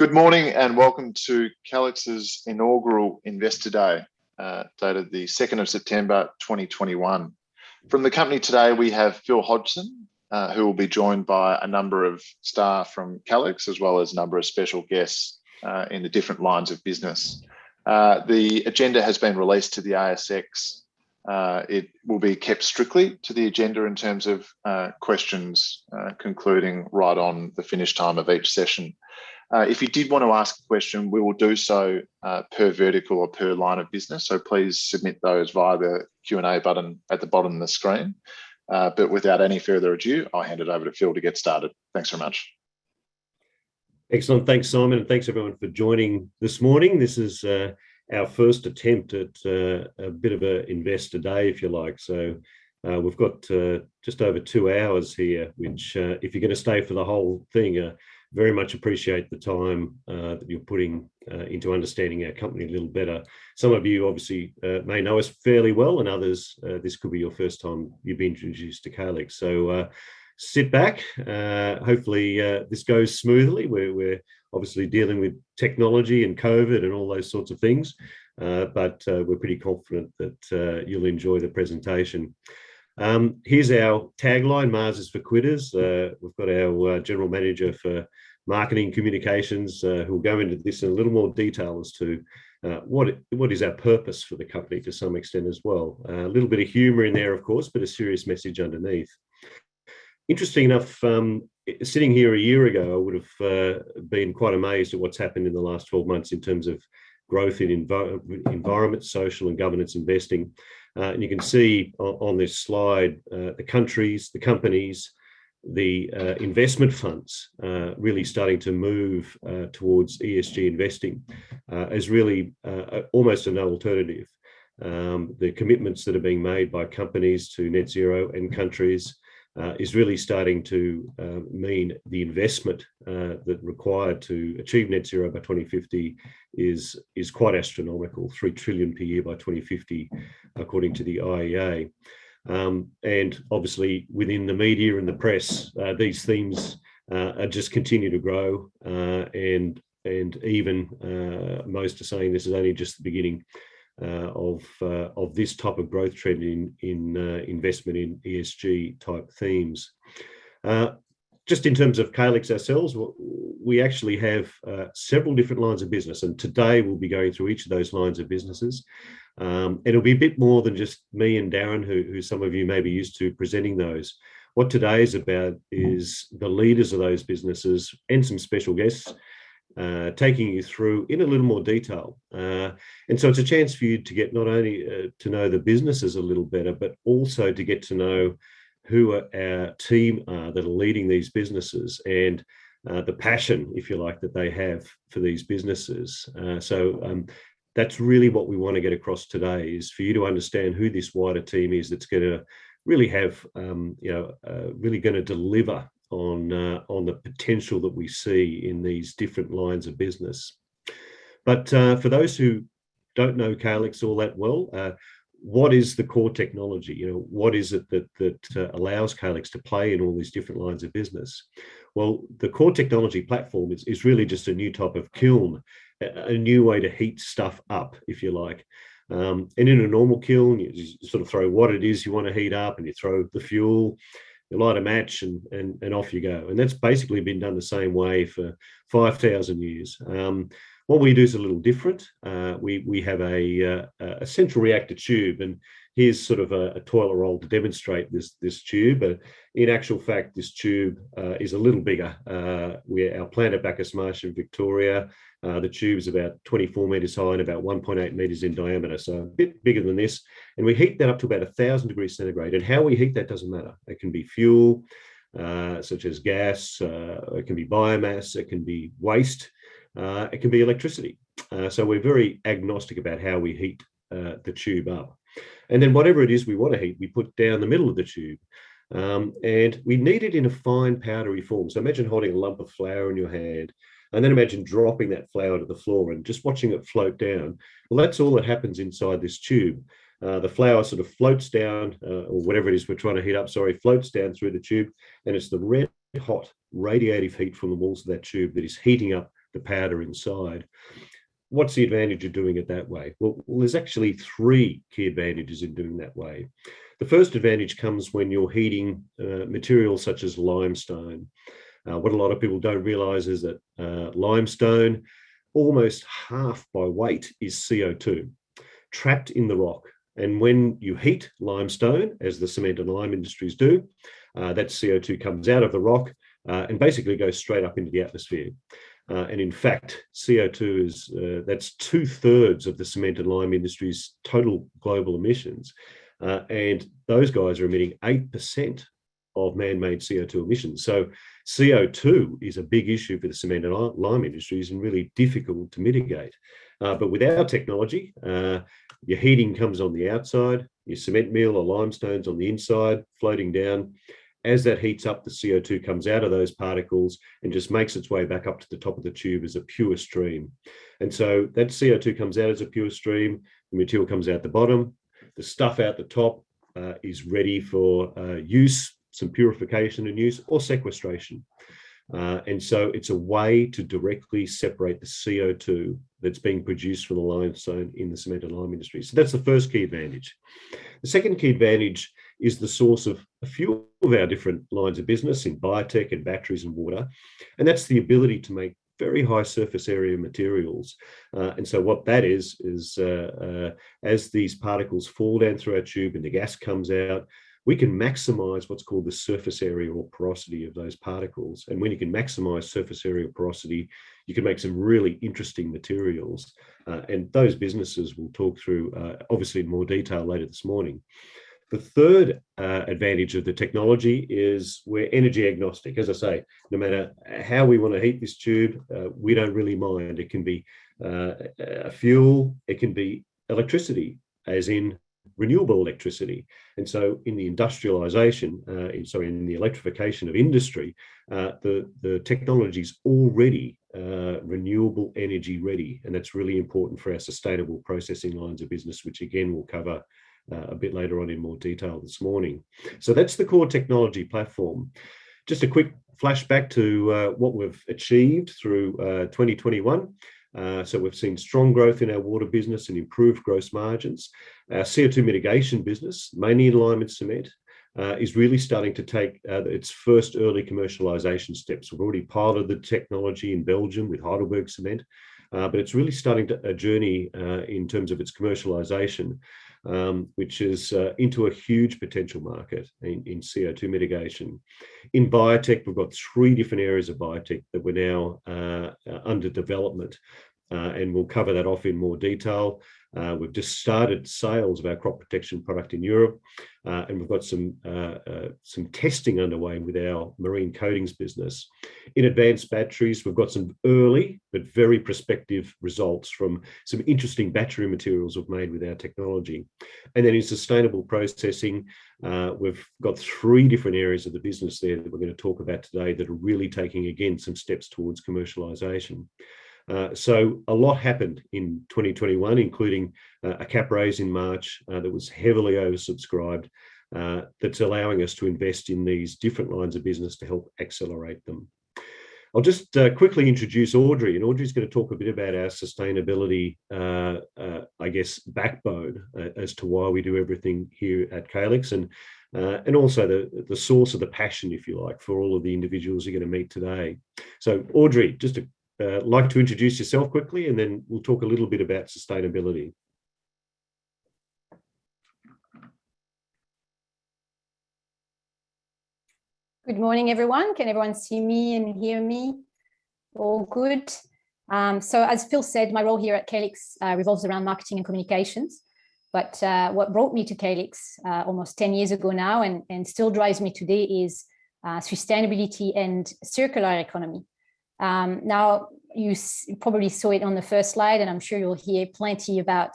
Good morning, and welcome to Calix's Inaugural Investor Day, dated the 2nd of September 2021. From the company today, we have Phil Hodgson, who will be joined by a number of staff from Calix as well as a number of special guests in the different lines of business. The agenda has been released to the ASX. It will be kept strictly to the agenda in terms of questions concluding right on the finish time of each session. If you did want to ask a question, we will do so per vertical or per line of business, so please submit those via the Q&A button at the bottom of the screen. Without any further ado, I'll hand it over to Phil to get started. Thanks very much. Excellent. Thanks, Simon, thanks everyone for joining this morning. This is our first attempt at a bit of a investor day, if you like. We've got just over two hours here, which if you're going to stay for the whole thing, very much appreciate the time that you're putting into understanding our company a little better. Some of you obviously may know us fairly well, and others, this could be your first time you've been introduced to Calix. Sit back. Hopefully, this goes smoothly. We're obviously dealing with technology and COVID and all those sorts of things. We're pretty confident that you'll enjoy the presentation. Here's our tagline, "Mars is for quitters." We've got our General Manager for marketing communications, who will go into this in a little more detail as to what is our purpose for the company to some extent as well. A little bit of humor in there, of course, but a serious message underneath. Interesting enough, sitting here a year ago, I would've been quite amazed at what's happened in the last 12 months in terms of growth in environment, social, and governance investing. You can see on this slide, the countries, the companies, the investment funds really starting to move towards ESG investing as really almost an alternative. The commitments that are being made by companies to net zero in countries is really starting to mean the investment that required to achieve net zero by 2050 is quite astronomical. 3 trillion per year by 2050 according to the IEA. Obviously within the media and the press, these themes just continue to grow. Even most are saying this is only just the beginning of this type of growth trend in investment in ESG type themes. Just in terms of Calix ourselves, we actually have several different lines of business, and today we'll be going through each of those lines of businesses. It'll be a bit more than just me and Darren, who some of you may be used to presenting those. What today is about is the leaders of those businesses and some special guests taking you through in a little more detail. It's a chance for you to get not only to know the businesses a little better, but also to get to know who our team are that are leading these businesses and the passion, if you like, that they have for these businesses. That's really what we want to get across today, is for you to understand who this wider team is that's going to really deliver on the potential that we see in these different lines of business. For those who don't know Calix all that well, what is the core technology? What is it that allows Calix to play in all these different lines of business? Well, the core technology platform is really just a new type of kiln, a new way to heat stuff up, if you like. In a normal kiln, you just sort of throw what it is you want to heat up and you throw the fuel, you light a match, and off you go. That's basically been done the same way for 5,000 years. What we do is a little different. We have a central reactor tube, and here's sort of a toilet roll to demonstrate this tube, but in actual fact, this tube is a little bigger. Our plant at Bacchus Marsh in Victoria, the tube's about 24 m high and about 1.8 m in diameter, so a bit bigger than this. We heat that up to about 1,000 degrees centigrade and how we heat that doesn't matter. It can be fuel, such as gas, it can be biomass, it can be waste, it can be electricity. We're very agnostic about how we heat the tube up. Whatever it is we want to heat, we put down the middle of the tube, and we need it in a fine powdery form. Imagine holding a lump of flour in your hand and then imagine dropping that flour to the floor and just watching it float down. Well, that's all that happens inside this tube. The flour sort of floats down, or whatever it is we're trying to heat up, sorry, floats down through the tube, and it's the red hot radiative heat from the walls of that tube that is heating up the powder inside. What's the advantage of doing it that way? Well, there's actually three key advantages in doing that way. The first advantage comes when you're heating material such as limestone. What a lot of people don't realize is that limestone, almost half by weight is CO2 trapped in the rock. When you heat limestone, as the cement and lime industries do, that CO2 comes out of the rock, and basically goes straight up into the atmosphere. In fact, CO2 is, that's two thirds of the cement and lime industry's total global emissions. Those guys are emitting 8% of manmade CO2 emissions. CO2 is a big issue for the cement and lime industries and really difficult to mitigate. With our technology, your heating comes on the outside, your cement mill or limestone's on the inside floating down. As that heats up, the CO2 comes out of those particles and just makes its way back up to the top of the tube as a pure stream. That CO2 comes out as a pure stream. The material comes out the bottom. The stuff out the top is ready for use, some purification and use, or sequestration. It's a way to directly separate the CO2 that's being produced from the limestone in the cement and lime industry. That's the first key advantage. The second key advantage is the source of a few of our different lines of business in biotech and batteries and water, and that's the ability to make very high surface area materials. What that is as these particles fall down through our tube and the gas comes out, we can maximize what's called the surface area or porosity of those particles. When you can maximize surface area or porosity, you can make some really interesting materials. Those businesses we'll talk through obviously in more detail later this morning. The third advantage of the technology is we're energy agnostic. As I say, no matter how we want to heat this tube, we don't really mind. It can be a fuel, it can be electricity, as in renewable electricity. In the electrification of industry, the technology's already renewable energy-ready, and that's really important for our sustainable processing lines of business, which again, we'll cover a bit later on in more detail this morning. That's the core technology platform. Just a quick flashback to what we've achieved through 2021. We've seen strong growth in our water business and improved gross margins. Our CO2 mitigation business, mainly in lime and cement, is really starting to take its first early commercialization steps. We're already part of the technology in Belgium with HeidelbergCement, but it's really starting a journey in terms of its commercialization, which is into a huge potential market in CO2 mitigation. In biotech, we've got 3 different areas of biotech that are now under development, and we'll cover that off in more detail. We've just started sales of our crop protection product in Europe, and we've got some testing underway with our marine coatings business. In advanced batteries, we've got some early but very prospective results from some interesting battery materials we've made with our technology. In sustainable processing, we've got three different areas of the business there that we're going to talk about today that are really taking, again, some steps towards commercialization. A lot happened in 2021, including a cap raise in March that was heavily oversubscribed, that's allowing us to invest in these different lines of business to help accelerate them. I'll just quickly introduce Audrey. Audrey's going to talk a bit about our sustainability, I guess, backbone, as to why we do everything here at Calix and also the source of the passion, if you like, for all of the individuals you're going to meet today. Audrey, just like to introduce yourself quickly, and then we'll talk a little bit about sustainability. Good morning, everyone. Can everyone see me and hear me all good? As Phil said, my role here at Calix revolves around marketing and communications, but what brought me to Calix almost 10 years ago now and still drives me today is sustainability and circular economy. You probably saw it on the first slide, and I'm sure you'll hear plenty about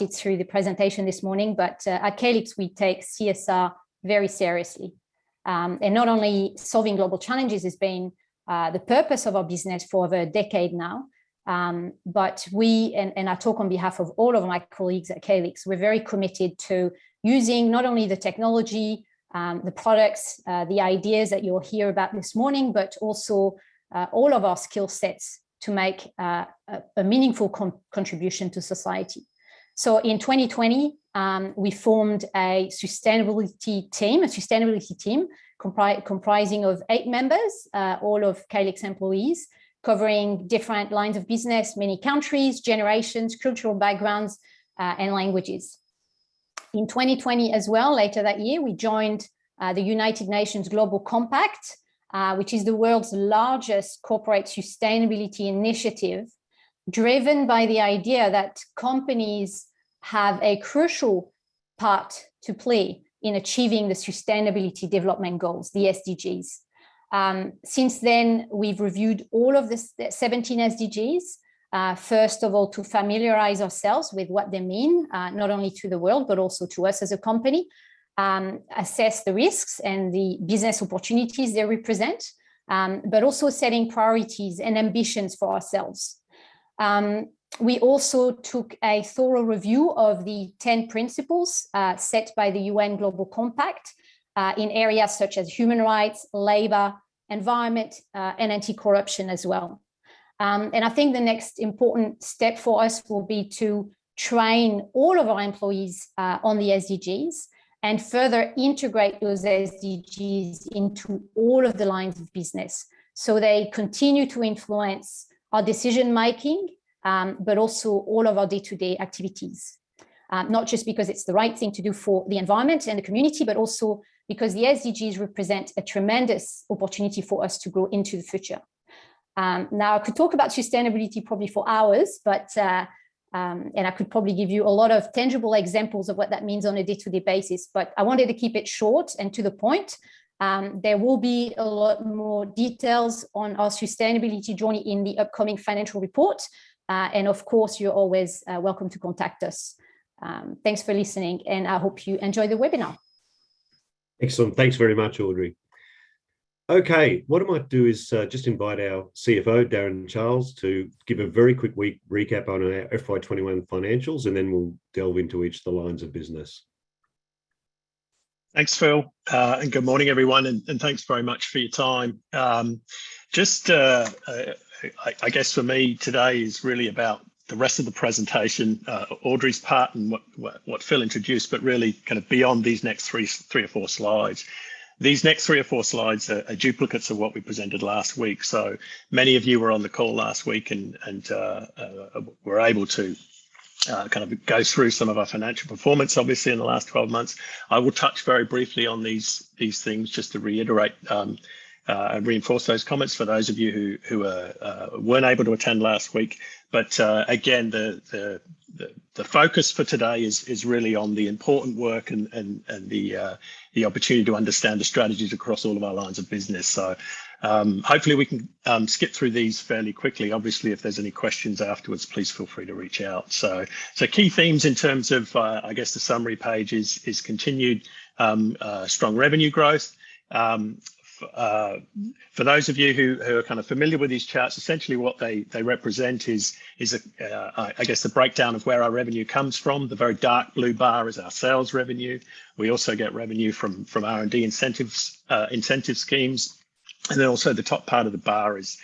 it through the presentation this morning, but at Calix, we take CSR very seriously. Not only solving global challenges has been the purpose of our business for over a decade now, but we, and I talk on behalf of all of my colleagues at Calix, we're very committed to using not only the technology, the products, the ideas that you'll hear about this morning, but also all of our skill sets to make a meaningful contribution to society. In 2020, we formed a sustainability team comprising of eight members, all of Calix employees, covering different lines of business, many countries, generations, cultural backgrounds, and languages. In 2020 as well, later that year, we joined the United Nations Global Compact, which is the world's largest corporate sustainability initiative, driven by the idea that companies have a crucial part to play in achieving the Sustainable Development Goals, the SDGs. Since then, we've reviewed all of the 17 SDGs, first of all, to familiarize ourselves with what they mean, not only to the world, but also to us as a company, assess the risks and the business opportunities they represent, but also setting priorities and ambitions for ourselves. We also took a thorough review of the 10 principles set by the UN Global Compact in areas such as human rights, labor, environment, and anti-corruption as well. I think the next important step for us will be to train all of our employees on the SDGs and further integrate those SDGs into all of the lines of business so they continue to influence our decision-making, but also all of our day-to-day activities. Not just because it's the right thing to do for the environment and the community, but also because the SDGs represent a tremendous opportunity for us to grow into the future. I could talk about sustainability probably for hours, and I could probably give you a lot of tangible examples of what that means on a day-to-day basis, but I wanted to keep it short and to the point. There will be a lot more details on our sustainability journey in the upcoming financial report. Of course, you're always welcome to contact us. Thanks for listening, and I hope you enjoy the webinar. Excellent. Thanks very much, Audrey. Okay, what I might do is just invite our CFO, Darren Charles, to give a very quick recap on our FY21 financials, and then we'll delve into each of the lines of business. Thanks, Phil. Good morning, everyone, and thanks very much for your time. I guess for me, today is really about the rest of the presentation, Audrey's part, and what Phil introduced, but really kind of beyond these next three or four slides. These next three or four slides are duplicates of what we presented last week. Many of you were on the call last week and were able to kind of go through some of our financial performance, obviously, in the last 12 months. I will touch very briefly on these things just to reiterate and reinforce those comments for those of you who weren't able to attend last week. Again, the focus for today is really on the important work and the opportunity to understand the strategies across all of our lines of business. Hopefully we can skip through these fairly quickly. Obviously, if there's any questions afterwards, please feel free to reach out. Key themes in terms of, I guess, the summary page is continued strong revenue growth. For those of you who are kind of familiar with these charts, essentially what they represent is, I guess, the breakdown of where our revenue comes from. The very dark blue bar is our sales revenue. We also get revenue from R&D incentive schemes. Then also the top part of the bar is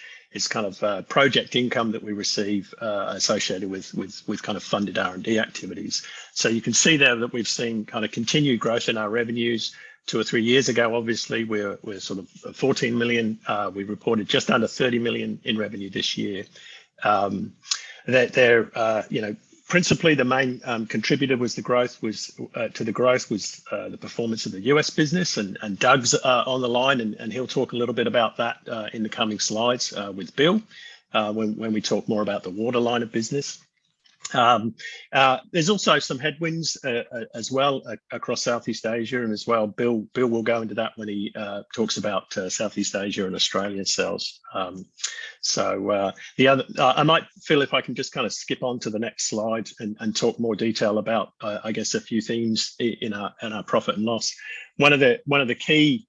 kind of project income that we receive associated with kind of funded R&D activities. You can see there that we've seen kind of continued growth in our revenues. two or three years ago, obviously, we were sort of at 14 million. We reported just under 30 million in revenue this year. Principally, the main contributor to the growth was the performance of the U.S. business. Doug Kelley's on the line, and he'll talk a little bit about that in the coming slides with Bill when we talk more about the water line of business. There's also some headwinds as well across Southeast Asia, and as well, Bill will go into that when he talks about Southeast Asia and Australian sales. Phil if I can just kind of skip onto the next slide and talk more detail about, I guess, a few themes in our profit and loss. One of the key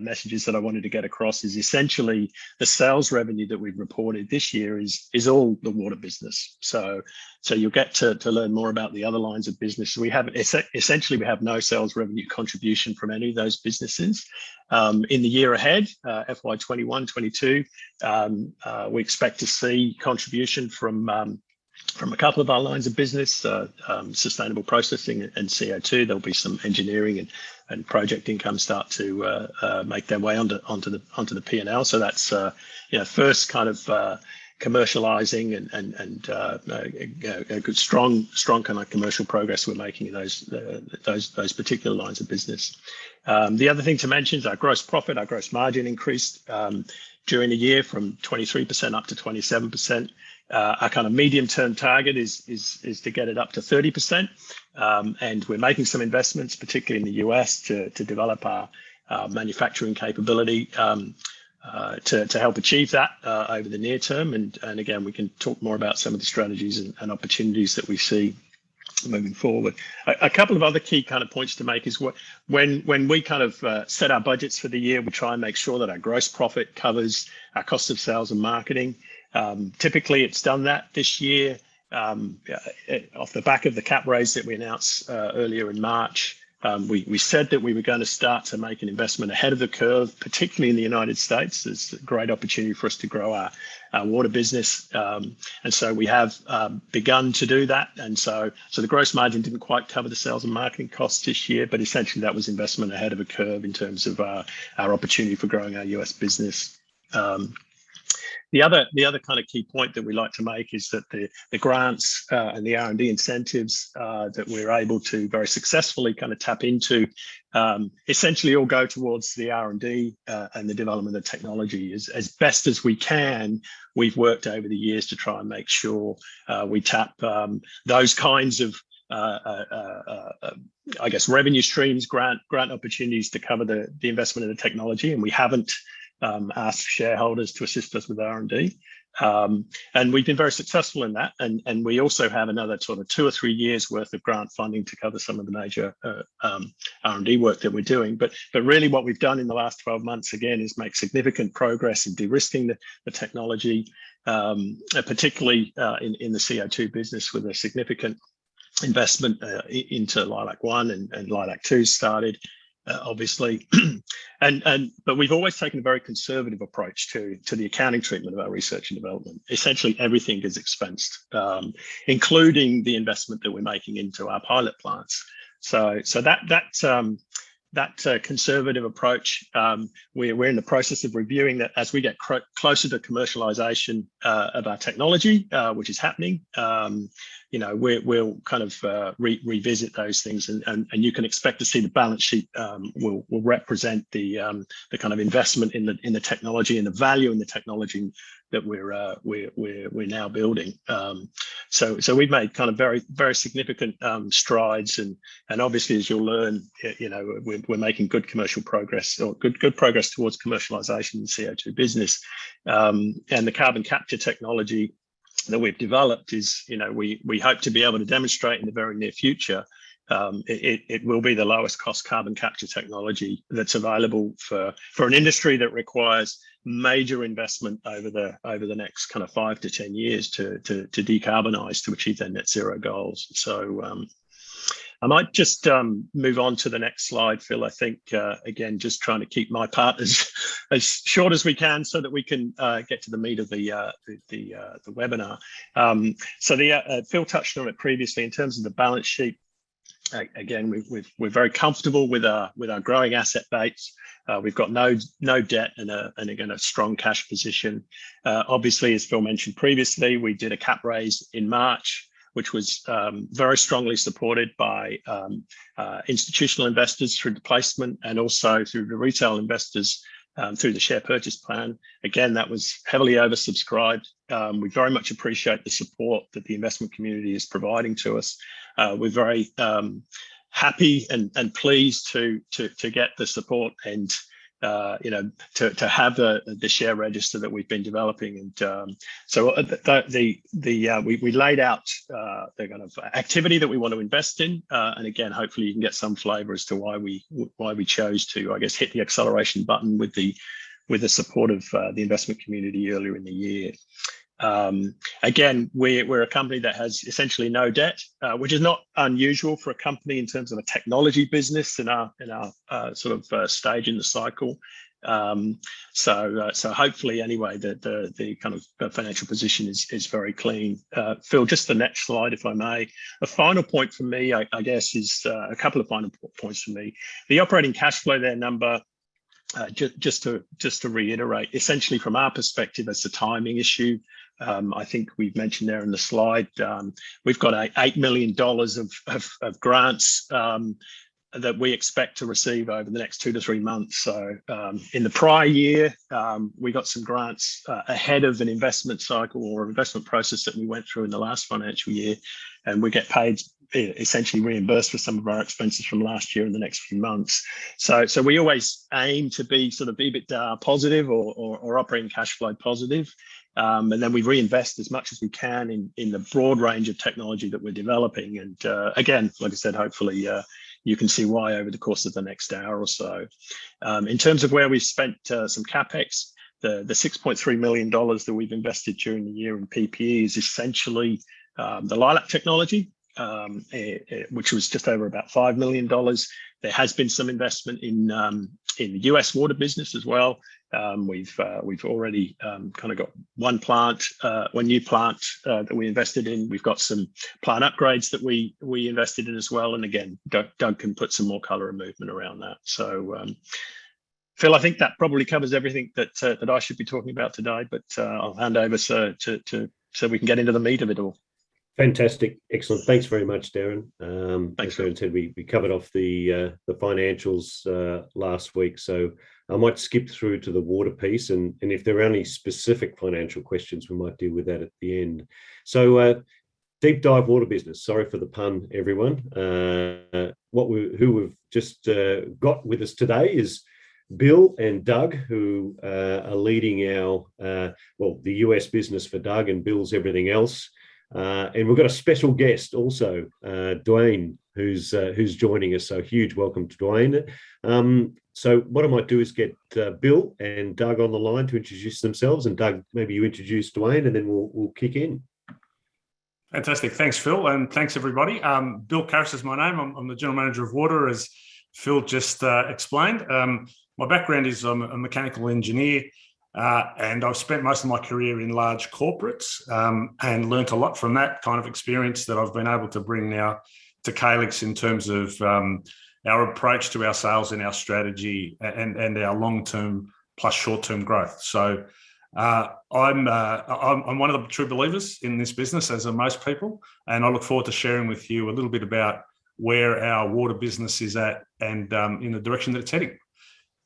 messages that I wanted to get across is essentially the sales revenue that we've reported this year is all the water business. You'll get to learn more about the other lines of business. Essentially, we have no sales revenue contribution from any of those businesses. In the year ahead, FY 2021, 2022, we expect to see contribution from a couple of our lines of business, sustainable processing and CO2. There'll be some engineering and project income start to make their way onto the P&L. That's first kind of commercializing and good strong kind of commercial progress we're making in those particular lines of business. The other thing to mention is our gross profit. Our gross margin increased during the year from 23% up to 27%. Our kind of medium-term target is to get it up to 30%. We're making some investments, particularly in the U.S., to develop our manufacturing capability to help achieve that over the near term. Again, we can talk more about some of the strategies and opportunities that we see moving forward. A couple of other key kind of points to make is when we kind of set our budgets for the year, we try and make sure that our gross profit covers our cost of sales and marketing. Typically, it's done that this year off the back of the cap raise that we announced earlier in March. We said that we were going to start to make an investment ahead of the curve, particularly in the United States. There's a great opportunity for us to grow our water business, and we have begun to do that. The gross margin didn't quite cover the sales and marketing costs this year, but essentially that was investment ahead of the curve in terms of our opportunity for growing our U.S. business. The other kind of key point that we like to make is that the grants and the R&D incentives that we're able to very successfully kind of tap into essentially all go towards the R&D and the development of technology. As best as we can, we've worked over the years to try and make sure we tap those kinds of, I guess, revenue streams, grant opportunities to cover the investment in the technology, and we haven't asked shareholders to assist us with R&D. We've been very successful in that. We also have another sort of two or three years worth of grant funding to cover some of the major R&D work that we're doing. Really what we've done in the last 12 months, again, is make significant progress in de-risking the technology, particularly in the CO2 business, with a significant investment into LEILAC-1 and LEILAC-2 started, obviously. We've always taken a very conservative approach to the accounting treatment of our research and development. Essentially, everything is expensed, including the investment that we're making into our pilot plants. That conservative approach, we're in the process of reviewing that as we get closer to commercialization of our technology, which is happening. We'll kind of revisit those things, and you can expect to see the balance sheet will represent the kind of investment in the technology and the value in the technology that we're now building. We've made kind of very significant strides, and obviously, as you'll learn, we're making good commercial progress or good progress towards commercialization in the CO2 business. The carbon capture technology that we've developed is, we hope to be able to demonstrate in the very near future, it will be the lowest cost carbon capture technology that's available for an industry that requires major investment over the next kind of 5-10 years to decarbonize to achieve their net zero goals. I might just move on to the next slide, Phil. I think, again, just trying to keep my part as short as we can so that we can get to the meat of the webinar. Phil touched on it previously in terms of the balance sheet. Again, we're very comfortable with our growing asset base. We've got no debt and, again, a strong cash position. Obviously, as Phil mentioned previously, we did a cap raise in March, which was very strongly supported by institutional investors through the placement and also through the retail investors through the share purchase plan. Again, that was heavily oversubscribed. We very much appreciate the support that the investment community is providing to us. We're very happy and pleased to get the support and to have the share register that we've been developing. We laid out the kind of activity that we want to invest in. Again, hopefully you can get some flavor as to why we chose to, I guess, hit the acceleration button with the support of the investment community earlier in the year. Again, we're a company that has essentially no debt, which is not unusual for a company in terms of a technology business in our sort of stage in the cycle. Hopefully anyway, the kind of financial position is very clean. Phil, just the next slide, if I may. A final point from me, I guess, is a couple of final points from me. The operating cash flow there number, just to reiterate, essentially from our perspective, it's a timing issue. I think we've mentioned there in the slide, we've got 8 million dollars of grants that we expect to receive over the next 2-3 months. In the prior year, we got some grants ahead of an investment cycle or investment process that we went through in the last financial year, and we get paid, essentially reimbursed for some of our expenses from last year in the next few months. We always aim to be sort of be a bit positive or operating cash flow positive. We reinvest as much as we can in the broad range of technology that we're developing. Again, like I said, hopefully you can see why over the course of the next hour or so. In terms of where we spent some CapEx, the 6.3 million dollars that we've invested during the year in PPE is essentially the LEILAC technology, which was just over about 5 million dollars. There has been some investment in the U.S. water business as well. We've already kind of got one new plant that we invested in. We've got some plant upgrades that we invested in as well. Again, Doug Kelley put some more color and movement around that. Phil, I think that probably covers everything that I should be talking about today, I'll hand over so we can get into the meat of it all. Fantastic. Excellent. Thanks very much, Darren. Thanks, Phil. As I said, we covered off the financials last week, so I might skip through to the water piece, and if there are any specific financial questions, we might deal with that at the end. Deep dive water business. Sorry for the pun, everyone. Who we've just got with us today is Bill and Doug, who are leading our, well, the U.S. business for Doug and Bill does everything else. We've got a special guest also, Duane, who's joining us. Huge welcome to Duane. What I might do is get Bill and Doug on the line to introduce themselves. Doug, maybe you introduce Duane, and then we'll kick in. Fantastic. Thanks, Phil, and thanks everybody. Bill Karis is my name. I'm the general manager of water, as Phil just explained. My background is I'm a mechanical engineer. I've spent most of my career in large corporates, and learned a lot from that kind of experience that I've been able to bring now to Calix in terms of our approach to our sales and our strategy and our long-term plus short-term growth. I'm one of the true believers in this business, as are most people, and I look forward to sharing with you a little bit about where our water business is at and the direction that it's heading.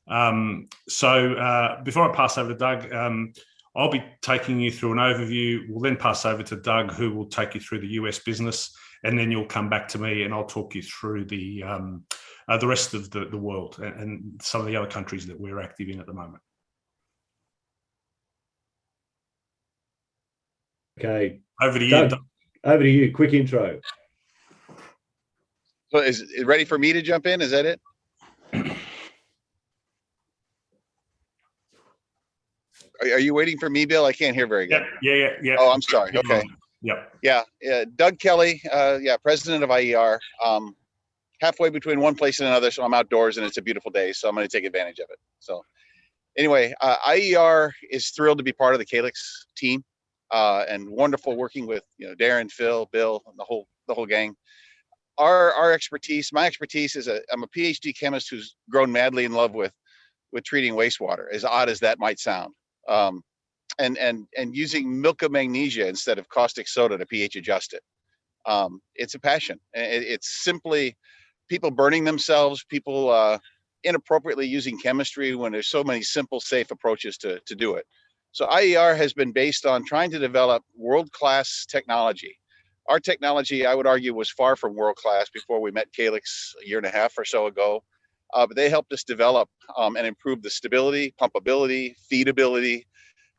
Before I pass over to Doug, I'll be taking you through an overview. We'll then pass over to Doug, who will take you through the U.S. business, and then you'll come back to me, and I'll talk you through the rest of the world and some of the other countries that we're active in at the moment. Okay. Over to you, Doug. Over to you. Quick intro. Is it ready for me to jump in? Is that it? Are you waiting for me, Bill? I can't hear very good. Yep. Yeah. Oh, I'm sorry. Okay. Yep. Doug Kelley, president of IER. Halfway between one place and another, so I'm outdoors and it's a beautiful day, so I'm going to take advantage of it. IER is thrilled to be part of the Calix team, and wonderful working with Darren, Phil, Bill, and the whole gang. Our expertise, my expertise is I'm a PhD chemist who's grown madly in love with treating wastewater, as odd as that might sound. Using milk of magnesia instead of caustic soda to pH adjust it. It's a passion. It's simply people burning themselves, people inappropriately using chemistry when there's so many simple, safe approaches to do it. IER has been based on trying to develop world-class technology. Our technology, I would argue was far from world-class before we met Calix a year and a half or so ago. They helped us develop and improve the stability, pumpability, feedability.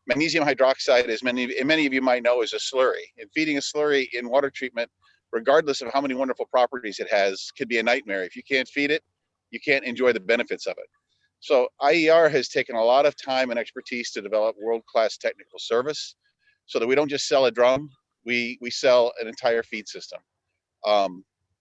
Magnesium hydroxide, as many of you might know, is a slurry. Feeding a slurry in water treatment, regardless of how many wonderful properties it has, could be a nightmare. If you can't feed it, you can't enjoy the benefits of it. IER has taken a lot of time and expertise to develop world-class technical service so that we don't just sell a drum, we sell an entire feed system.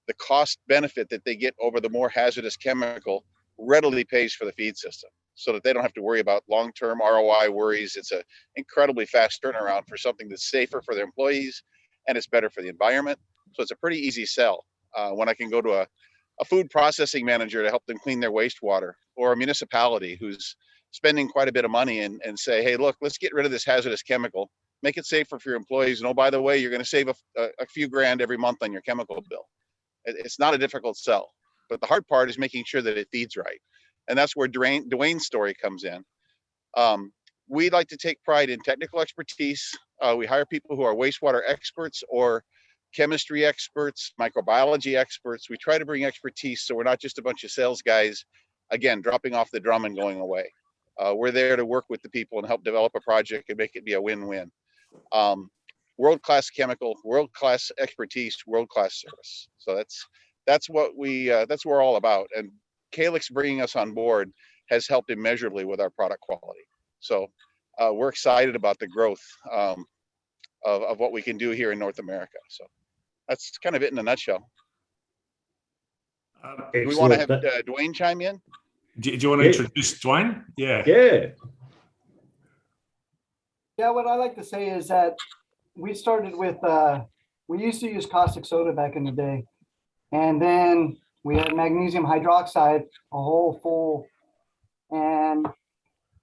The cost benefit that they get over the more hazardous chemical readily pays for the feed system so that they don't have to worry about long-term ROI worries. It's an incredibly fast turnaround for something that's safer for their employees and it's better for the environment. It's a pretty easy sell when I can go to a food processing manager to help them clean their wastewater, or a municipality who's spending quite a bit of money and say, "Hey, look, let's get rid of this hazardous chemical. Make it safer for your employees. Oh, by the way, you're going to save a few grand every month on your chemical bill." It's not a difficult sell, the hard part is making sure that it feeds right, and that's where Duane's story comes in. We like to take pride in technical expertise. We hire people who are wastewater experts or chemistry experts, microbiology experts. We try to bring expertise so we're not just a bunch of sales guys, again, dropping off the drum and going away. We're there to work with the people and help develop a project and make it be a win-win. World-class chemical, world-class expertise, world-class service. That's what we're all about, and Calix bringing us on board has helped immeasurably with our product quality. We're excited about the growth of what we can do here in North America. That's kind of it in a nutshell. Okay. Do we want to have Duane chime in? Do you want to introduce Duane? Yeah. Yeah. What I'd like to say is that we used to use caustic soda back in the day, and then we had magnesium hydroxide.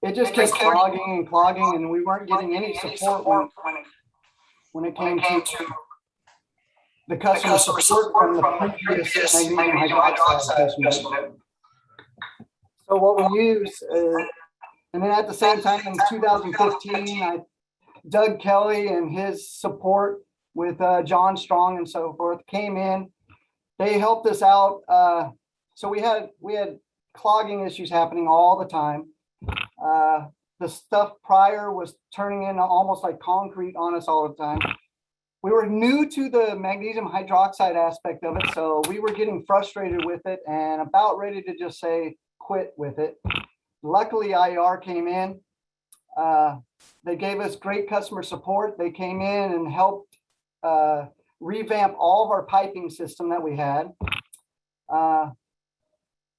It just kept clogging and clogging, and we weren't getting any support when it came to the customer support from the previous magnesium hydroxide customers. At the same time in 2015, Doug Kelley and his support with John Strong and so forth came in. They helped us out. We had clogging issues happening all the time. The stuff prior was turning into almost like concrete on us all the time. We were new to the magnesium hydroxide aspect of it, so we were getting frustrated with it, and about ready to just say quit with it. Luckily, IER came in. They gave us great customer support. They came in and helped revamp all of our piping system that we had.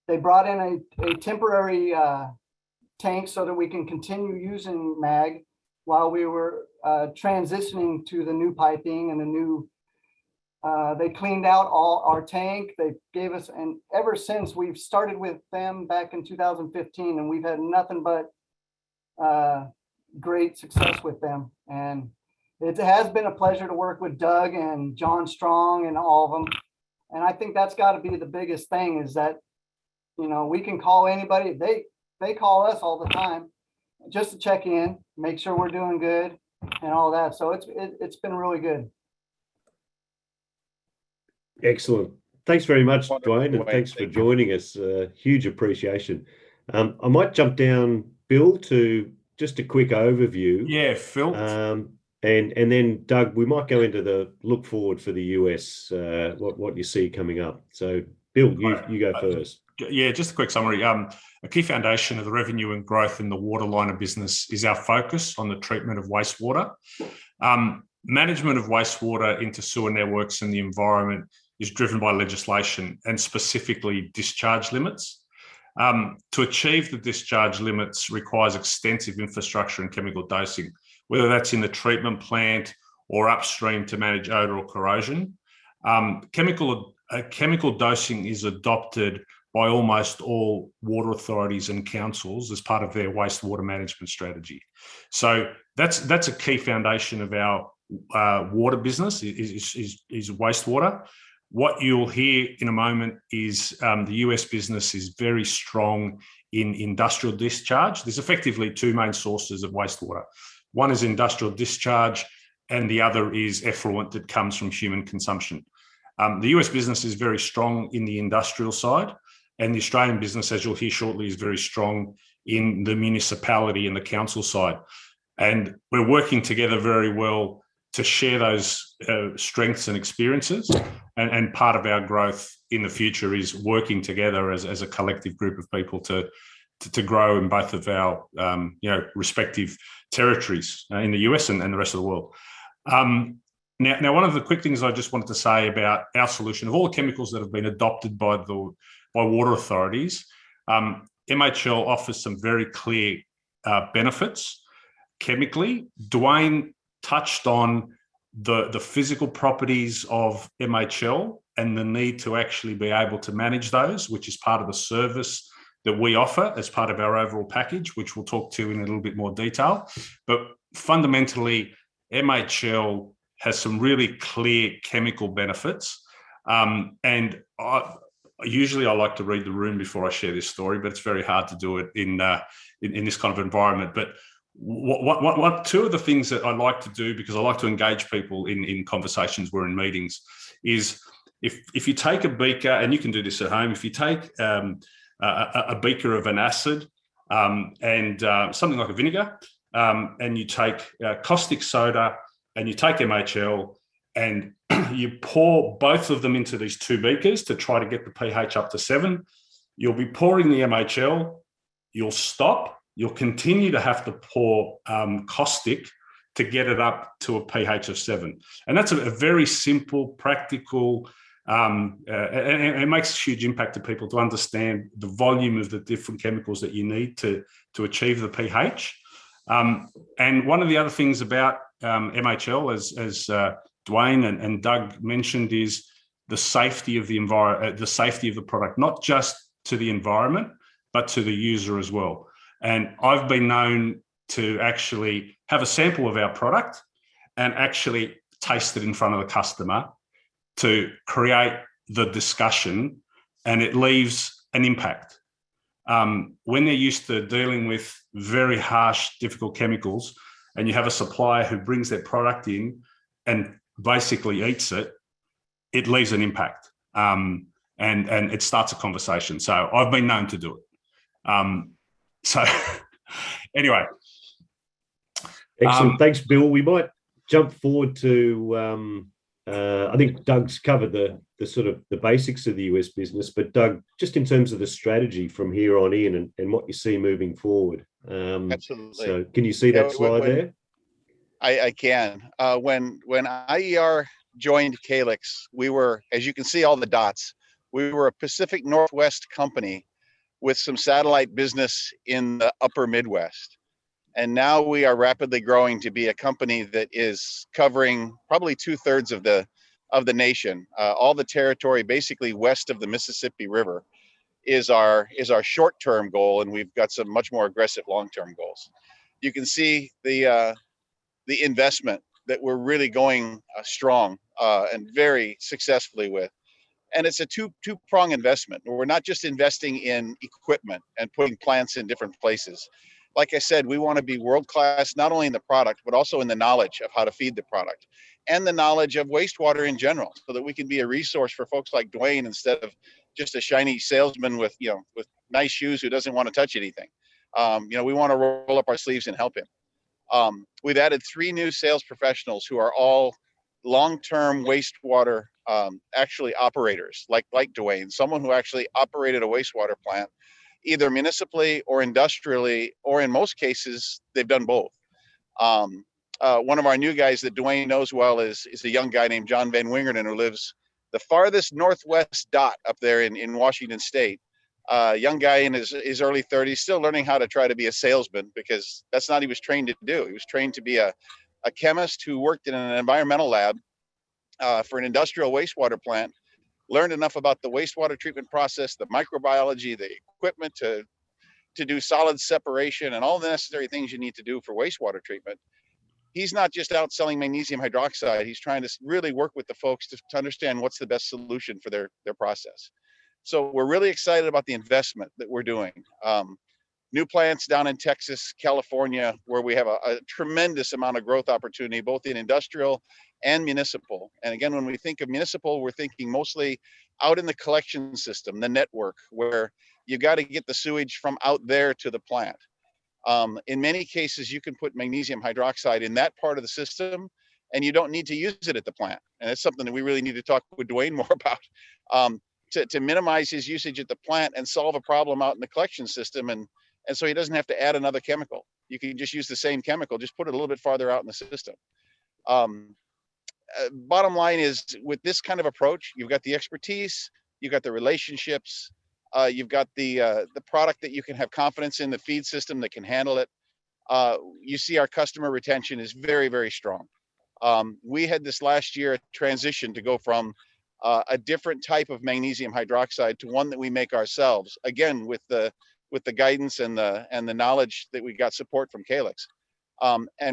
They brought in a temporary tank so that we can continue using mag while we were transitioning to the new piping. They cleaned out all our tank. Ever since we've started with them back in 2015, and we've had nothing but great success with them. It has been a pleasure to work with Doug and John Strong and all of them. I think that's got to be the biggest thing is that we can call anybody. They call us all the time just to check in, make sure we're doing good and all that. It's been really good. Excellent. Thanks very much, Duane. Wonderful Thanks for joining us. Huge appreciation. I might jump down, Bill, to just a quick overview. Yeah, Phil. Doug, we might go into the look forward for the U.S., what you see coming up. Bill, you go first. Yeah, just a quick summary. A key foundation of the revenue and growth in the water line of business is our focus on the treatment of wastewater. Management of wastewater into sewer networks and the environment is driven by legislation, and specifically discharge limits. To achieve the discharge limits requires extensive infrastructure and chemical dosing, whether that's in the treatment plant or upstream to manage odor or corrosion. Chemical dosing is adopted by almost all water authorities and councils as part of their wastewater management strategy. That's a key foundation of our water business is wastewater. What you'll hear in a moment is the U.S. business is very strong in industrial discharge. There's effectively two main sources of wastewater. 1 is industrial discharge, and the other is effluent that comes from human consumption. The U.S. business is very strong in the industrial side, and the Australian business, as you'll hear shortly, is very strong in the municipality and the council side. We're working together very well to share those strengths and experiences, and part of our growth in the future is working together as a collective group of people to grow in both of our respective territories in the U.S. and the rest of the world. Now, one of the quick things I just wanted to say about our solution, of all the chemicals that have been adopted by water authorities, MHL offers some very clear benefits chemically. Duane touched on the physical properties of MHL and the need to actually be able to manage those, which is part of the service that we offer as part of our overall package, which we'll talk to in a little bit more detail. Fundamentally, MHL has some really clear chemical benefits. Usually I like to read the room before I share this story, but it's very hard to do it in this kind of environment. Two of the things that I like to do, because I like to engage people in conversations or in meetings, is if you take a beaker, and you can do this at home, if you take a beaker of an acid and something like a vinegar, and you take caustic soda and you take MHL. You pour both of them into these two beakers to try to get the pH up to seven. You'll be pouring the MHL, you'll stop, you'll continue to have to pour caustic to get it up to a pH of seven. That's a very simple, practical. It makes a huge impact to people to understand the volume of the different chemicals that you need to achieve the pH. One of the other things about MHL, as Duane and Doug mentioned, is the safety of the product. Not just to the environment, but to the user as well. I've been known to actually have a sample of our product and actually taste it in front of a customer to create the discussion, and it leaves an impact. When they're used to dealing with very harsh, difficult chemicals, and you have a supplier who brings their product in and basically eats it leaves an impact. It starts a conversation. I've been known to do it. Excellent. Thanks, Bill. We might jump forward to, I think Doug's covered the basics of the U.S. business, but Doug, just in terms of the strategy from here on in and what you see moving forward. Absolutely. Can you see that slide there? I can. When IER joined Calix, as you can see all the dots, we were a Pacific Northwest company with some satellite business in the upper Midwest. Now we are rapidly growing to be a company that is covering probably two-thirds of the nation. All the territory basically west of the Mississippi River is our short-term goal, and we've got some much more aggressive long-term goals. You can see the investment that we're really going strong, and very successfully with. It's a two-prong investment, where we're not just investing in equipment and putting plants in different places. Like I said, we want to be world-class not only in the product, but also in the knowledge of how to feed the product, and the knowledge of wastewater in general, so that we can be a resource for folks like Duane instead of just a shiny salesman with nice shoes who doesn't want to touch anything. We want to roll up our sleeves and help him. We've added three new sales professionals who are all long-term wastewater, actually operators, like Duane. Someone who actually operated a wastewater plant, either municipally or industrially, or in most cases, they've done both. One of our new guys that Duane knows well is a young guy named John Van Wingerden, who lives the farthest northwest dot up there in Washington state. A young guy in his early 30s, still learning how to try to be a salesman because that's not what he was trained to do. He was trained to be a chemist who worked in an environmental lab, for an industrial wastewater plant. Learned enough about the wastewater treatment process, the microbiology, the equipment to do solid separation, and all the necessary things you need to do for wastewater treatment. He's not just out selling magnesium hydroxide. He's trying to really work with the folks to understand what's the best solution for their process. We're really excited about the investment that we're doing. New plants down in Texas, California, where we have a tremendous amount of growth opportunity, both in industrial and municipal. Again, when we think of municipal, we're thinking mostly out in the collection system, the network, where you've got to get the sewage from out there to the plant. In many cases, you can put magnesium hydroxide in that part of the system, and you don't need to use it at the plant, and that's something that we really need to talk with Duane more about. To minimize his usage at the plant and solve a problem out in the collection system, and so he doesn't have to add another chemical. You can just use the same chemical, just put it a little bit farther out in the system. Bottom line is, with this kind of approach, you've got the expertise, you've got the relationships, you've got the product that you can have confidence in, the feed system that can handle it. You see our customer retention is very, very strong. We had this last year a transition to go from a different type of magnesium hydroxide to one that we make ourselves. Again, with the guidance and the knowledge that we got support from Calix.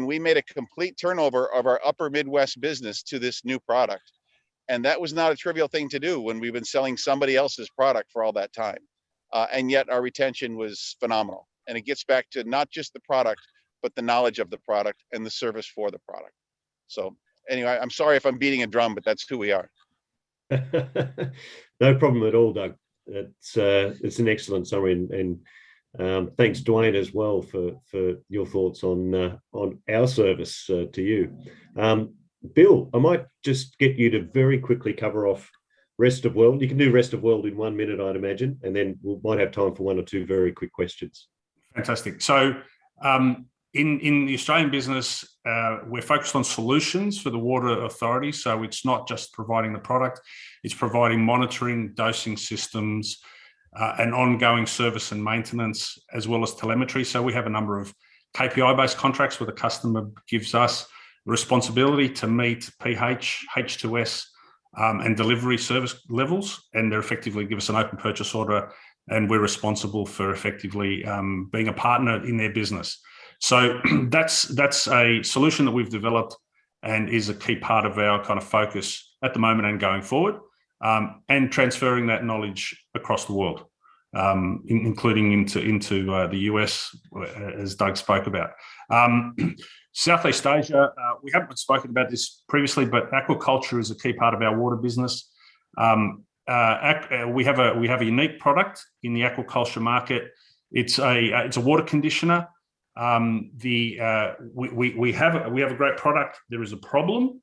We made a complete turnover of our upper Midwest business to this new product. That was not a trivial thing to do when we've been selling somebody else's product for all that time. Yet our retention was phenomenal. It gets back to not just the product, but the knowledge of the product and the service for the product. Anyway, I'm sorry if I'm beating a drum, but that's who we are. No problem at all, Doug. It's an excellent summary, and thanks, Duane, as well for your thoughts on our service to you. Bill, I might just get you to very quickly cover off rest of world. You can do rest of world in one minute, I'd imagine. We might have time for one or two very quick questions. Fantastic. In the Australian business, we're focused on solutions for the water authority. It's not just providing the product, it's providing monitoring, dosing systems, and ongoing service and maintenance, as well as telemetry. We have a number of KPI-based contracts where the customer gives us responsibility to meet pH, H2S, and delivery service levels. They effectively give us an open purchase order, and we're responsible for effectively being a partner in their business. That's a solution that we've developed and is a key part of our focus at the moment and going forward. Transferring that knowledge across the world, including into the U.S., as Doug spoke about. Southeast Asia, we haven't spoken about this previously, but aquaculture is a key part of our water business. We have a unique product in the aquaculture market. It's a water conditioner. We have a great product. There is a problem.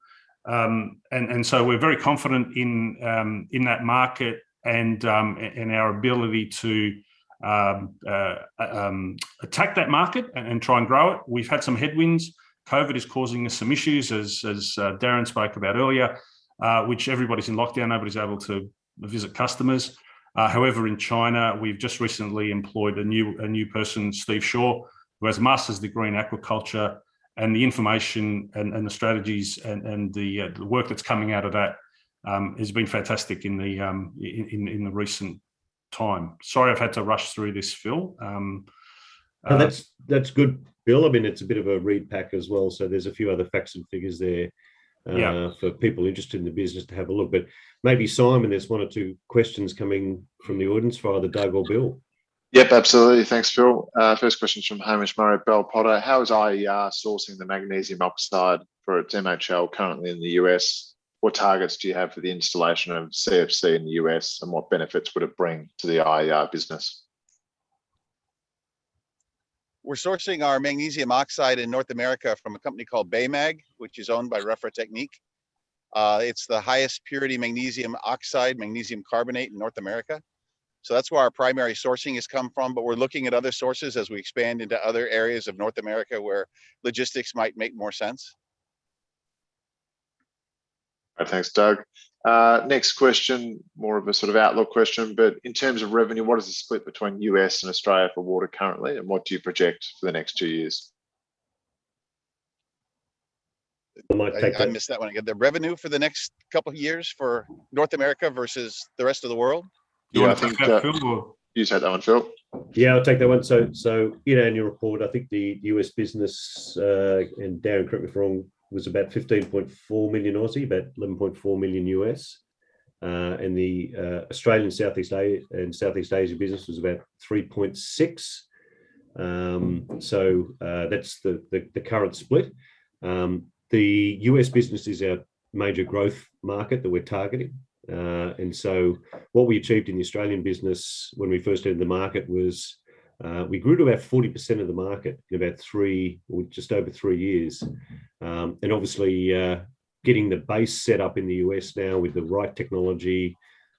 We're very confident in that market and in our ability to attack that market and try and grow it. We've had some headwinds. COVID is causing us some issues, as Darren spoke about earlier, which everybody's in lockdown. Nobody's able to visit customers. However, in China, we've just recently employed a new person, Steve Shaw, who has a master's degree in aquaculture, and the information and the strategies and the work that's coming out of that has been fantastic in the recent time. Sorry, I've had to rush through this, Phil. No, that's good, Bill. It's a bit of a repack as well, so there's a few other facts and figures there. Yeah for people interested in the business to have a look. Maybe Simon, there's one or two questions coming from the audience for either Doug or Bill. Yep, absolutely. Thanks, Phil. First question is from Hamish Murray, Bell Potter. How is IER sourcing the magnesium oxide for its MHL currently in the U.S.? What targets do you have for the installation of CFC in the U.S., and what benefits would it bring to the IER business? We're sourcing our magnesium oxide in North America from a company called Baymag, which is owned byRefratechnik. It's the highest purity magnesium oxide, magnesium carbonate in North America. That's where our primary sourcing has come from, but we're looking at other sources as we expand into other areas of North America where logistics might make more sense. Thanks, Doug. Next question, more of a sort of outlook question, but in terms of revenue, what is the split between U.S. and Australia for water currently, and what do you project for the next two years? I might take that. I missed that one again. The revenue for the next couple of years for North America versus the rest of the world? Yeah. You want to take that, Phil, or? You take that one, Phil. Yeah, I'll take that one. In your report, I think the US business, and Darren, correct me if I'm wrong, was about 15.4 million, about $11.4 million. The Australian and Southeast Asia business was about 3.6 million. That's the current split. The US business is our major growth market that we're targeting. What we achieved in the Australian business when we first entered the market was, we grew to about 40% of the market in about three, or just over three years. Obviously, getting the base set up in the US now with the right technology,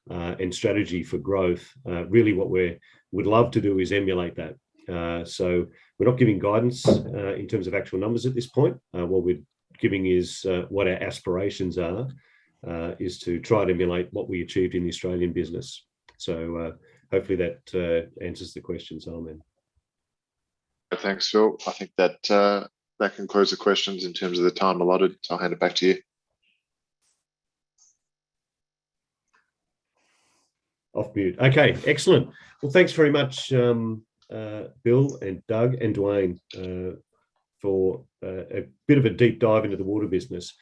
and strategy for growth, really what we'd love to do is emulate that. We're not giving guidance in terms of actual numbers at this point. What we're giving is what our aspirations are, is to try to emulate what we achieved in the Australian business. Hopefully that answers the question, Simon. Thanks, Phil. I think that concludes the questions in terms of the time allotted. I'll hand it back to you. Off mute. Okay, excellent. Well, thanks very much, Bill and Doug and Duane, for a bit of a deep dive into the water business.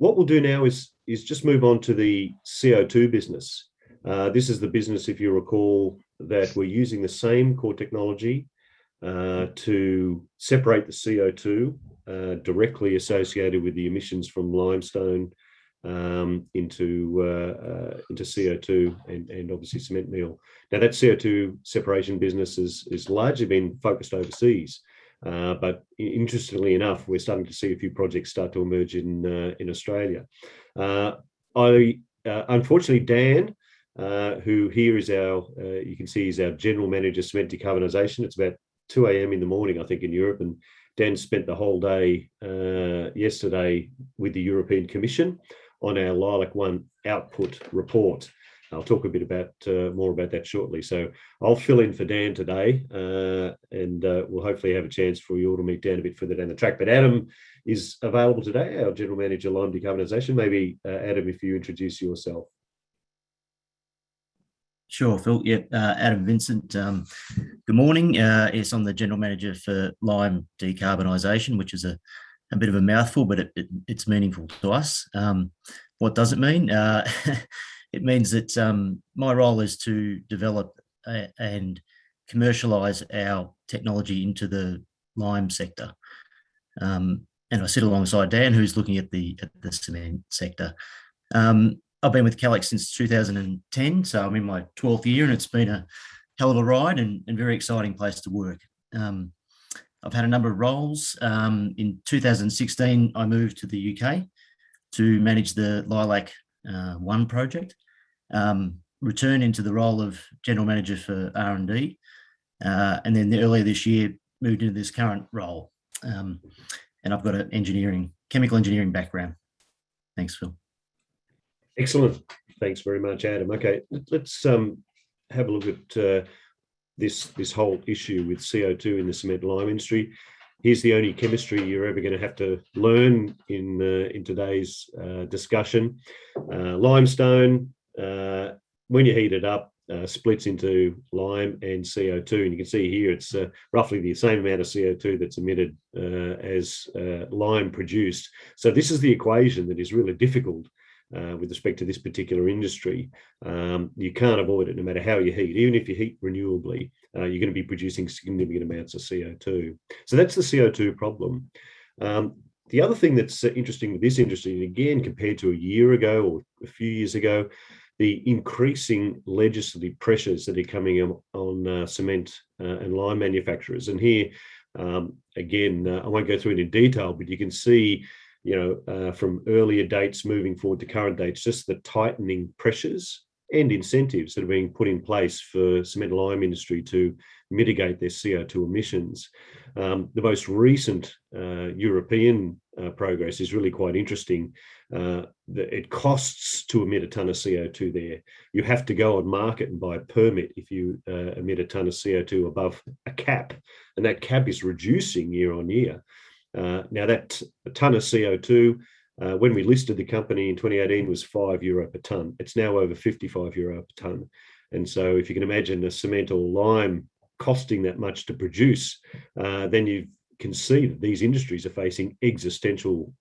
What we'll do now is just move on to the CO2 business. This is the business, if you recall, that we're using the same core technology to separate the CO2, directly associated with the emissions from limestone, into CO2 and obviously cement meal. That CO2 separation business has largely been focused overseas. Interestingly enough, we're starting to see a few projects start to emerge in Australia. Unfortunately, Dan, who here you can see is our General Manager of Cement Decarbonization. It's about 2:00 A.M. in the morning, I think, in Europe, and Dan spent the whole day yesterday with the European Commission on our LEILAC-1 output report. I'll talk a bit more about that shortly. I'll fill in for Dan today, and we'll hopefully have a chance for you all to meet Dan a bit further down the track. Adam is available today, our General Manager, Lime Decarbonization. Maybe, Adam, if you introduce yourself. Sure, Phil. Adam Vincent. Good morning. Yes, I'm the General Manager for Lime decarbonisation, which is a bit of a mouthful, but it's meaningful to us. What does it mean? It means that my role is to develop and commercialize our technology into the lime sector. I sit alongside Dan, who's looking at the cement sector. I've been with Calix since 2010, so I'm in my 12th year, it's been a hell of a ride and very exciting place to work. I've had a number of roles. In 2016, I moved to the U.K. to manage the LEILAC-1 project, returning to the role of General Manager for R&D. Early this year, moved into this current role. I've got a chemical engineering background. Thanks, Phil. Excellent, thanks very much, Adam. Let's have a look at this whole issue with CO2 in the cement lime industry. Here's the only chemistry you're ever going to have to learn in today's discussion. Limestone, when you heat it up, splits into lime and CO2, and you can see here it's roughly the same amount of CO2 that's emitted as lime produced. This is the equation that is really difficult with respect to this particular industry. You can't avoid it, no matter how you heat. Even if you heat renewably, you're going to be producing significant amounts of CO2. That's the CO2 problem. The other thing that's interesting with this industry, again, compared to a year ago or a few years ago, the increasing legislative pressures that are coming on cement and lime manufacturers. Here, again, I won't go through it in detail, but you can see from earlier dates moving forward to current dates, just the tightening pressures and incentives that are being put in place for cement and lime industry to mitigate their CO2 emissions. The most recent European progress is really quite interesting, that it costs to emit a ton of CO2 there. You have to go and market and buy a permit if you emit a ton of CO2 above a cap, and that cap is reducing year on year. That ton of CO2, when we listed the company in 2018, was 5 euro a ton. It's now over 55 euro a ton. If you can imagine the cement or lime costing that much to produce, then you can see that these industries are facing existential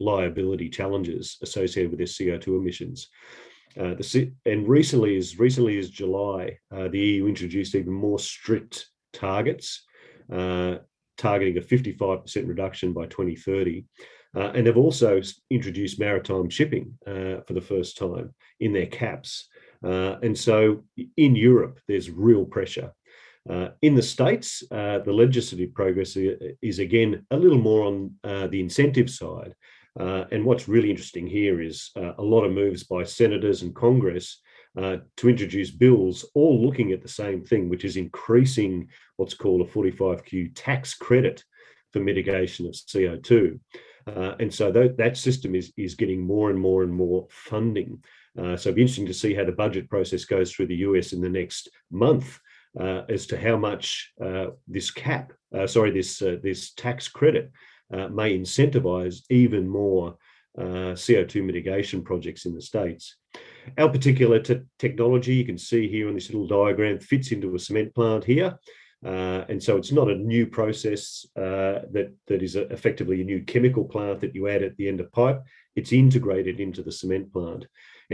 liability challenges associated with their CO2 emissions. As recently as July, the EU introduced even more strict targets, targeting a 55% reduction by 2030. They've also introduced maritime shipping for the first time in their caps. In Europe, there's real pressure. In the U.S., the legislative progress is, again, a little more on the incentive side. What's really interesting here is a lot of moves by senators and Congress to introduce bills all looking at the same thing, which is increasing what's called a 45Q tax credit for mitigation of CO2. That system is getting more and more funding. It'll be interesting to see how the budget process goes through the U.S. in the next month as to how much this cap, sorry, this tax credit may incentivize even more CO2 mitigation projects in the U.S. Our particular technology, you can see here in this little diagram, fits into a cement plant here. It's not a new process that is effectively a new chemical plant that you add at the end of pipe. It's integrated into the cement plant.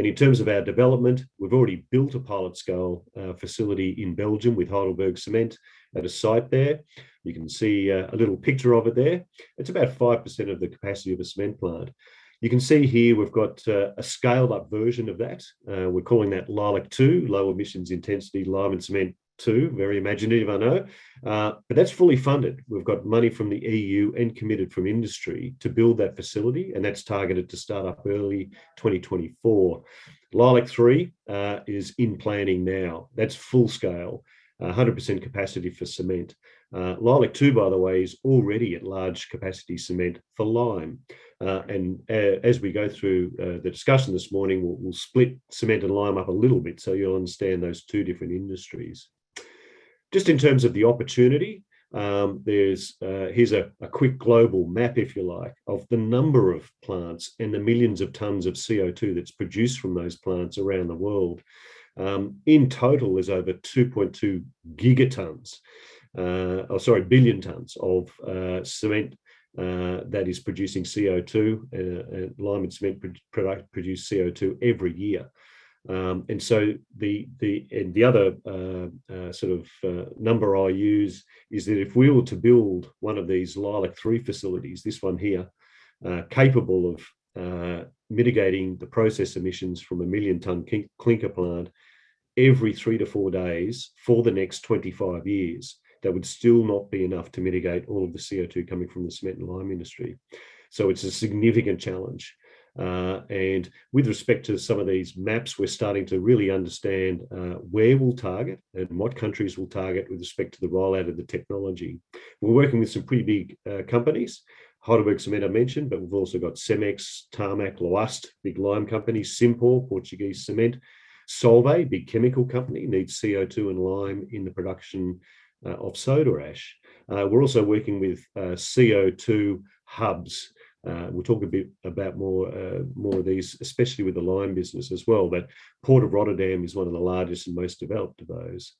In terms of our development, we've already built a pilot scale facility in Belgium with HeidelbergCement at a site there. You can see a little picture of it there. It's about 5% of the capacity of a cement plant. You can see here we've got a scaled-up version of that. We're calling that LEILAC-2, Low Emissions Intensity Lime and Cement 2, very imaginative, I know. That's fully funded. We've got money from the EU and committed from industry to build that facility, and that's targeted to start up early 2024. LEILAC-3 is in planning now. That's full scale, 100% capacity for cement. LEILAC-2, by the way, is already at large capacity cement for lime. As we go through the discussion this morning, we'll split cement and lime up a little bit so you'll understand those two different industries. Just in terms of the opportunity, here's a quick global map, if you like, of the number of plants and the millions of tons of CO2 that's produced from those plants around the world. In total, there's over 2.2 gigatons, billion tons of cement that is producing CO2, lime and cement product produce CO2 every year. The other sort of number I use is that if we were to build one of these LEILAC-3 facilities, this one here, capable of mitigating the process emissions from a 1 million ton clinker plant every three to four days for the next 25 years, that would still not be enough to mitigate all of the CO2 coming from the cement and lime industry. It's a significant challenge. With respect to some of these maps, we're starting to really understand where we'll target and what countries we'll target with respect to the rollout of the technology. We're working with some pretty big companies. HeidelbergCement I mentioned, but we've also got Cemex, Tarmac, Lafarge, big lime companies. Cimpor, Portuguese Cement. Solvay, big chemical company, needs CO2 and lime in the production of soda ash. We're also working with CO2 hubs. We'll talk a bit about more of these, especially with the lime business as well. Port of Rotterdam is 1 of the largest and most developed of those.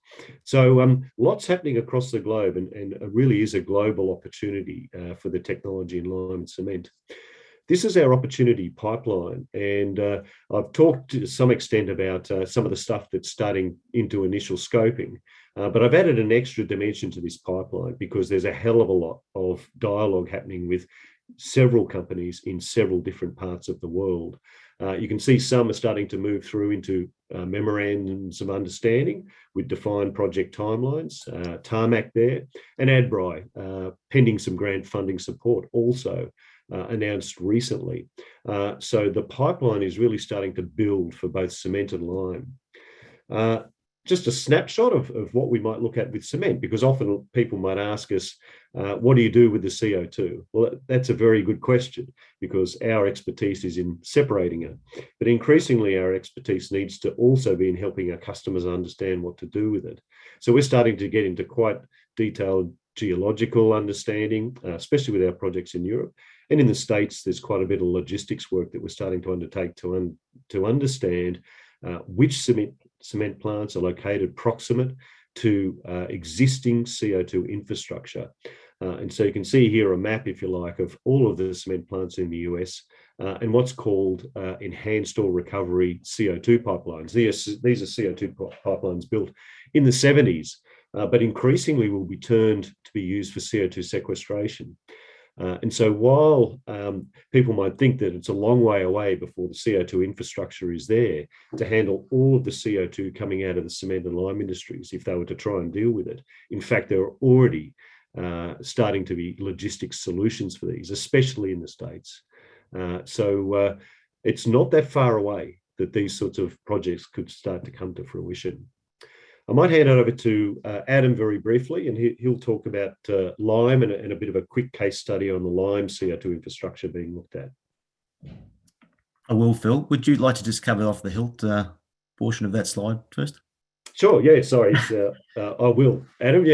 Lots happening across the globe, and it really is a global opportunity for the technology in lime and cement. This is our opportunity pipeline. I've talked to some extent about some of the stuff that's starting into initial scoping. I've added an extra dimension to this pipeline because there's a hell of a lot of dialogue happening with several companies in several different parts of the world. You can see some are starting to move through into memorandums of understanding with defined project timelines, Tarmac there, and Adbri, pending some grant funding support also, announced recently. The pipeline is really starting to build for both cement and lime. A snapshot of what we might look at with cement, because often people might ask us, "What do you do with the CO2?" That's a very good question, because our expertise is in separating it. Increasingly, our expertise needs to also be in helping our customers understand what to do with it. We're starting to get into quite detailed geological understanding, especially with our projects in Europe. In the U.S., there's quite a bit of logistics work that we're starting to undertake to understand which cement plants are located proximate to existing CO2 infrastructure. You can see here a map, if you like, of all of the cement plants in the U.S., and what's called enhanced oil recovery CO2 pipelines. These are CO2 pipelines built in the '70s, but increasingly will be turned to be used for CO2 sequestration. While people might think that it's a long way away before the CO2 infrastructure is there to handle all of the CO2 coming out of the cement and lime industries, if they were to try and deal with it, in fact, there are already starting to be logistic solutions for these, especially in the U.S. It's not that far away that these sorts of projects could start to come to fruition. I might hand over to Adam very briefly, and he'll talk about lime and a bit of a quick case study on the lime CO2 infrastructure being looked at. I will, Phil. Would you like to just cover off the HILT portion of that slide first? Sure. Sorry. I will, Adam.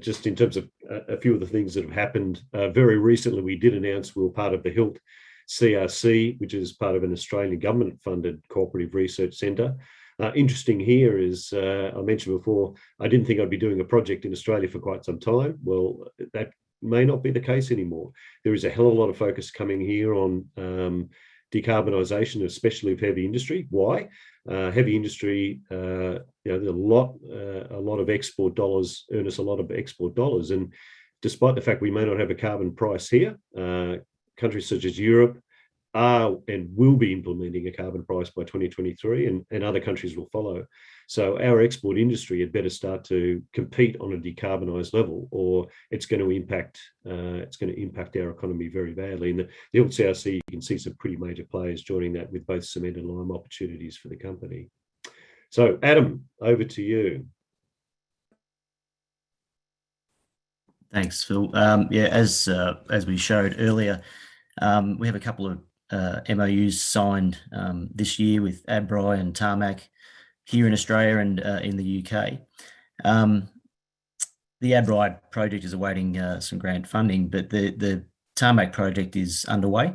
Just in terms of a few of the things that have happened, very recently, we did announce we were part of the HILT CRC, which is part of an Australian government-funded cooperative research center. Interesting here is, I mentioned before, I didn't think I'd be doing a project in Australia for quite some time. That may not be the case anymore. There is a hell of a lot of focus coming here on decarbonization, especially of heavy industry. Why? Heavy industry, earn us a lot of export dollars. Despite the fact we may not have a carbon price here, countries such as Europe are and will be implementing a carbon price by 2023, and other countries will follow. Our export industry had better start to compete on a decarbonized level, or it's going to impact our economy very badly. In the HILT CRC, you can see some pretty major players joining that with both cement and lime opportunities for the company. Adam, over to you. Thanks, Phil. Yeah, as we showed earlier, we have a couple of MOUs signed this year with Adbri and Tarmac here in Australia and in the U.K. The Adbri project is awaiting some grant funding. The Tarmac project is underway.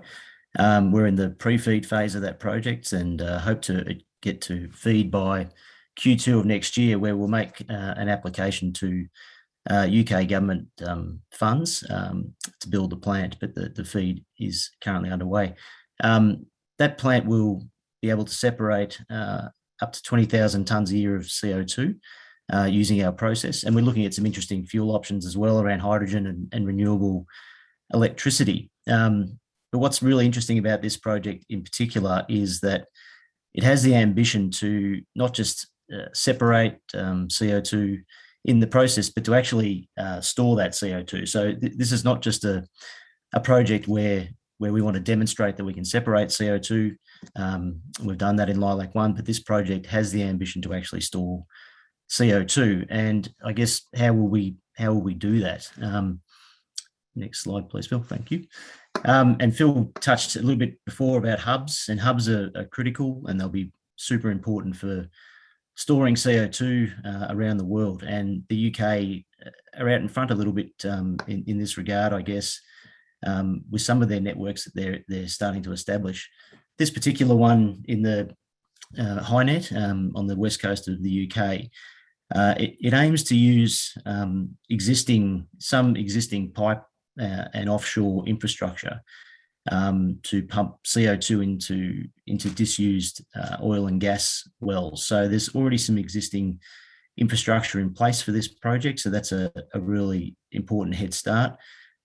We're in the pre-FEED phase of that project and hope to get to FEED by Q2 of next year, where we'll make an application to U.K. government funds to build the plant. The FEED is currently underway. That plant will be able to separate up to 20,000 tons a year of CO2 using our process. We're looking at some interesting fuel options as well around hydrogen and renewable electricity. What's really interesting about this project in particular is that it has the ambition to not just separate CO2 in the process, but to actually store that CO2. This is not just a project where we want to demonstrate that we can separate CO2. We've done that in LEILAC-1, but this project has the ambition to actually store CO2. I guess how will we do that? Next slide, please, Phil. Thank you. Phil touched a little bit before about hubs, and hubs are critical, and they'll be super important for storing CO2 around the world. The U.K. are out in front a little bit in this regard, I guess, with some of their networks that they're starting to establish. This particular one in the HyNet on the west coast of the U.K., it aims to use some existing pipe and offshore infrastructure to pump CO2 into disused oil and gas wells. There's already some existing infrastructure in place for this project, that's a really important headstart. There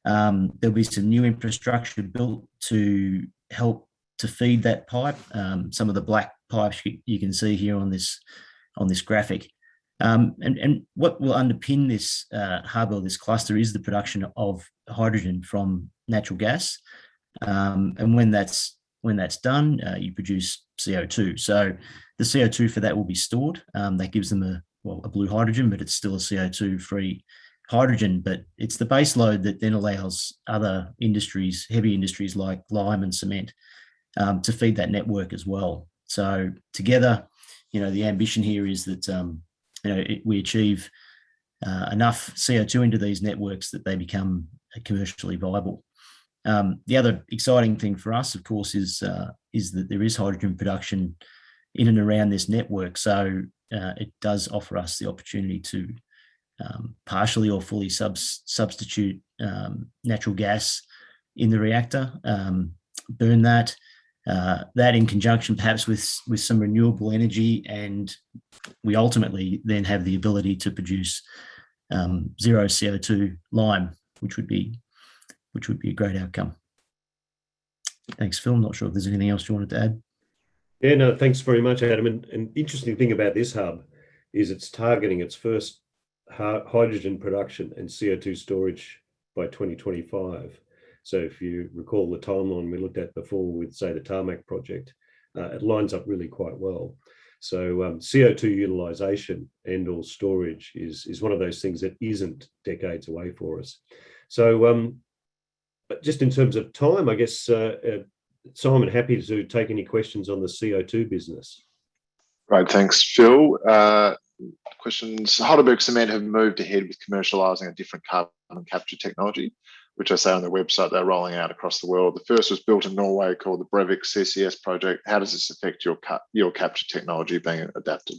will be some new infrastructure built to help to feed that pipe, some of the black pipes you can see here on this graphic. What will underpin this hub or this cluster is the production of hydrogen from natural gas. When that is done, you produce CO2. The CO2 for that will be stored. That gives them a blue hydrogen, but it is still a CO2-free hydrogen, but it is the base load that then allows other industries, heavy industries like lime and cement, to feed that network as well. Together, the ambition here is that we achieve enough CO2 into these networks that they become commercially viable. The other exciting thing for us, of course, is that there is hydrogen production in and around this network. It does offer us the opportunity to partially or fully substitute natural gas in the reactor, burn that in conjunction perhaps with some renewable energy. We ultimately have the ability to produce 0 CO2 lime, which would be a great outcome. Thanks, Phil. Not sure if there's anything else you wanted to add. Yeah, no. Thanks very much, Adam. An interesting thing about this hub is it's targeting its first hydrogen production and CO2 storage by 2025. If you recall the timeline we looked at before with, say, the Tarmac project, it lines up really quite well. CO2 utilization and/or storage is one of those things that isn't decades away for us. Just in terms of time, I guess, Simon, happy to take any questions on the CO2 business. Great. Thanks, Phil. Questions. Holcim have moved ahead with commercializing a different carbon capture technology, which I saw on their website they're rolling out across the world. The first was built in Norway called the Brevik CCS project. How does this affect your capture technology being adapted?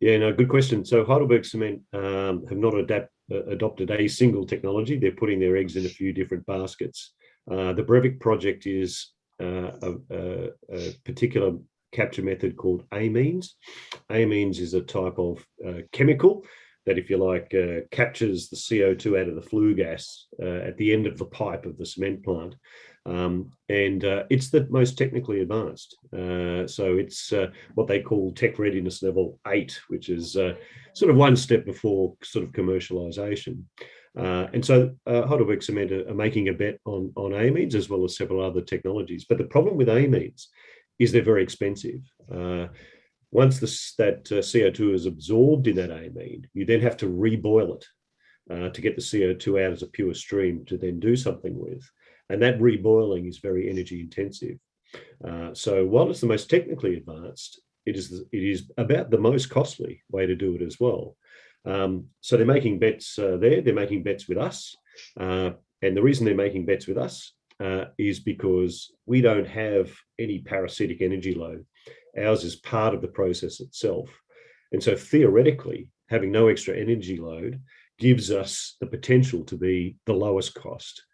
Good question. HeidelbergCement have not adopted a single technology. They're putting their eggs in a few different baskets. The Brevik Project is a particular capture method called amines. Amines is a type of chemical that captures the CO2 out of the flue gas at the end of the pipe of the cement plant, and it's the most technically advanced. It's what they call Technology Readiness Level 8, which is one step before commercialization. HeidelbergCement are making a bet on amines as well as several other technologies. The problem with amines is they're very expensive. Once that CO2 is absorbed in that amine, you then have to re-boil it to get the CO2 out as a pure stream to then do something with, and that re-boiling is very energy intensive. While it's the most technically advanced, it is about the most costly way to do it as well. They're making bets there, they're making bets with us, and the reason they're making bets with us is because we don't have any parasitic energy load. Ours is part of the process itself. Theoretically, having no extra energy load gives us the potential to be the lowest cost.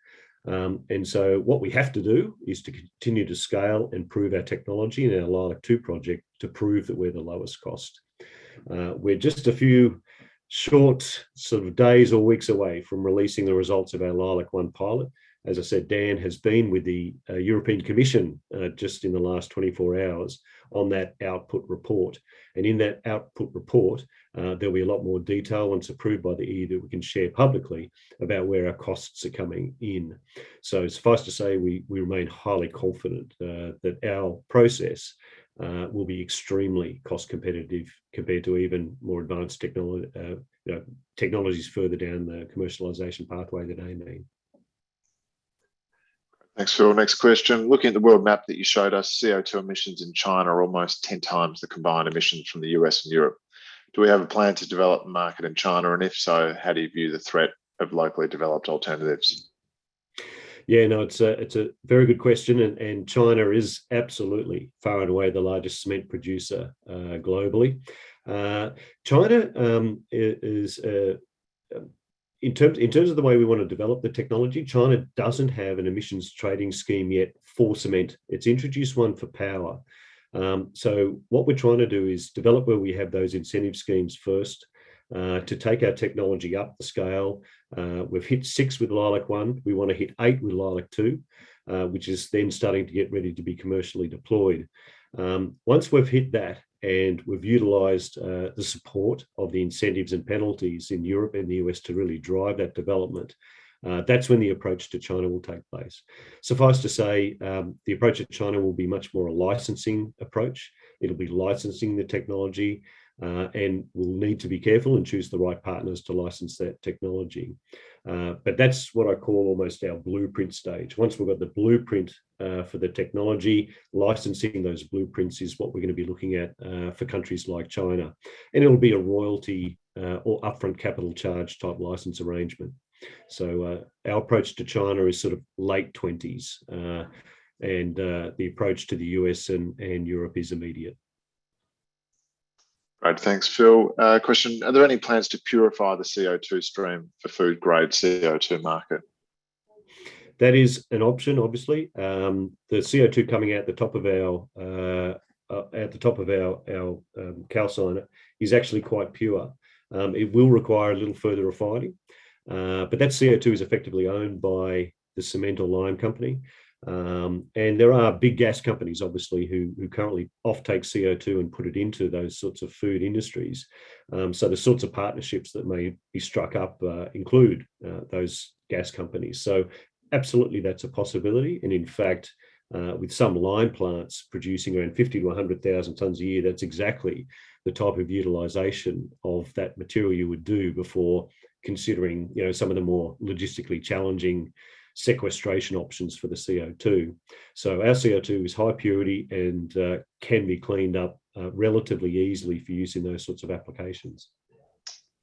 We have to do is to continue to scale, improve our technology in our LEILAC-2 project to prove that we're the lowest cost. We're just a few short days or weeks away from releasing the results of our LEILAC-1 pilot. As I said, Dan has been with the European Commission just in the last 24 hours on that output report. In that output report, there'll be a lot more detail, once approved by the EU, that we can share publicly about where our costs are coming in. Suffice to say, we remain highly confident that our process will be extremely cost competitive compared to even more advanced technologies further down the commercialization pathway than amine. Thanks, Phil. Next question. Looking at the world map that you showed us, CO2 emissions in China are almost 10 times the combined emissions from the U.S. and Europe. Do we have a plan to develop the market in China? If so, how do you view the threat of locally developed alternatives? Yeah, no, it's a very good question, and China is absolutely far and away the largest cement producer globally. In terms of the way we want to develop the technology, China doesn't have an emissions trading scheme yet for cement. It's introduced one for power. What we're trying to do is develop where we have those incentive schemes first to take our technology up the scale. We've hit six with LEILAC-1. We want to hit eight with LEILAC-2, which is then starting to get ready to be commercially deployed. Once we've hit that and we've utilized the support of the incentives and penalties in Europe and the U.S. to really drive that development, that's when the approach to China will take place. Suffice to say, the approach of China will be much more a licensing approach. It'll be licensing the technology, and we'll need to be careful and choose the right partners to license that technology. That's what I call almost our blueprint stage. Once we've got the blueprint for the technology, licensing those blueprints is what we're going to be looking at for countries like China, and it'll be a royalty or upfront capital charge type license arrangement. Our approach to China is sort of late 2020s, and the approach to the U.S. and Europe is immediate. Great. Thanks, Phil. Question, are there any plans to purify the CO2 stream for food grade CO2 market? That is an option, obviously. The CO2 coming out at the top of our calciner is actually quite pure. It will require a little further refining, but that CO2 is effectively owned by the cement or lime company. There are big gas companies, obviously, who currently off take CO2 and put it into those sorts of food industries. The sorts of partnerships that may be struck up include those gas companies. Absolutely, that's a possibility. In fact, with some lime plants producing around 50,000-100,000 tons a year, that's exactly the type of utilization of that material you would do before considering some of the more logistically challenging sequestration options for the CO2. Our CO2 is high purity and can be cleaned up relatively easily for use in those sorts of applications.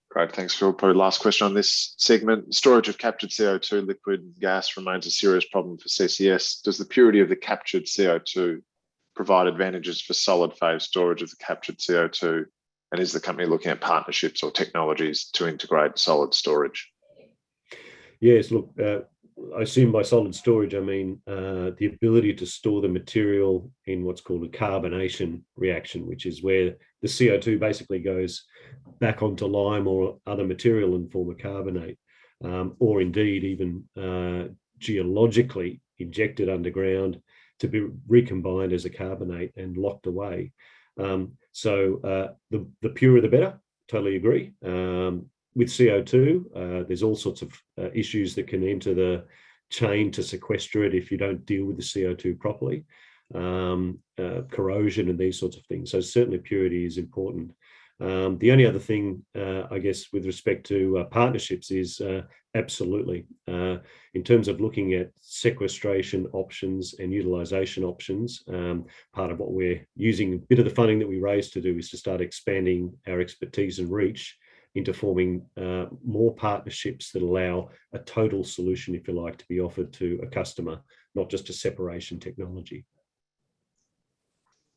Great. Thanks, Phil. Probably last question on this segment. Storage of captured CO2 liquid and gas remains a serious problem for CCS. Does the purity of the captured CO2 provide advantages for solid phase storage of the captured CO2? Is the company looking at partnerships or technologies to integrate solid storage? Yes. Look, I assume by solid storage, I mean the ability to store the material in what's called a carbonation reaction, which is where the CO2 basically goes back onto lime or other material and form a carbonate. Indeed even geologically injected underground to be recombined as a carbonate and locked away. The purer the better, totally agree. With CO2, there's all sorts of issues that can enter the chain to sequester it if you don't deal with the CO2 properly, corrosion and these sorts of things. Certainly purity is important. The only other thing, I guess, with respect to partnerships is absolutely. In terms of looking at sequestration options and utilization options, part of what we're using a bit of the funding that we raised to do is to start expanding our expertise and reach into forming more partnerships that allow a total solution, if you like, to be offered to a customer, not just a separation technology.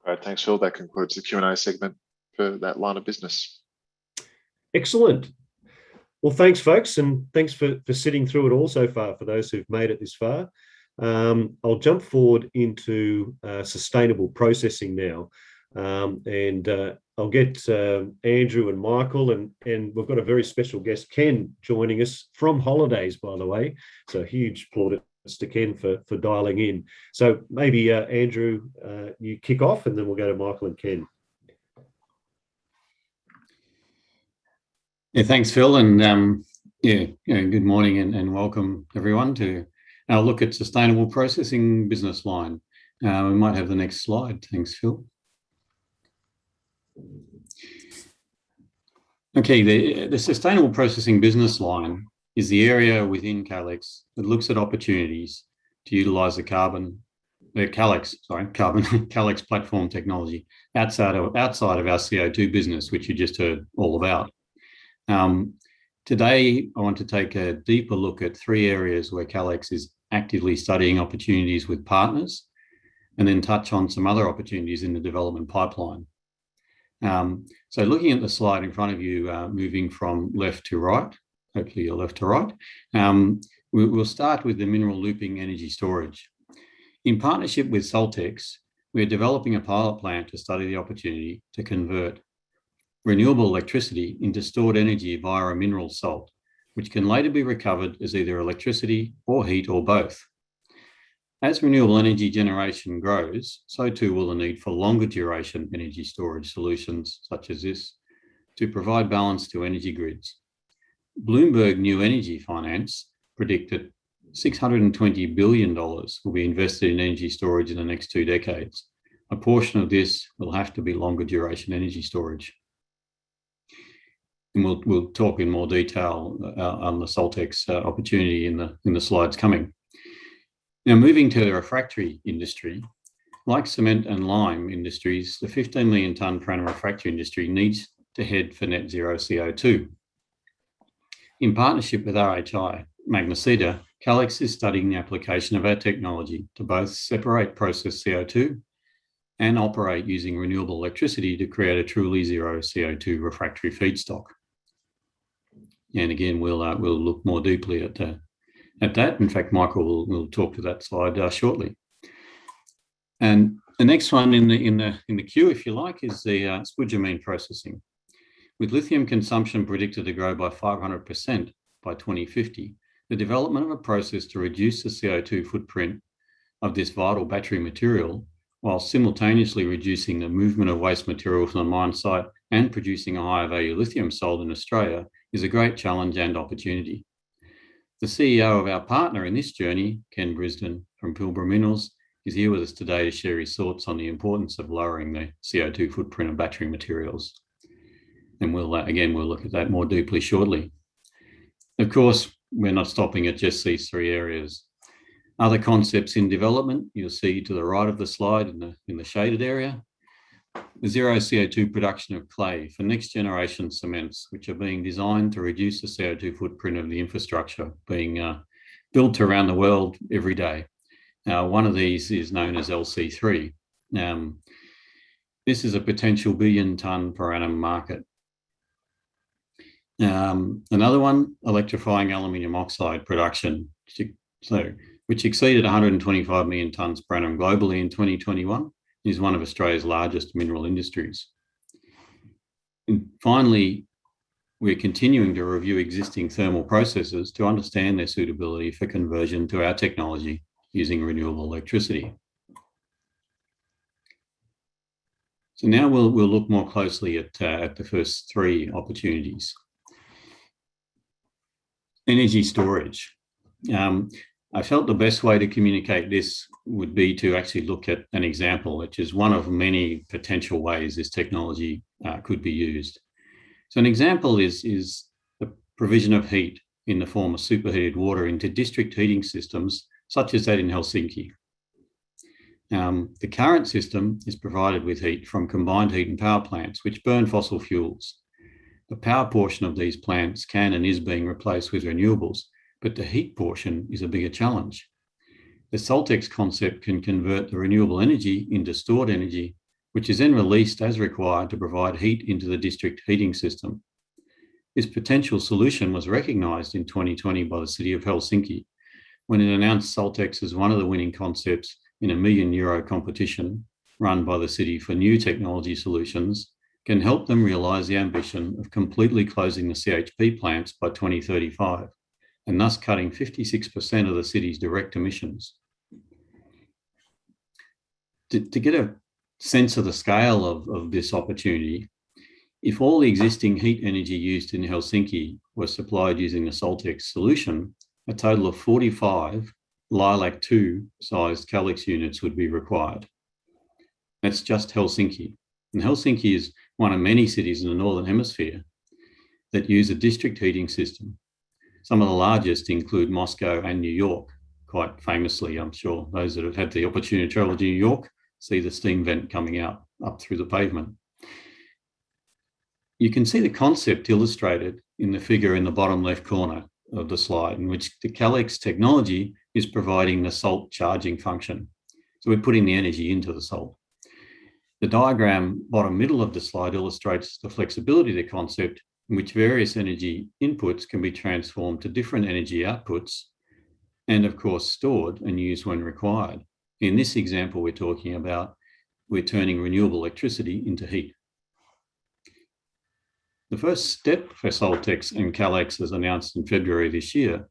Great. Thanks, Phil. That concludes the Q&A segment for that line of business. Excellent. Thanks, folks, and thanks for sitting through it all so far, for those who've made it this far. I'll jump forward into sustainable processing now, and I'll get Andrew and Michael, and we've got a very special guest, Ken, joining us from holidays, by the way. Huge applause to Ken for dialing in. Maybe, Andrew, you kick off, and then we'll go to Michael and Ken. Yeah. Thanks, Phil, and good morning and welcome, everyone, to our look at sustainable processing business line. We might have the next slide. Thanks, Phil. The sustainable processing business line is the area within Calix that looks at opportunities to utilize the Calix platform technology outside of our CO2 business, which you just heard all about. Today, I want to take a deeper look at three areas where Calix is actively studying opportunities with partners and then touch on some other opportunities in the development pipeline. Looking at the slide in front of you, moving from left to right, hopefully you're left to right, we'll start with the mineral looping energy storage. In partnership with SaltX, we are developing a pilot plant to study the opportunity to convert renewable electricity into stored energy via a mineral salt, which can later be recovered as either electricity or heat or both. As renewable energy generation grows, so too will the need for longer duration energy storage solutions such as this to provide balance to energy grids. Bloomberg New Energy Finance predict that 620 billion dollars will be invested in energy storage in the next two decades. A portion of this will have to be longer duration energy storage. We'll talk in more detail on the SaltX opportunity in the slides coming. Now, moving to the refractory industry. Like cement and lime industries, the 15 million tonne per annum refractory industry needs to head for net zero CO2. In partnership with RHI Magnesita, Calix is studying the application of our technology to both separate process CO2 and operate using renewable electricity to create a truly zero-CO2 refractory feedstock. Again, we'll look more deeply at that. In fact, Michael will talk to that slide shortly. The next one in the queue, if you like, is the spodumene processing. With lithium consumption predicted to grow by 500% by 2050, the development of a process to reduce the CO2 footprint of this vital battery material while simultaneously reducing the movement of waste material from mine site and producing a higher value lithium sold in Australia is a great challenge and opportunity. The CEO of our partner in this journey, Ken Brinsden from Pilbara Minerals, is here with us today to share his thoughts on the importance of lowering the CO2 footprint of battery materials. Again, we'll look at that more deeply shortly. Of course, we're not stopping at just these three areas. Other concepts in development, you'll see to the right of the slide in the shaded area. The zero-CO2 production of clay for next generation cements, which are being designed to reduce the CO2 footprint of the infrastructure being built around the world every day. One of these is known as LC3. This is a potential billion-tonne per annum market. Another one, electrifying aluminum oxide production, which exceeded 125 million tonnes per annum globally in 2021. It is one of Australia's largest mineral industries. Finally, we're continuing to review existing thermal processes to understand their suitability for conversion to our technology using renewable electricity. Now we'll look more closely at the first three opportunities. Energy storage. I felt the best way to communicate this would be to actually look at an example, which is one of many potential ways this technology could be used. An example is the provision of heat in the form of superheated water into district heating systems such as that in Helsinki. The current system is provided with heat from combined heat and power plants, which burn fossil fuels. The power portion of these plants can and is being replaced with renewables, but the heat portion is a bigger challenge. The SaltX concept can convert the renewable energy into stored energy, which is then released as required to provide heat into the district heating system. This potential solution was recognized in 2020 by the City of Helsinki, when it announced SaltX as one of the winning concepts in a 1 million euro competition run by the city for new technology solutions can help them realize the ambition of completely closing the CHP plants by 2035, and thus cutting 56% of the city's direct emissions. To get a sense of the scale of this opportunity, if all the existing heat energy used in Helsinki was supplied using a SaltX solution, a total of 45 LEILAC-2 sized Calix units would be required. Helsinki is one of many cities in the northern hemisphere that use a district heating system. Some of the largest include Moscow and New York, quite famously, I'm sure. Those that have had the opportunity to travel to New York see the steam vent coming out up through the pavement. You can see the concept illustrated in the figure in the bottom left corner of the slide, in which the Calix technology is providing the SaltX charging function. We're putting the energy into the salt. The diagram bottom middle of the slide illustrates the flexibility of the concept, in which various energy inputs can be transformed to different energy outputs, and of course, stored and used when required. In this example, we're turning renewable electricity into heat. The first step for SaltX and Calix, as announced in February this year,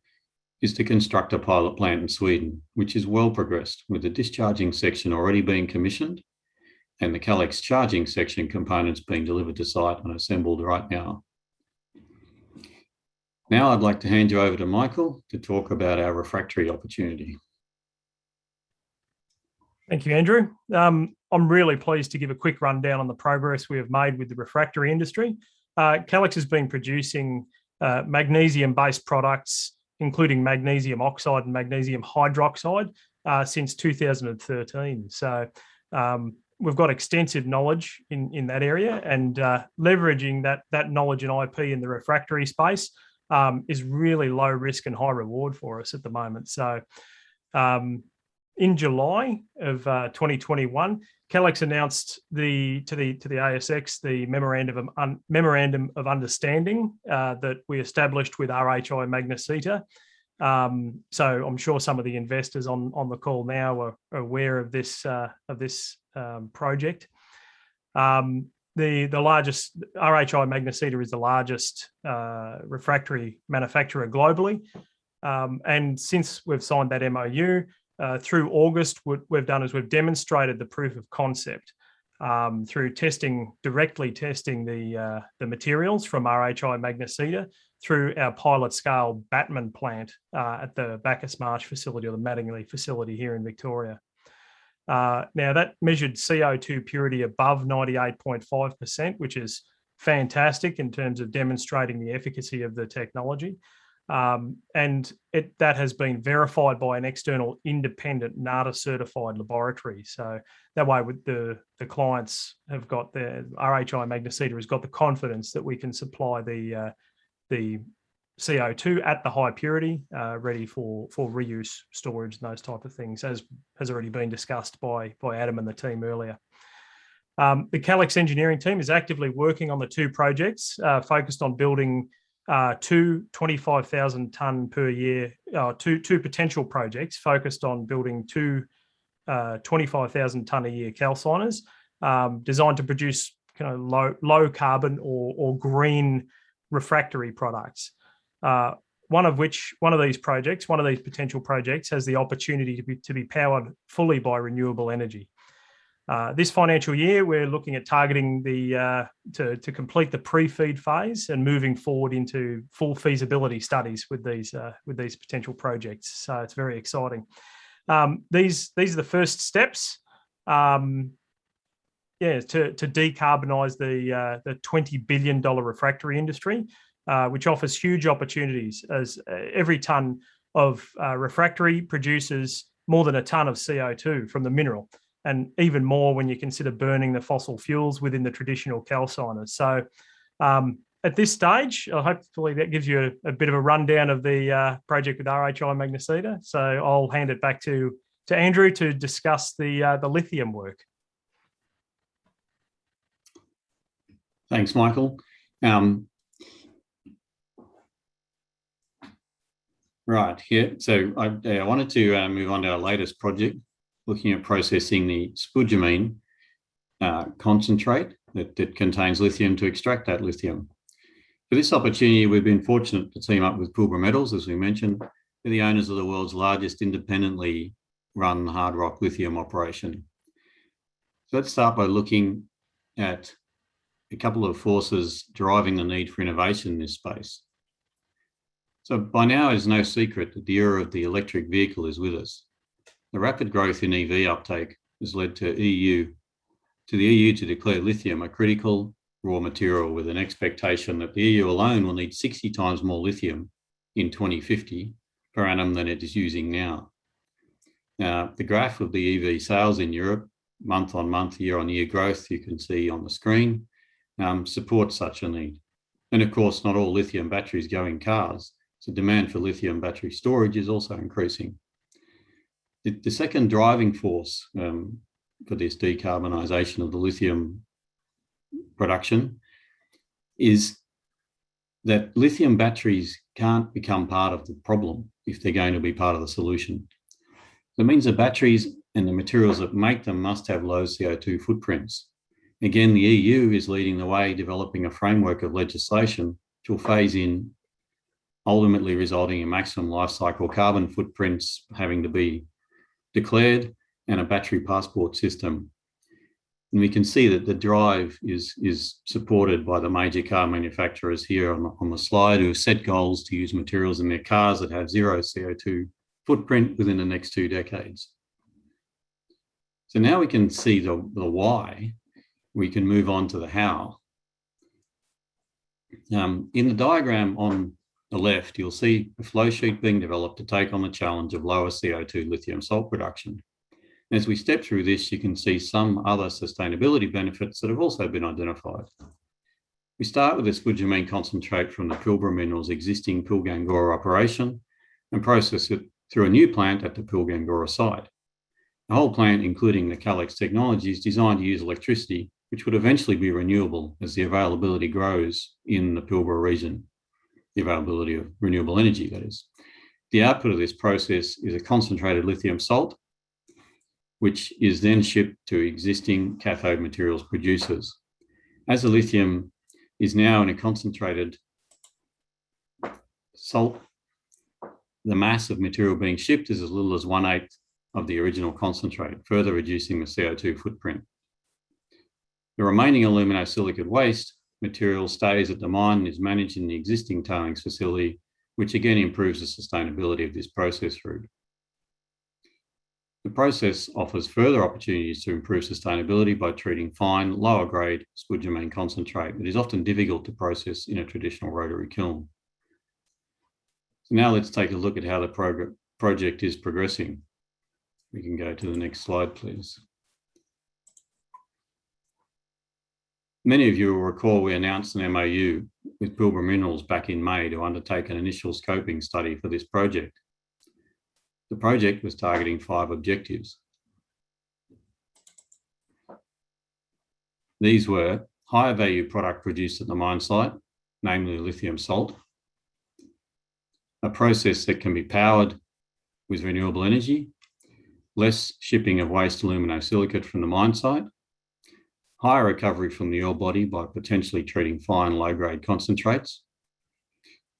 is to construct a pilot plant in Sweden, which is well progressed, with the discharging section already being commissioned and the Calix charging section components being delivered to site and assembled right now. I'd like to hand you over to Michael to talk about our refractory opportunity. Thank you, Andrew. I'm really pleased to give a quick rundown on the progress we have made with the refractory industry. Calix has been producing magnesium-based products, including magnesium oxide and magnesium hydroxide, since 2013. We've got extensive knowledge in that area, and leveraging that knowledge and IP in the refractory space is really low risk and high reward for us at the moment. In July of 2021, Calix announced to the ASX the memorandum of understanding that we established with RHI Magnesita, so I'm sure some of the investors on the call now are aware of this project. RHI Magnesita is the largest refractory manufacturer globally, and since we've signed that MoU, through August what we've done is we've demonstrated the proof of concept through directly testing the materials from RHI Magnesita through our pilot scale BATMn plant at the Bacchus Marsh facility, or the Maddingley facility here in Victoria. That measured CO2 purity above 98.5%, which is fantastic in terms of demonstrating the efficacy of the technology, and that has been verified by an external independent NATA-certified laboratory. That way, RHI Magnesita has got the confidence that we can supply the CO2 at the high purity, ready for reuse, storage, and those type of things, as has already been discussed by Adam and the team earlier. The Calix engineering team is actively working on two potential projects focused on building two 25,000 tonne a year calciners designed to produce low carbon or green refractory products. One of these potential projects has the opportunity to be powered fully by renewable energy. This financial year, we're looking at targeting to complete the pre-FEED phase and moving forward into full feasibility studies with these potential projects. It's very exciting. These are the first steps, yeah, to decarbonize the 20 billion dollar refractory industry, which offers huge opportunities as every tonne of refractory produces more than a tonne of CO2 from the mineral, and even more when you consider burning the fossil fuels within the traditional calciners. At this stage, hopefully that gives you a bit of a rundown of the project with RHI Magnesita. I'll hand it back to Andrew to discuss the lithium work. Thanks, Michael. Right. I wanted to move on to our latest project, looking at processing the spodumene concentrate that contains lithium to extract that lithium. For this opportunity, we've been fortunate to team up with Pilbara Minerals, as we mentioned, who are the owners of the world's largest independently run hard rock lithium operation. Let's start by looking at a couple of forces driving the need for innovation in this space. By now, it's no secret that the era of the electric vehicle is with us. The rapid growth in EV uptake has led to the EU to declare lithium a critical raw material with an expectation that the EU alone will need 60 times more lithium in 2050 per annum than it is using now. The graph of the EV sales in Europe, month-on-month, year-on-year growth you can see on the screen, supports such a need. Of course, not all lithium batteries go in cars, demand for lithium battery storage is also increasing. The second driving force for this decarbonization of the lithium production is that lithium batteries can't become part of the problem if they're going to be part of the solution. The batteries and the materials that make them must have low CO2 footprints. The EU is leading the way, developing a framework of legislation to phase in, ultimately resulting in maximum lifecycle carbon footprints having to be declared and a battery passport system. We can see that the drive is supported by the major car manufacturers here on the slide, who have set goals to use materials in their cars that have zero CO2 footprint within the next two decades. Now we can see the why, we can move on to the how. In the diagram on the left, you'll see a flow sheet being developed to take on the challenge of lower CO2 lithium salt production. As we step through this, you can see some other sustainability benefits that have also been identified. We start with a spodumene concentrate from the Pilbara Minerals existing Pilgangoora operation, and process it through a new plant at the Pilgangoora site. The whole plant, including the Calix technology, is designed to use electricity, which would eventually be renewable as the availability grows in the Pilbara region. The availability of renewable energy, that is. The output of this process is a concentrated lithium salt, which is then shipped to existing cathode materials producers. The lithium is now in a concentrated salt, the mass of material being shipped is as little as one eighth of the original concentrate, further reducing the CO2 footprint. The remaining aluminosilicate waste material stays at the mine and is managed in the existing tailings facility, which again improves the sustainability of this process route. The process offers further opportunities to improve sustainability by treating fine, lower grade spodumene concentrate that is often difficult to process in a traditional rotary kiln. Now let's take a look at how the project is progressing. We can go to the next slide, please. Many of you will recall we announced an MOU with Pilbara Minerals back in May to undertake an initial scoping study for this project. The project was targeting five objectives. These were higher value product produced at the mine site, namely lithium salt. A process that can be powered with renewable energy. Less shipping of waste aluminosilicate from the mine site. Higher recovery from the ore body by potentially treating fine, low-grade concentrates.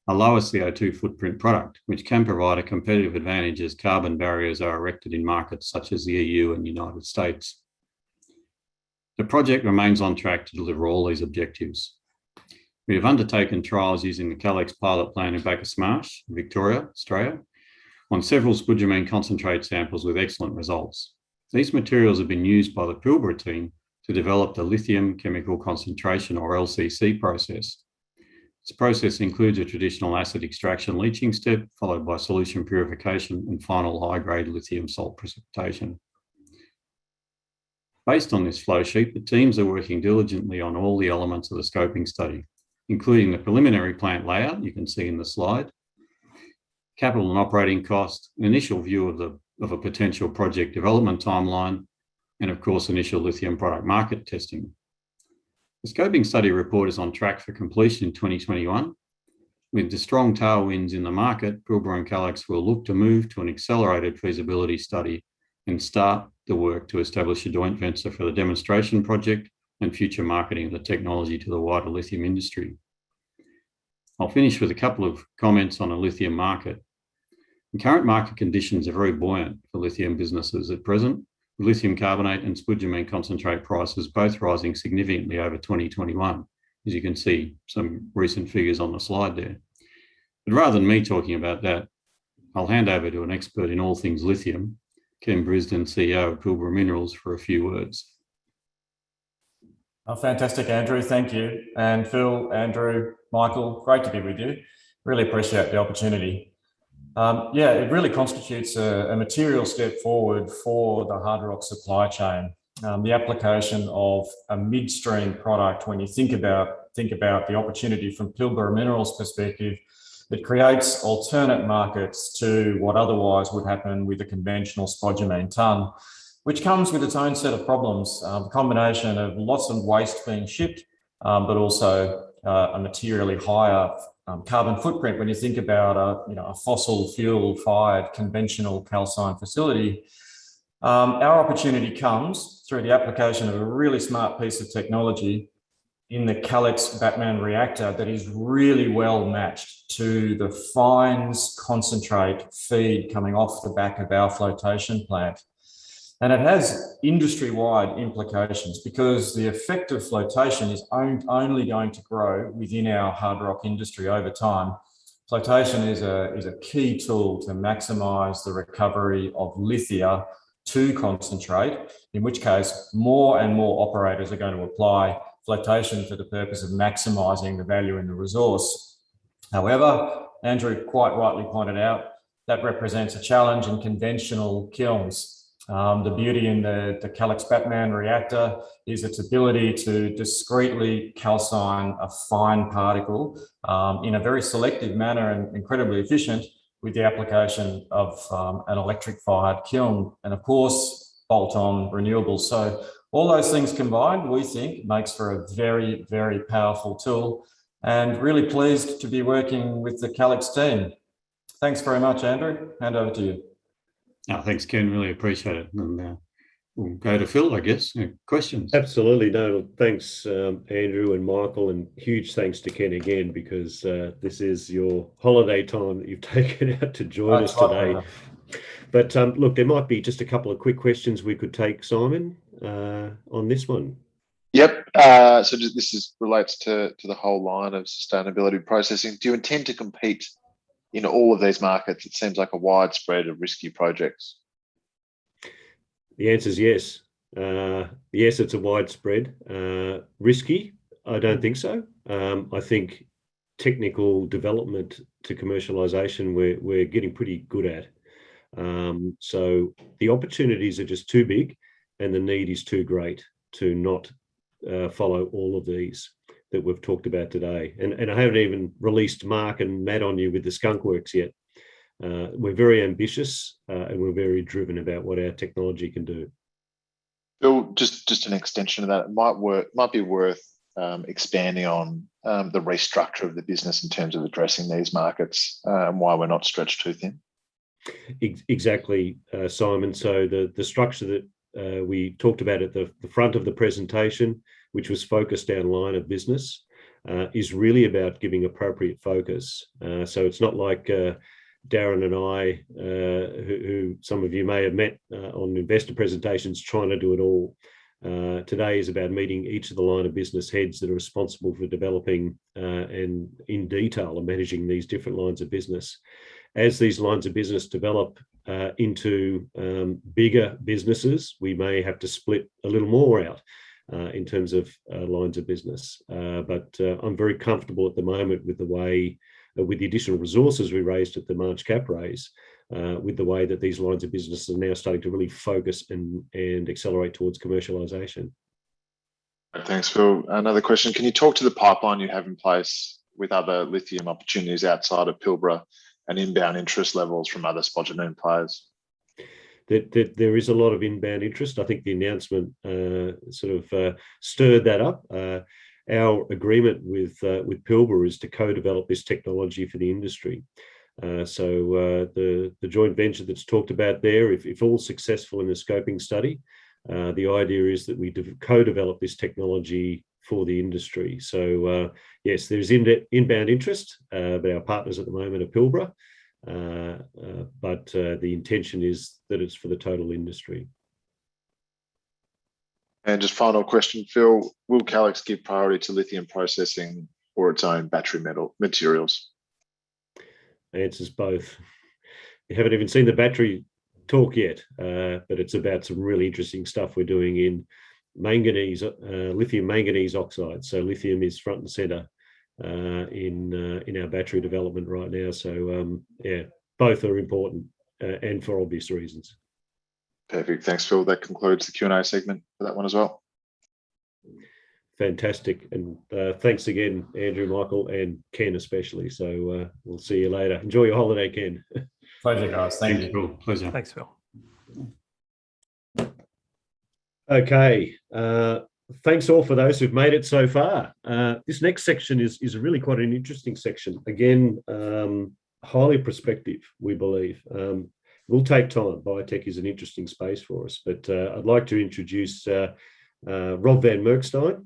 A lower CO2 footprint product, which can provide a competitive advantage as carbon barriers are erected in markets such as the EU and U.S. The project remains on track to deliver all these objectives. We have undertaken trials using the Calix pilot plant in Bacchus Marsh, Victoria, Australia, on several spodumene concentrate samples with excellent results. These materials have been used by the Pilbara Minerals team to develop the lithium chemical concentration, or LCC process. This process includes a traditional acid extraction leaching step, followed by solution purification and final high-grade lithium salt precipitation. Based on this flow sheet, the teams are working diligently on all the elements of the scoping study, including the preliminary plant layout you can see in the slide, capital and operating cost, an initial view of a potential project development timeline, and of course, initial lithium product market testing. The scoping study report is on track for completion in 2021. With the strong tailwinds in the market, Pilbara and Calix will look to move to an accelerated feasibility study and start the work to establish a joint venture for the demonstration project and future marketing of the technology to the wider lithium industry. I'll finish with a couple of comments on the lithium market. The current market conditions are very buoyant for lithium businesses at present, with lithium carbonate and spodumene concentrate prices both rising significantly over 2021, as you can see some recent figures on the slide there. Rather than me talking about that, I'll hand over to an expert in all things lithium, Ken Brinsden, CEO of Pilbara Minerals, for a few words. Fantastic, Andrew. Thank you. Phil, Andrew, Michael, great to be with you. Really appreciate the opportunity. It really constitutes a material step forward for the hard rock supply chain. The application of a midstream product, when you think about the opportunity from Pilbara Minerals' perspective, it creates alternate markets to what otherwise would happen with a conventional spodumene ton, which comes with its own set of problems. A combination of lots of waste being shipped, but also a materially higher carbon footprint when you think about a fossil fuel-fired conventional calcine facility. Our opportunity comes through the application of a really smart piece of technology in the Calix BATMn Reactor that is really well matched to the fines concentrate feed coming off the back of our flotation plant. It has industry-wide implications because the effect of flotation is only going to grow within our hard rock industry over time. Flotation is a key tool to maximize the recovery of lithia to concentrate, in which case, more and more operators are going to apply flotation for the purpose of maximizing the value in the resource. However, Andrew quite rightly pointed out, that represents a challenge in conventional kilns. The beauty in the Calix BATMn Reactor is its ability to discreetly calcine a fine particle in a very selective manner and incredibly efficient with the application of an electric-fired kiln. Of course, bolt-on renewables. All those things combined, we think makes for a very, very powerful tool. Really pleased to be working with the Calix team. Thanks very much, Andrew. Hand over to you. Thanks, Ken, really appreciate it. We'll go to Phil, I guess. Any questions? Absolutely. No. Thanks, Andrew and Michael, and huge thanks to Ken again, because this is your holiday time that you've taken out to join us today. Look, there might be just a couple of quick questions we could take, Simon, on this one. Yep. This relates to the whole line of sustainability processing. Do you intend to compete in all of these markets? It seems like a widespread and risky project. The answer's yes. Yes, it's a widespread. Risky? I don't think so. I think technical development to commercialization, we're getting pretty good at. The opportunities are just too big and the need is too great to not follow all of these that we've talked about today. I haven't even released Mark and Matt on you with the skunk works yet. We're very ambitious, and we're very driven about what our technology can do. Phil, just an extension of that. It might be worth expanding on the restructure of the business in terms of addressing these markets, and why we are not stretched too thin. Exactly, Simon. The structure that we talked about at the front of the presentation, which was focused our line of business, is really about giving appropriate focus. It's not like Darren and I, who some of you may have met on investor presentations, trying to do it all. Today is about meeting each of the line of business heads that are responsible for developing, and in detail of managing these different lines of business. As these lines of business develop into bigger businesses, we may have to split a little more out in terms of lines of business. I'm very comfortable at the moment with the additional resources we raised at the March cap raise, with the way that these lines of business are now starting to really focus and accelerate towards commercialization. Thanks, Phil. Another question. Can you talk to the pipeline you have in place with other lithium opportunities outside of Pilbara and inbound interest levels from other spodumene players? There is a lot of inbound interest. I think the announcement sort of stirred that up. Our agreement with Pilbara is to co-develop this technology for the industry. The joint venture that's talked about there, if all successful in the scoping study, the idea is that we co-develop this technology for the industry. Yes, there is inbound interest, but our partners at the moment are Pilbara. The intention is that it's for the total industry. Just final question, Phil. Will Calix give priority to lithium processing or its own battery materials? The answer's both. You haven't even seen the battery talk yet, but it's about some really interesting stuff we're doing in lithium manganese oxide. Lithium is front and center in our battery development right now. Yeah, both are important, and for obvious reasons. Perfect. Thanks, Phil. That concludes the Q&A segment for that one as well. Fantastic. Thanks again, Andrew, Michael, and Ken especially. We’ll see you later. Enjoy your holiday, Ken. Pleasure, guys. Thank you. Thanks, Phil. Pleasure. Thanks, Phil. Okay. Thanks all for those who've made it so far. This next section is really quite an interesting section. Again, highly prospective, we believe. Will take time. Biotech is an interesting space for us. I'd like to introduce Rob Van Merkestein,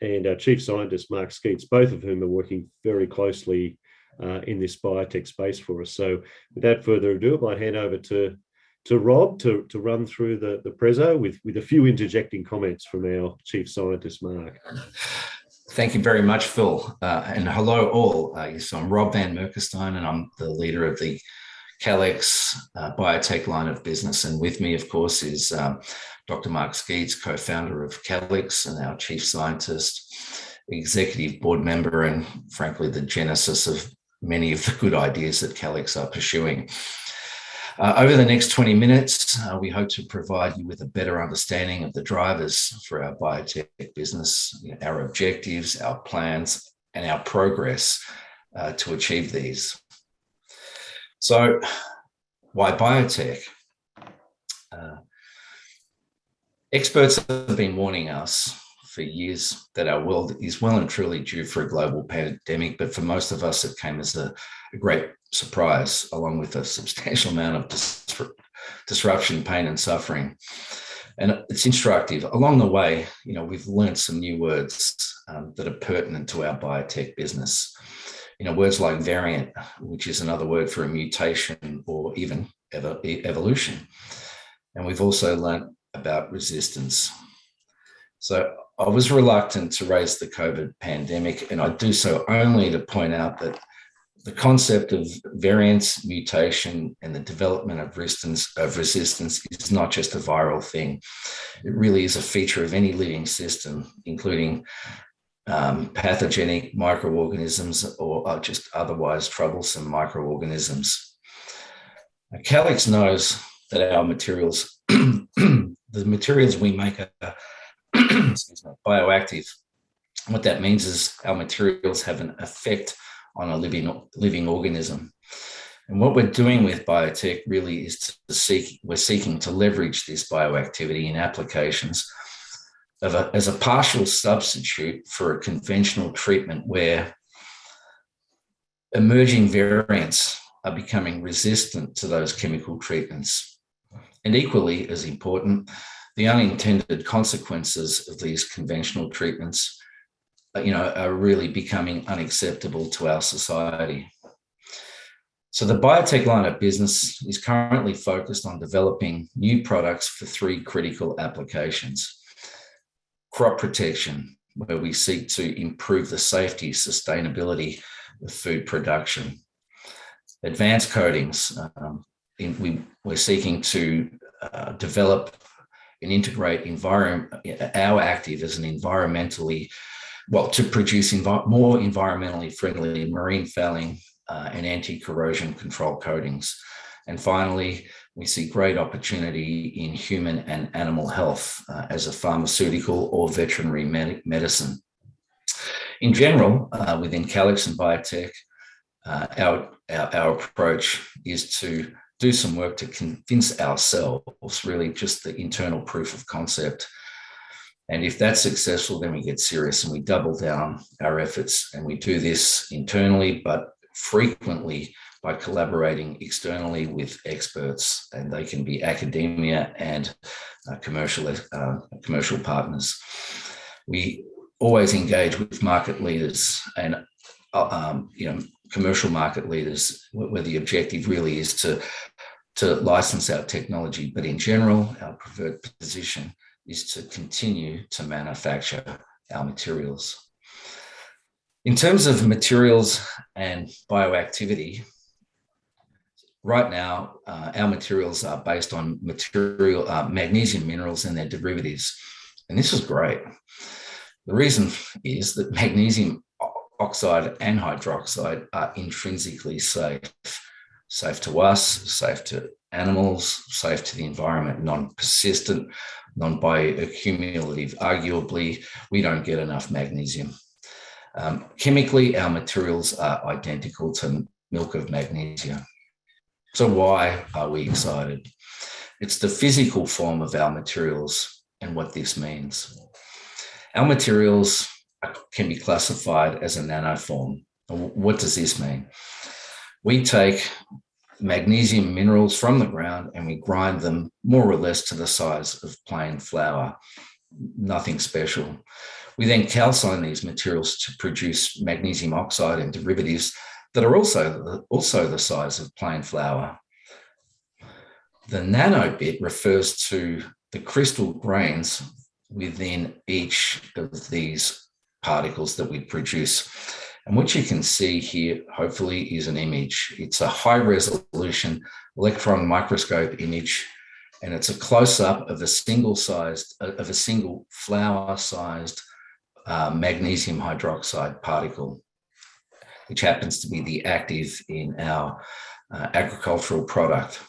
and our Chief Scientist, Mark Sceats, both of whom are working very closely in this biotech space for us. Without further ado, I might hand over to Rob to run through the presentation with a few interjecting comments from our Chief Scientist, Mark. Thank you very much, Phil, and hello all. I'm Rob Van Merkestein, and I'm the leader of the Calix biotech line of business, and with me, of course, is Dr. Mark Sceats, co-founder of Calix and our Chief Scientist, executive board member, and frankly, the genesis of many of the good ideas that Calix are pursuing. Over the next 20 minutes, we hope to provide you with a better understanding of the drivers for our biotech business, our objectives, our plans, and our progress to achieve these. Why biotech? Experts have been warning us for years that our world is well and truly due for a global pandemic, but for most of us, it came as a great surprise, along with a substantial amount of disruption, pain, and suffering. It's instructive. Along the way, we've learned some new words that are pertinent to our biotech business. Words like variant, which is another word for a mutation or even evolution. We've also learned about resistance. I was reluctant to raise the COVID pandemic, and I do so only to point out that the concept of variants, mutation, and the development of resistance is not just a viral thing. It really is a feature of any living system, including pathogenic microorganisms or just otherwise troublesome microorganisms. Calix knows that the materials we make are bioactive. What that means is our materials have an effect on a living organism. What we're doing with biotech really is we're seeking to leverage this bioactivity in applications as a partial substitute for a conventional treatment where emerging variants are becoming resistant to those chemical treatments. Equally as important, the unintended consequences of these conventional treatments are really becoming unacceptable to our society. The biotech line of business is currently focused on developing new products for three critical applications. Crop protection, where we seek to improve the safety, sustainability of food production. Advanced coatings. We’re seeking to develop and integrate our active to produce more environmentally friendly marine fouling and anti-corrosion control coatings. Finally, we see great opportunity in human and animal health as a pharmaceutical or veterinary medicine. In general, within Calix and biotech, our approach is to do some work to convince ourselves, really just the internal proof of concept, and if that’s successful, then we get serious and we double down our efforts, and we do this internally, but frequently by collaborating externally with experts. They can be academia and commercial partners. We always engage with market leaders and commercial market leaders, where the objective really is to license our technology. In general, our preferred position is to continue to manufacture our materials. In terms of materials and bioactivity, right now, our materials are based on magnesium minerals and their derivatives, and this is great. The reason is that magnesium oxide and hydroxide are intrinsically safe. Safe to us, safe to animals, safe to the environment, non-persistent, non-bioaccumulative. Arguably, we don't get enough magnesium. Chemically, our materials are identical to milk of magnesia. Why are we excited? It's the physical form of our materials and what this means. Our materials can be classified as a nanoform. What does this mean? We take magnesium minerals from the ground, and we grind them more or less to the size of plain flour. Nothing special. We then calcine these materials to produce magnesium oxide and derivatives that are also the size of plain flour. The nano bit refers to the crystal grains within each of these particles that we produce. What you can see here, hopefully, is an image. It's a high-resolution electron microscope image, and it's a close-up of a single flour-sized magnesium hydroxide particle, which happens to be the active in our agricultural product.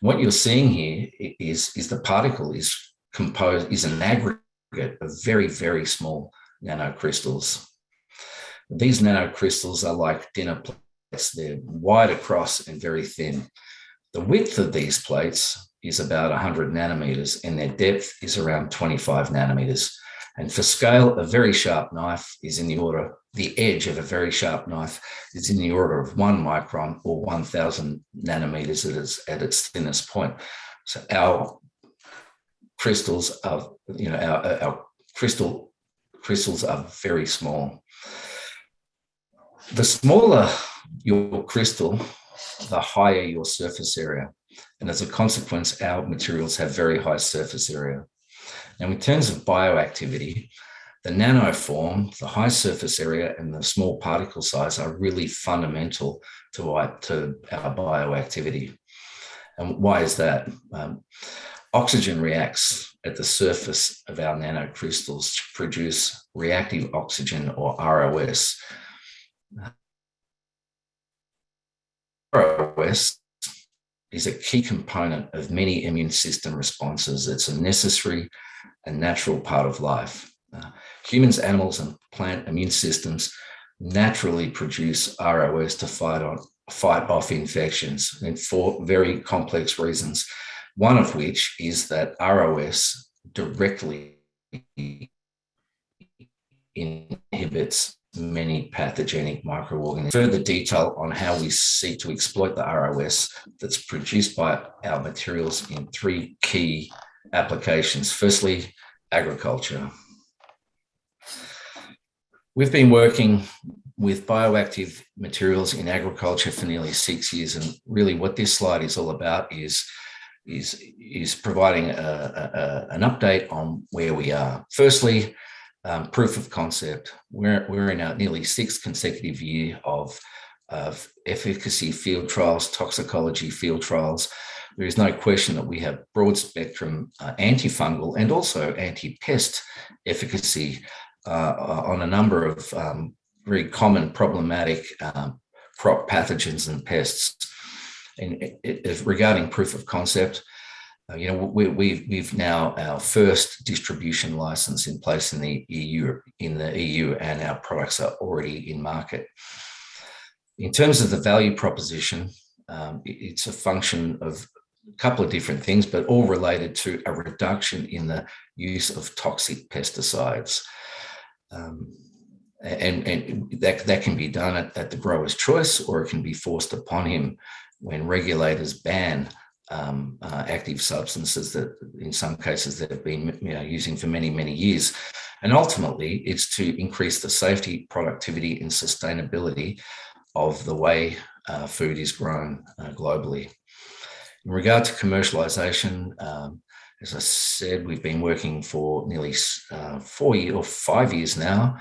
What you're seeing here is the particle is an aggregate of very, very small nanocrystals. These nanocrystals are like dinner plates. They're wide across and very thin. The width of these plates is about 100 nanometers, and their depth is around 25 nanometers. For scale, the edge of a very sharp knife is in the order of 1 micron or 1,000 nanometers at its thinnest point. Our crystals are very small. The smaller your crystal, the higher your surface area, and as a consequence, our materials have very high surface area. In terms of bioactivity, the nanoform, the high surface area, and the small particle size are really fundamental to our bioactivity. Why is that? Oxygen reacts at the surface of our nanocrystals to produce reactive oxygen or ROS. ROS is a key component of many immune system responses. It's a necessary and natural part of life. Humans, animals, and plant immune systems naturally produce ROS to fight off infections, and for very complex reasons, one of which is that ROS directly inhibits many pathogenic microorganisms. Further detail on how we seek to exploit the ROS that's produced by our materials in three key applications. Firstly, agriculture. We've been working with bioactive materials in agriculture for nearly six years, really what this slide is all about is providing an update on where we are. Firstly, proof of concept. We're in our nearly 6th consecutive year of efficacy field trials, toxicology field trials. There is no question that we have broad-spectrum antifungal and also anti-pest efficacy on a number of very common problematic crop pathogens and pests. Regarding proof of concept, we've now our first distribution license in place in the EU, and our products are already in market. In terms of the value proposition, it's a function of a couple of different things, but all related to a reduction in the use of toxic pesticides. That can be done at the grower's choice, or it can be forced upon him when regulators ban active substances that in some cases have been using for many, many years. Ultimately, it's to increase the safety, productivity, and sustainability of the way food is grown globally. In regard to commercialization, as I said, we've been working for nearly four or five years now,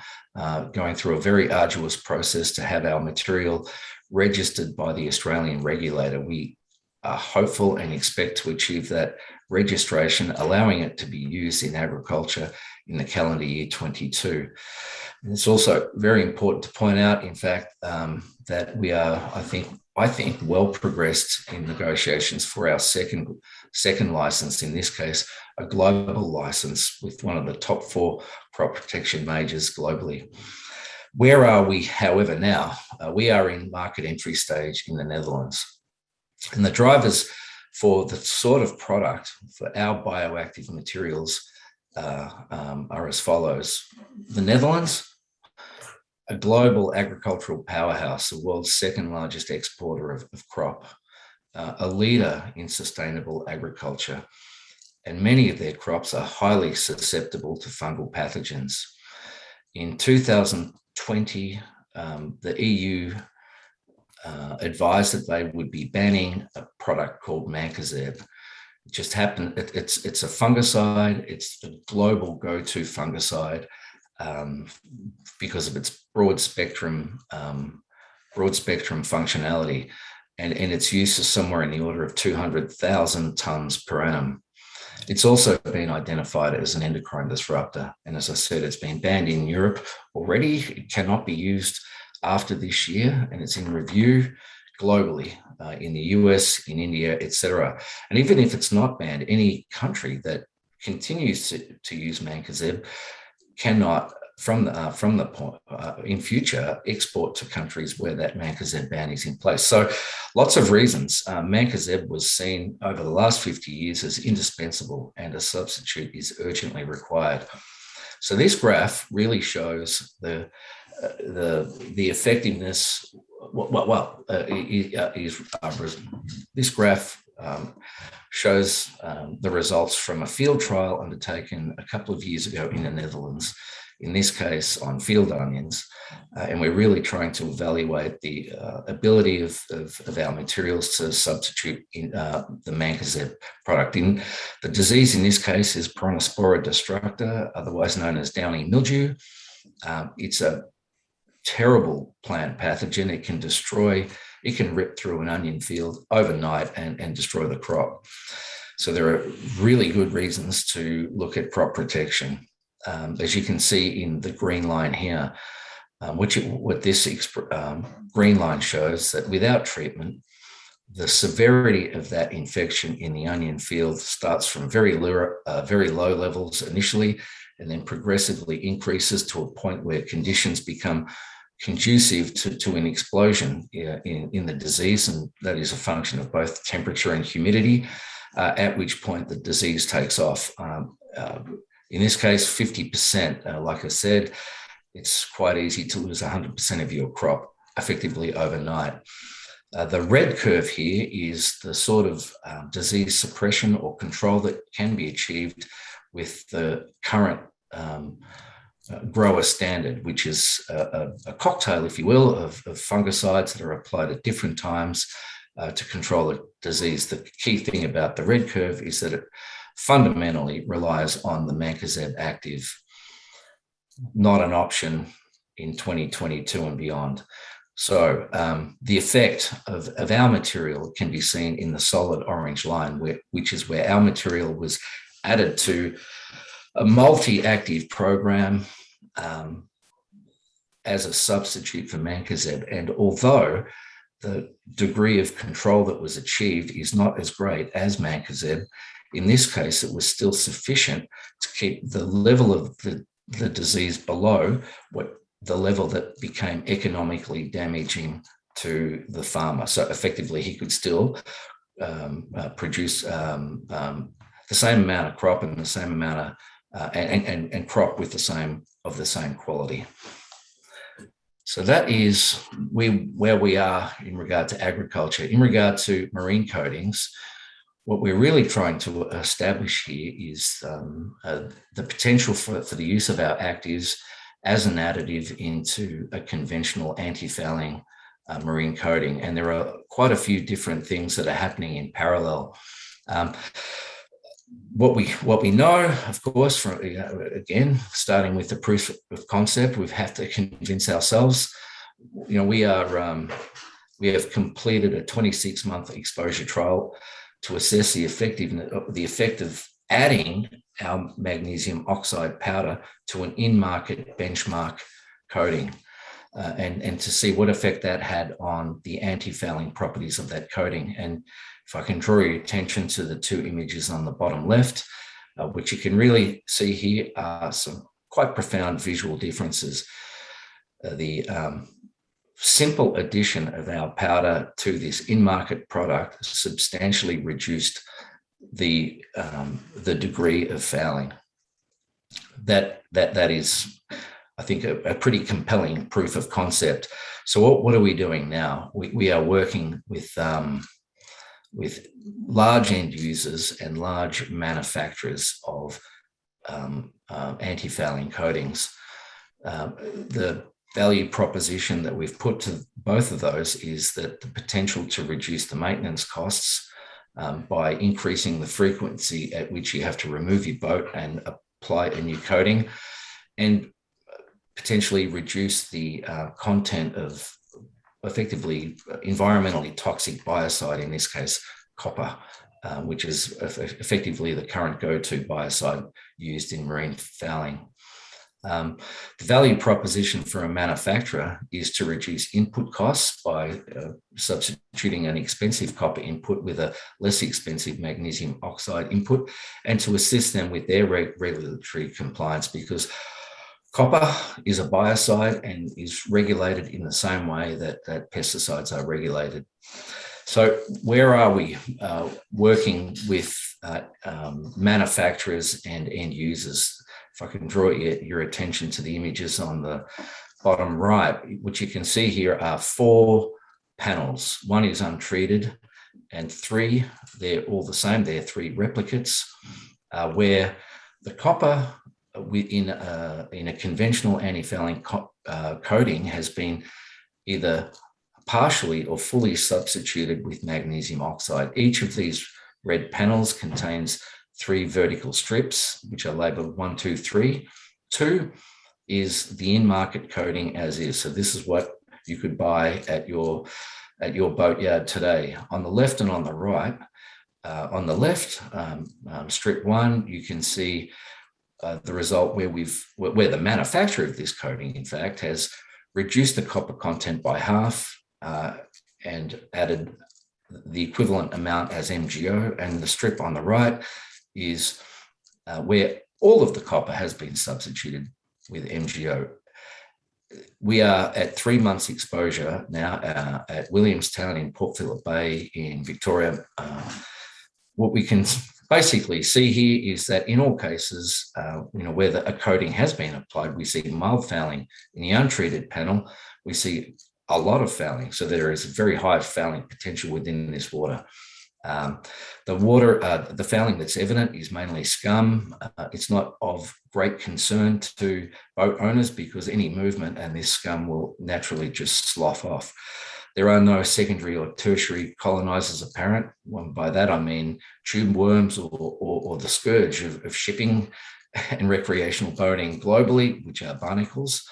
going through a very arduous process to have our material registered by the Australian regulator. We are hopeful and expect to achieve that registration, allowing it to be used in agriculture in the calendar year 2022. It's also very important to point out, in fact, that we are, I think, well progressed in negotiations for our second license, in this case, a global license with one of the top four crop protection majors globally. Where are we however, now? We are in market entry stage in the Netherlands. The drivers for the sort of product for our bioactive materials are as follows. The Netherlands, a global agricultural powerhouse, the world's second-largest exporter of crop. A leader in sustainable agriculture, and many of their crops are highly susceptible to fungal pathogens. In 2020, the EU advised that they would be banning a product called Mancozeb. It's a fungicide. It's the global go-to fungicide because of its broad-spectrum functionality. Its use is somewhere in the order of 200,000 tons per annum. It's also been identified as an endocrine disruptor. As I said, it's been banned in Europe already. It cannot be used after this year. It's in review globally, in the U.S., in India, et cetera. Even if it's not banned, any country that continues to use Mancozeb cannot, in future, export to countries where that Mancozeb ban is in place. Lots of reasons. Mancozeb was seen over the last 50 years as indispensable and a substitute is urgently required. This graph really shows the effectiveness Well, this graph shows the results from a field trial undertaken a couple of years ago in the Netherlands, in this case, on field onions. We're really trying to evaluate the ability of our materials to substitute the Mancozeb product in. The disease in this case is Peronospora destructor, otherwise known as downy mildew. It's a terrible plant pathogen. It can rip through an onion field overnight and destroy the crop. There are really good reasons to look at crop protection. As you can see in the green line here, what this green line shows that without treatment, the severity of that infection in the onion field starts from very low levels initially, and then progressively increases to a point where conditions become conducive to an explosion in the disease. That is a function of both temperature and humidity, at which point the disease takes off, in this case, 50%. Like I said, it's quite easy to lose 100% of your crop effectively overnight. The red curve here is the sort of disease suppression or control that can be achieved with the current grower standard, which is a cocktail, if you will, of fungicides that are applied at different times, to control the disease. The key thing about the red curve is that it fundamentally relies on the Mancozeb active. Not an option in 2022 and beyond. The effect of our material can be seen in the solid orange line, which is where our material was added to a multi-active program, as a substitute for Mancozeb. Although the degree of control that was achieved is not as great as Mancozeb, in this case, it was still sufficient to keep the level of the disease below the level that became economically damaging to the farmer. Effectively, he could still produce the same amount of crop and crop of the same quality. That is where we are in regard to agriculture. In regard to marine coatings, what we're really trying to establish here is the potential for the use of our actives as an additive into a conventional antifouling marine coating. There are quite a few different things that are happening in parallel. What we know, of course, again, starting with the proof of concept, we've had to convince ourselves. We have completed a 26-month exposure trial to assess the effect of adding our magnesium oxide powder to an in-market benchmark coating, and to see what effect that had on the antifouling properties of that coating. If I can draw your attention to the two images on the bottom left, which you can really see here are some quite profound visual differences. The simple addition of our powder to this in-market product substantially reduced the degree of fouling. That is, I think, a pretty compelling proof of concept. What are we doing now? We are working with large end users and large manufacturers of antifouling coatings. The value proposition that we've put to both of those is that the potential to reduce the maintenance costs by increasing the frequency at which you have to remove your boat and apply a new coating, and potentially reduce the content of effectively environmentally toxic biocide, in this case copper, which is effectively the current go-to biocide used in marine fouling. The value proposition for a manufacturer is to reduce input costs by substituting an expensive copper input with a less expensive magnesium oxide input, and to assist them with their regulatory compliance because copper is a biocide and is regulated in the same way that pesticides are regulated. Where are we? Working with manufacturers and end users. If I can draw your attention to the images on the bottom right. What you can see here are four panels. One is untreated and three, they're all the same, they're three replicates, where the copper in a conventional antifouling coating has been either partially or fully substituted with magnesium oxide. Each of these red panels contains three vertical strips, which are labeled one, two, three. Two, is the in-market coating as is. This is what you could buy at your boatyard today. On the left and on the right. On the left, strip 1, you can see the result where the manufacturer of this coating, in fact, has reduced the copper content by half, and added the equivalent amount as MgO. The strip on the right is where all of the copper has been substituted with MgO. We are at three months exposure now at Williamstown in Port Phillip Bay in Victoria. What we can basically see here is that in all cases, where a coating has been applied, we see mild fouling. In the untreated panel, we see a lot of fouling. There is very high fouling potential within this water. The fouling that's evident is mainly scum. It's not of great concern to boat owners because any movement and this scum will naturally just slough off. There are no secondary or tertiary colonizers apparent. By that I mean tube worms or the scourge of shipping and recreational boating globally, which are barnacles.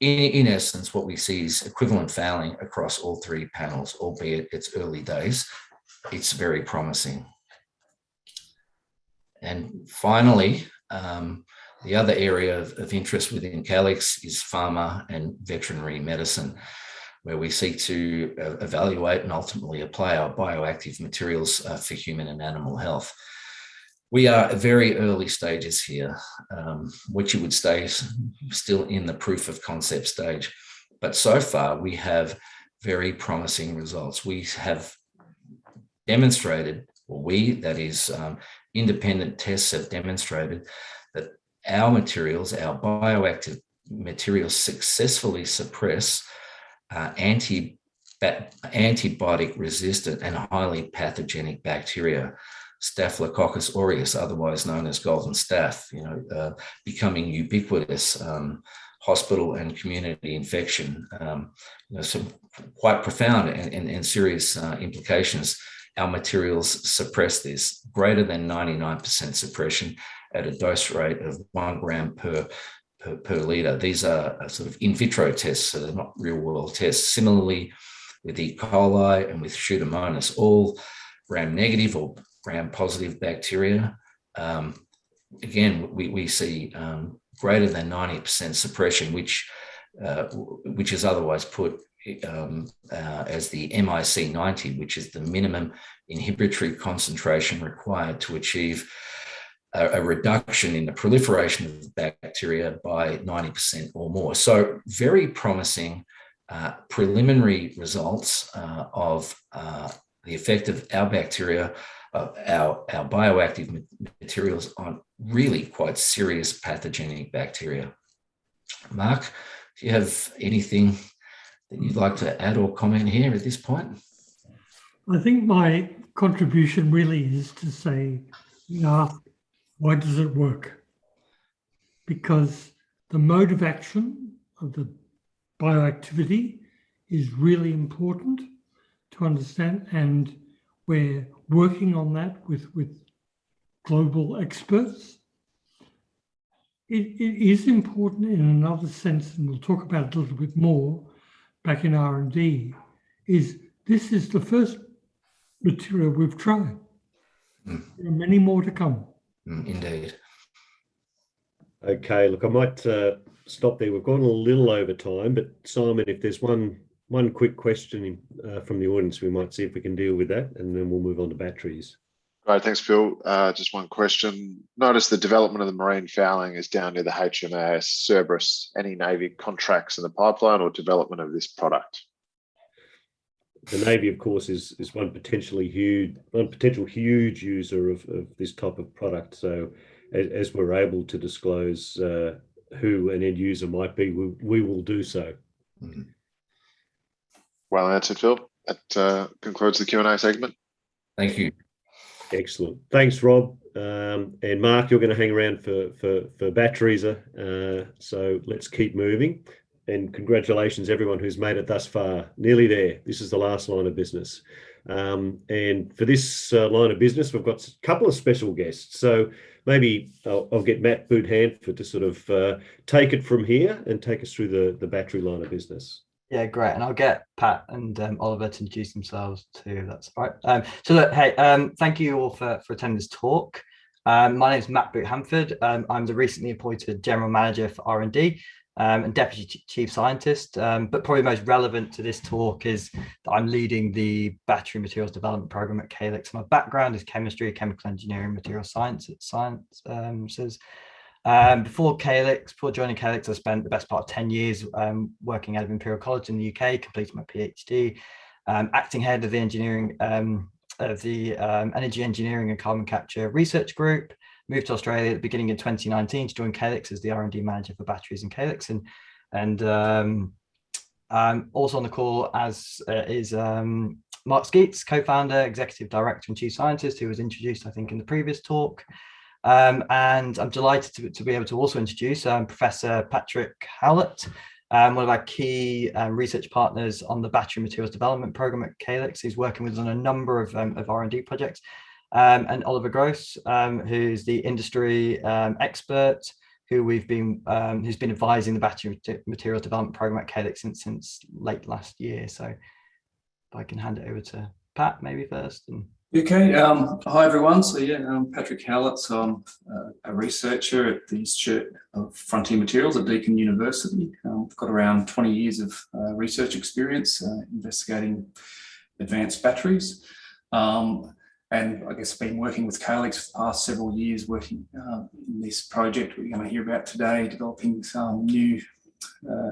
In essence, what we see is equivalent fouling across all three panels, albeit it's early days. It's very promising. Finally, the other area of interest within Calix is pharma and veterinary medicine, where we seek to evaluate and ultimately apply our bioactive materials for human and animal health. We are at very early stages here, what you would say is still in the proof of concept stage. So far, we have very promising results. We have demonstrated, or we, that is independent tests have demonstrated, that our materials, our bioactive materials successfully suppress antibiotic-resistant and highly pathogenic bacteria, Staphylococcus aureus, otherwise known as golden staph, becoming ubiquitous hospital and community infection, some quite profound and serious implications. Our materials suppress this. Greater than 99% suppression at a dose rate of 1 gram per liter. These are in vitro tests, so they're not real world tests. Similarly, with E. coli and with Pseudomonas, all gram-negative or gram-positive bacteria, again, we see greater than 90% suppression, which is otherwise put as the MIC 90, which is the minimum inhibitory concentration required to achieve a reduction in the proliferation of the bacteria by 90% or more. Very promising preliminary results of the effect of our bacteria, of our bioactive materials on really quite serious pathogenic bacteria. Mark, do you have anything that you'd like to add or comment here at this point? I think my contribution really is to say, why does it work? The mode of action of the bioactivity is really important to understand, and we're working on that with global experts. It is important in another sense, and we'll talk about it a little bit more back in R&D, is this is the first material we've tried. There are many more to come. Indeed. Okay, look, I might stop there. We've gone a little over time, but Simon, if there's one quick question from the audience, we might see if we can deal with that, and then we'll move on to batteries. Great. Thanks, Phil. Just one question. Noticed the development of the marine fouling is down near the HMAS Cerberus. Any Navy contracts in the pipeline or development of this product? The Navy of course, is one potential huge user of this type of product. As we're able to disclose who an end user might be, we will do so. Well answered, Phil. That concludes the Q&A segment. Thank you. Excellent, thanks, Rob. Mark, you're going to hang around for batteries, so let's keep moving. Congratulations everyone who's made it thus far. Nearly there. This is the last line of business. For this line of business, we've got a couple of special guests. Maybe I'll get Matt Boot-Handford to take it from here, and take us through the battery line of business. I'll get Pat and Oliver to introduce themselves, too, if that's all right. Look, hey, thank you all for attending this talk. My name's Matt Boot-Handford. I'm the recently appointed General Manager for R&D, and Deputy Chief Scientist. Probably most relevant to this talk is that I'm leading the battery materials development program at Calix. My background is chemistry, chemical engineering, material sciences. Before joining Calix, I spent the best part of 10 years working out of Imperial College in the U.K., completed my PhD, acting Head of the Energy Engineering and Carbon Capture Research Group. Moved to Australia at the beginning of 2019 to join Calix as the R&D Manager for batteries in Calix. Also on the call is Mark Sceats, Co-founder, Executive Director, and Chief Scientist, who was introduced, I think, in the previous talk. I'm delighted to be able to also introduce Professor Patrick Howlett, one of our key research partners on the battery materials development program at Calix, who's working with us on a number of R&D projects. Oliver Gross who's the industry expert, who's been advising the battery materials development program at Calix since late last year. If I can hand it over to Pat maybe first. Hi, everyone. Yeah, I'm Patrick Howlett. I'm a researcher at the Institute for Frontier Materials at Deakin University. I've got around 20 years of research experience investigating advanced batteries. I guess been working with Calix for the past several years working on this project we're going to hear about today, developing some new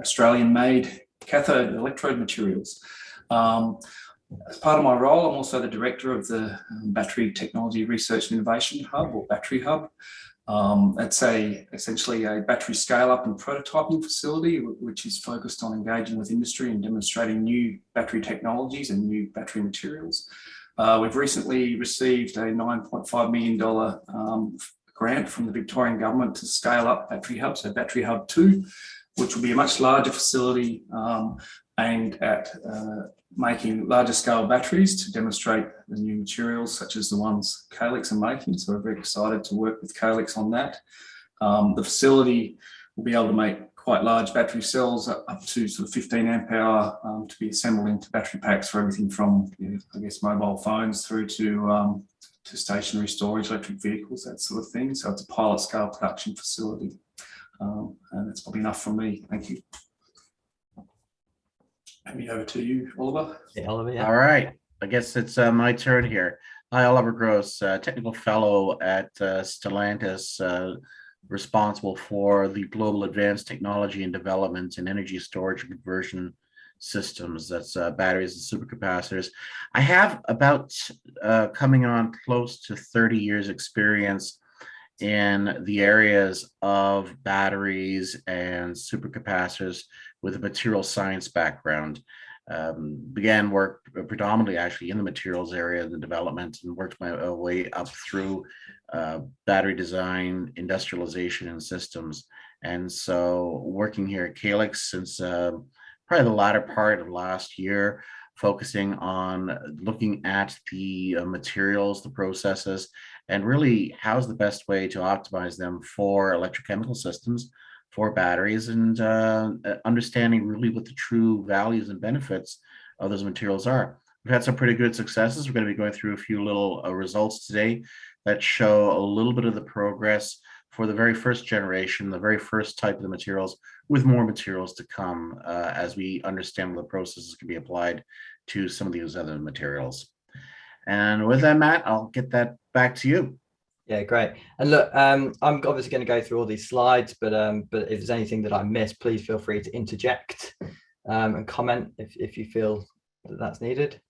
Australian-made cathode and electrode materials. As part of my role, I'm also the Director of the Battery Technology Research and Innovation Hub, or Battery Hub. It's essentially a battery scale-up and prototyping facility, which is focused on engaging with industry and demonstrating new battery technologies and new battery materials. We've recently received an 9.5 million dollar grant from the Victorian Government to scale up Battery Hub, so Battery Hub Two, which will be a much larger facility aimed at making larger scale batteries to demonstrate the new materials, such as the ones Calix are making. We're very excited to work with Calix on that. The facility will be able to make quite large battery cells, up to sort of 15 amp hour, to be assembled into battery packs for everything from, I guess, mobile phones through to stationary storage electric vehicles, that sort of thing. It's a pilot scale production facility. That's probably enough from me. Thank you. Hand me over to you, Oliver. Yeah, Oliver, yeah. All right. I guess it's my turn here. Hi, Oliver Gross, Technical Fellow at Stellantis, responsible for the global advanced technology and development in energy storage conversion systems. That's batteries and super capacitors. I have about coming on close to 30 years experience in the areas of batteries and super capacitors with a material science background. Began work predominantly actually in the materials area, the development, worked my way up through battery design, industrialization, and systems. Working here at Calix since probably the latter part of last year, focusing on looking at the materials, the processes, and really how's the best way to optimize them for electrochemical systems, for batteries, and understanding really what the true values and benefits of those materials are. We've had some pretty good successes. We're going to be going through a few little results today that show a little bit of the progress for the very first generation, the very first type of the materials, with more materials to come as we understand the processes can be applied to some of these other materials. With that, Matt, I'll get that back to you. Yeah, great. Look, I'm obviously going to go through all these slides, but if there's anything that I miss, please feel free to interject, and comment if you feel that that's needed.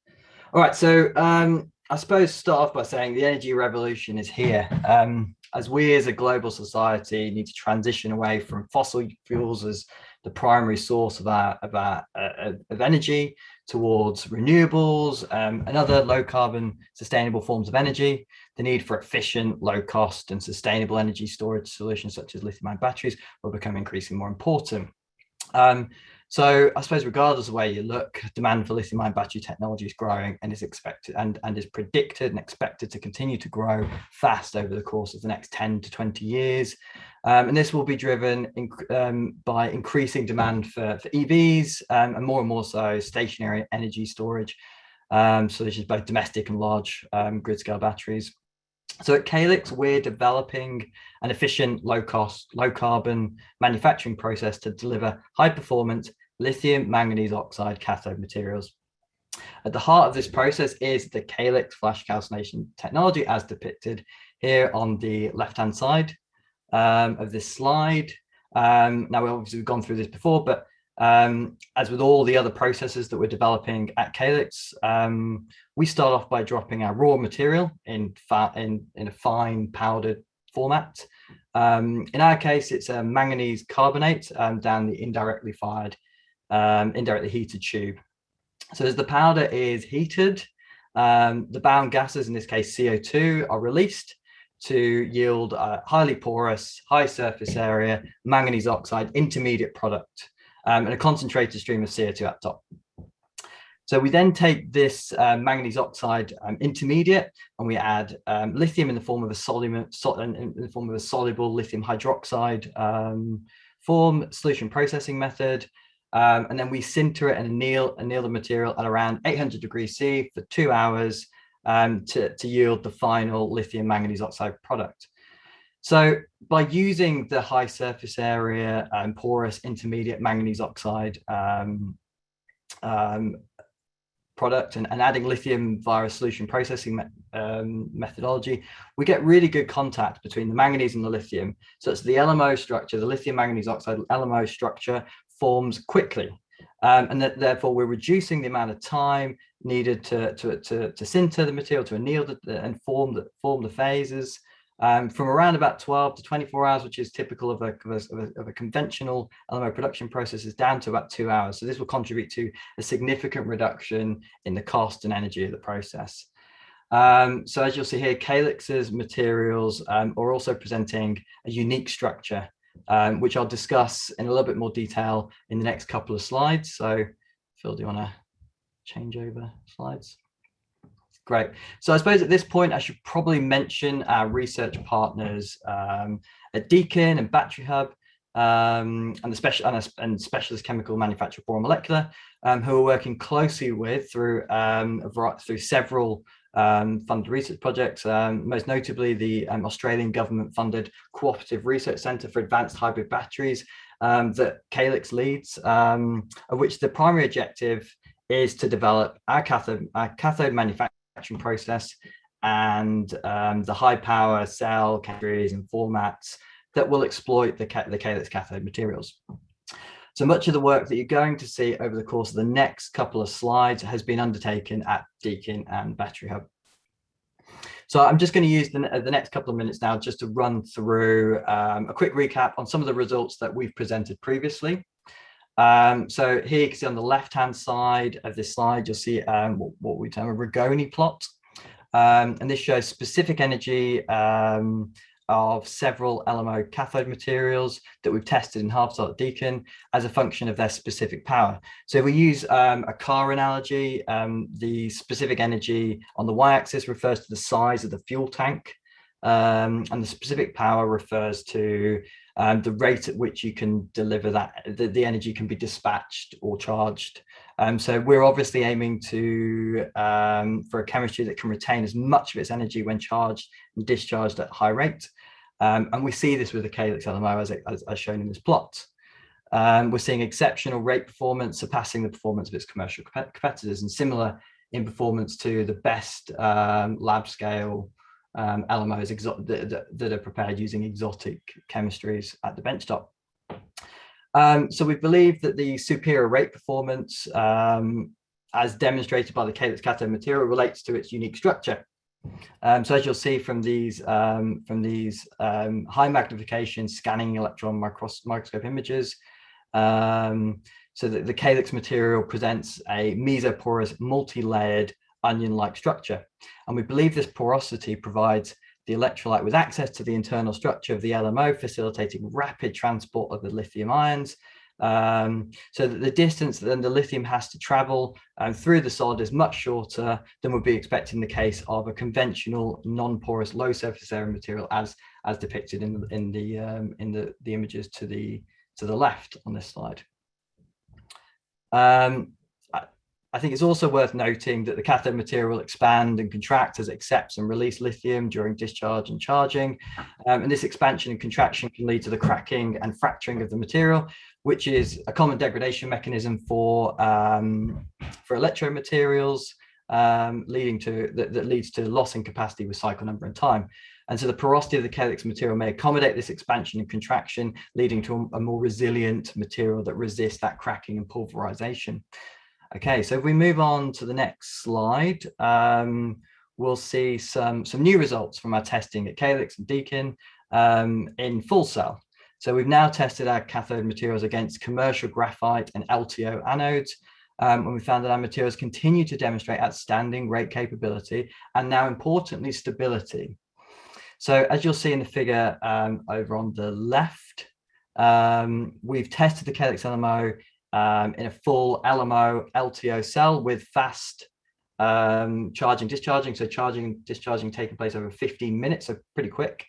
All right. I suppose start off by saying the energy revolution is here. As we as a global society need to transition away from fossil fuels as the primary source of our energy towards renewables, and other low carbon sustainable forms of energy, the need for efficient, low cost, and sustainable energy storage solutions such as lithium-ion batteries will become increasingly more important. I suppose regardless of where you look, demand for lithium-ion battery technology is growing and is predicted and expected to continue to grow fast over the course of the next 10 to 20 years. This will be driven by increasing demand for EVs, and more and more so stationary energy storage solutions, both domestic and large grid scale batteries. At Calix, we're developing an efficient, low cost, low carbon manufacturing process to deliver high performance lithium manganese oxide cathode materials. At the heart of this process is the Calix Flash Calcination technology, as depicted here on the left-hand side of this slide. We obviously have gone through this before, but as with all the other processes that we're developing at Calix, we start off by dropping our raw material in a fine powdered format. In our case, it's a manganese carbonate down the indirectly heated tube. As the powder is heated, the bound gases, in this case CO2, are released to yield a highly porous, high surface area, manganese oxide intermediate product, and a concentrated stream of CO2 at the top. We then take this manganese oxide intermediate, and we add lithium in the form of a soluble lithium hydroxide form solution processing method. Then we sinter it and anneal the material at around 800 degrees C for two hours to yield the final lithium manganese oxide product. By using the high surface area and porous intermediate manganese oxide product and adding lithium via a solution processing methodology, we get really good contact between the manganese and the lithium. It's the LMO structure, the lithium manganese oxide, LMO structure, forms quickly. That therefore we're reducing the amount of time needed to sinter the material, to anneal and form the phases, from around about 12-24 hours, which is typical of a conventional LMO production process, is down to about two hours. This will contribute to a significant reduction in the cost and energy of the process. As you'll see here, Calix's materials are also presenting a unique structure, which I'll discuss in a little bit more detail in the next couple of slides. Phil, do you want to change over slides? Great. I suppose at this point, I should probably mention our research partners at Deakin University and Battery Hub, and specialist chemical manufacturer, for Molecular, and who we're working closely with through several funded research projects. Most notably the Australian Government-funded Cooperative Research Centres Projects for advanced hybrid batteries, that Calix leads. Of which the primary objective is to develop our cathode manufacturing process and the high-power cell capabilities and formats that will exploit the Calix cathode materials. Much of the work that you are going to see over the course of the next couple of slides has been undertaken at Deakin and Battery Hub. I am just going to use the next couple minutes now just to run through a quick recap on some of the results that we have presented previously. Here you can see on the left-hand side of this slide, you will see what we term a Ragone plot. This shows specific energy of several LMO cathode materials that we have tested in half-cells at Deakin as a function of their specific power. We use a car analogy. The specific energy on the Y-axis refers to the size of the fuel tank. The specific power refers to the rate at which you can deliver that, the energy can be dispatched or charged. We're obviously aiming for a chemistry that can retain as much of its energy when charged and discharged at high rate. We see this with the Calix LMO as shown in this plot. We're seeing exceptional rate performance surpassing the performance of its commercial competitors and similar in performance to the best lab-scale LMOs that are prepared using exotic chemistries at the benchtop. We believe that the superior rate performance, as demonstrated by the Calix cathode material, relates to its unique structure. As you'll see from these high magnification scanning electron microscope images, the Calix material presents a mesoporous multilayered onion-like structure. We believe this porosity provides the electrolyte with access to the internal structure of the LMO, facilitating rapid transport of the lithium ions, so that the distance then the lithium has to travel through the solid is much shorter than would be expected in the case of a conventional non-porous, low surface area material as depicted in the images to the left on this slide. I think it's also worth noting that the cathode material expand and contract as it accepts and release lithium during discharge and charging. This expansion and contraction can lead to the cracking and fracturing of the material, which is a common degradation mechanism for electro materials that leads to loss in capacity with cycle number and time. The porosity of the Calix material may accommodate this expansion and contraction, leading to a more resilient material that resists that cracking and pulverization. Okay, if we move on to the next slide, we'll see some new results from our testing at Calix and Deakin, in full cell. We've now tested our cathode materials against commercial graphite and LTO anodes, and we found that our materials continue to demonstrate outstanding rate capability and now importantly, stability. As you'll see in the figure over on the left, we've tested the Calix LMO in a full LMO/LTO cell with fast charging, discharging. Charging and discharging taking place over 15 minutes, pretty quick.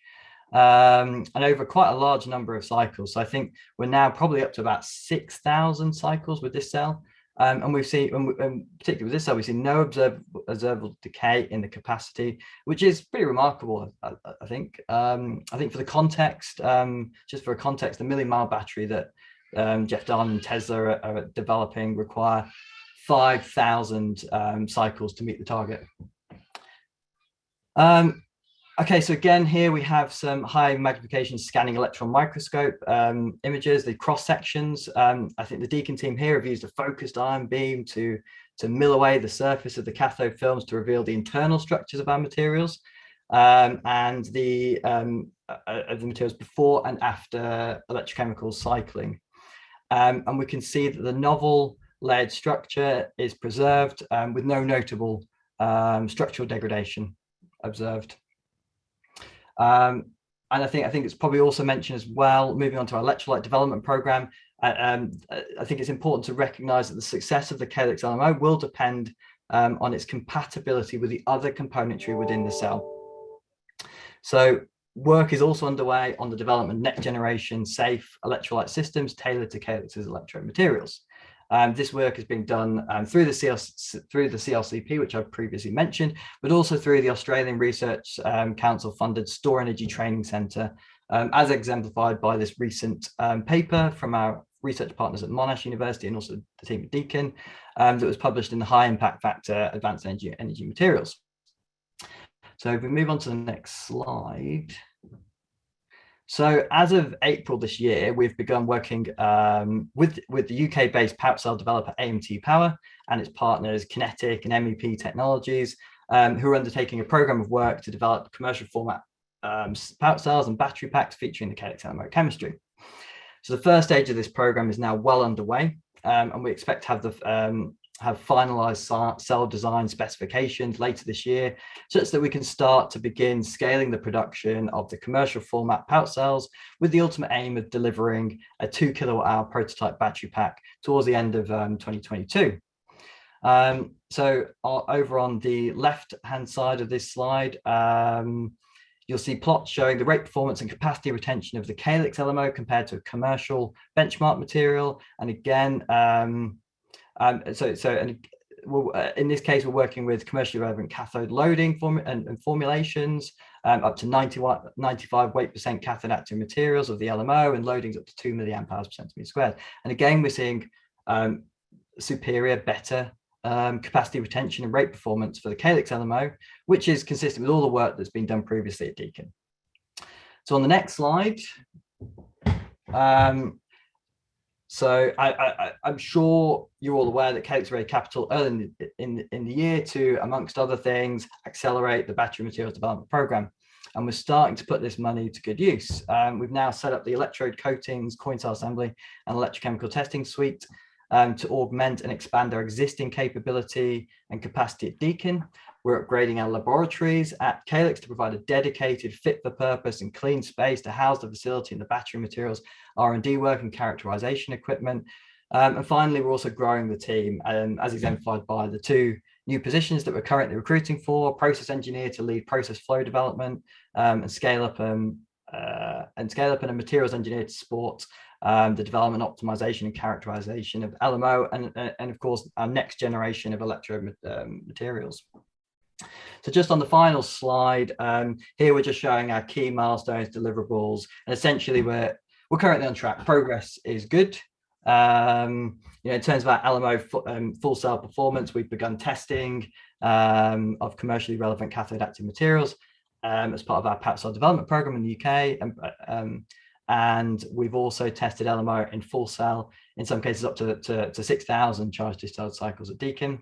Over quite a large number of cycles. I think we're now probably up to about 6,000 cycles with this cell. Particularly with this, we've seen no observable decay in the capacity, which is pretty remarkable, I think. I think for the context, just for context, the million-mile battery that Jeff Dahn and Tesla are developing require 5,000 cycles to meet the target. Again, here we have some high magnification scanning electron microscope images, the cross-sections. I think the Deakin team here have used a focused ion beam to mill away the surface of the cathode films to reveal the internal structures of our materials, and the materials before and after electrochemical cycling. We can see that the novel layered structure is preserved with no notable structural degradation observed. I think it's probably also mentioned as well, moving on to our electrolyte development program, I think it's important to recognize that the success of the Calix LMO will depend on its compatibility with the other componentry within the cell. Work is also underway on the development of next-generation safe electrolyte systems tailored to Calix's electrode materials. This work is being done through the CRC-P, which I've previously mentioned, but also through the Australian Research Council-funded StorEnergy Training Centre, as exemplified by this recent paper from our research partners at Monash University and also the team at Deakin, that was published in the high impact factor Advanced Energy Materials. If we move on to the next slide. As of April this year, we've begun working with the U.K.-based pouch cell developer AMTE Power and its partners, QinetiQ and MEP Technologies, who are undertaking a program of work to develop commercial format pouch cells and battery packs featuring the Calix LMO chemistry. The 1st stage of this program is now well underway, and we expect to have finalized cell design specifications later this year so that we can start to begin scaling the production of the commercial format pouch cells with the ultimate aim of delivering a 2 kilowatt-hour prototype battery pack towards the end of 2022. Over on the left-hand side of this slide, you'll see plots showing the rate performance and capacity retention of the Calix LMO compared to a commercial benchmark material. Again, in this case, we're working with commercially relevant cathode loading and formulations, up to 95 weight % cathode active materials of the LMO, and loadings up to 2 milliamp hours per square centimeter. Again, we're seeing superior, better capacity retention and rate performance for the Calix LMO, which is consistent with all the work that's been done previously at Deakin. On the next slide. I'm sure you're all aware that Calix raised capital early in the year to, amongst other things, accelerate the battery materials development program, and we're starting to put this money to good use. We've now set up the electrode coatings, coin cell assembly, and electrochemical testing suite to augment and expand our existing capability and capacity at Deakin. We're upgrading our laboratories at Calix to provide a dedicated fit-for-purpose and clean space to house the facility and the battery materials, R&D work, and characterization equipment. Finally, we're also growing the team, as exemplified by the two new positions that we're currently recruiting for, a process engineer to lead process flow development and scale-up, and a materials engineer to support the development, optimization, and characterization of LMO and, of course, our next generation of electrode materials. Just on the final slide. Here we're just showing our key milestones, deliverables. Essentially, we're currently on track. Progress is good. In terms of our LMO full cell performance, we've begun testing of commercially relevant cathode active materials as part of our pouch cell development program in the U.K. We've also tested LMO in full cell, in some cases up to 6,000 charge-discharge cycles at Deakin.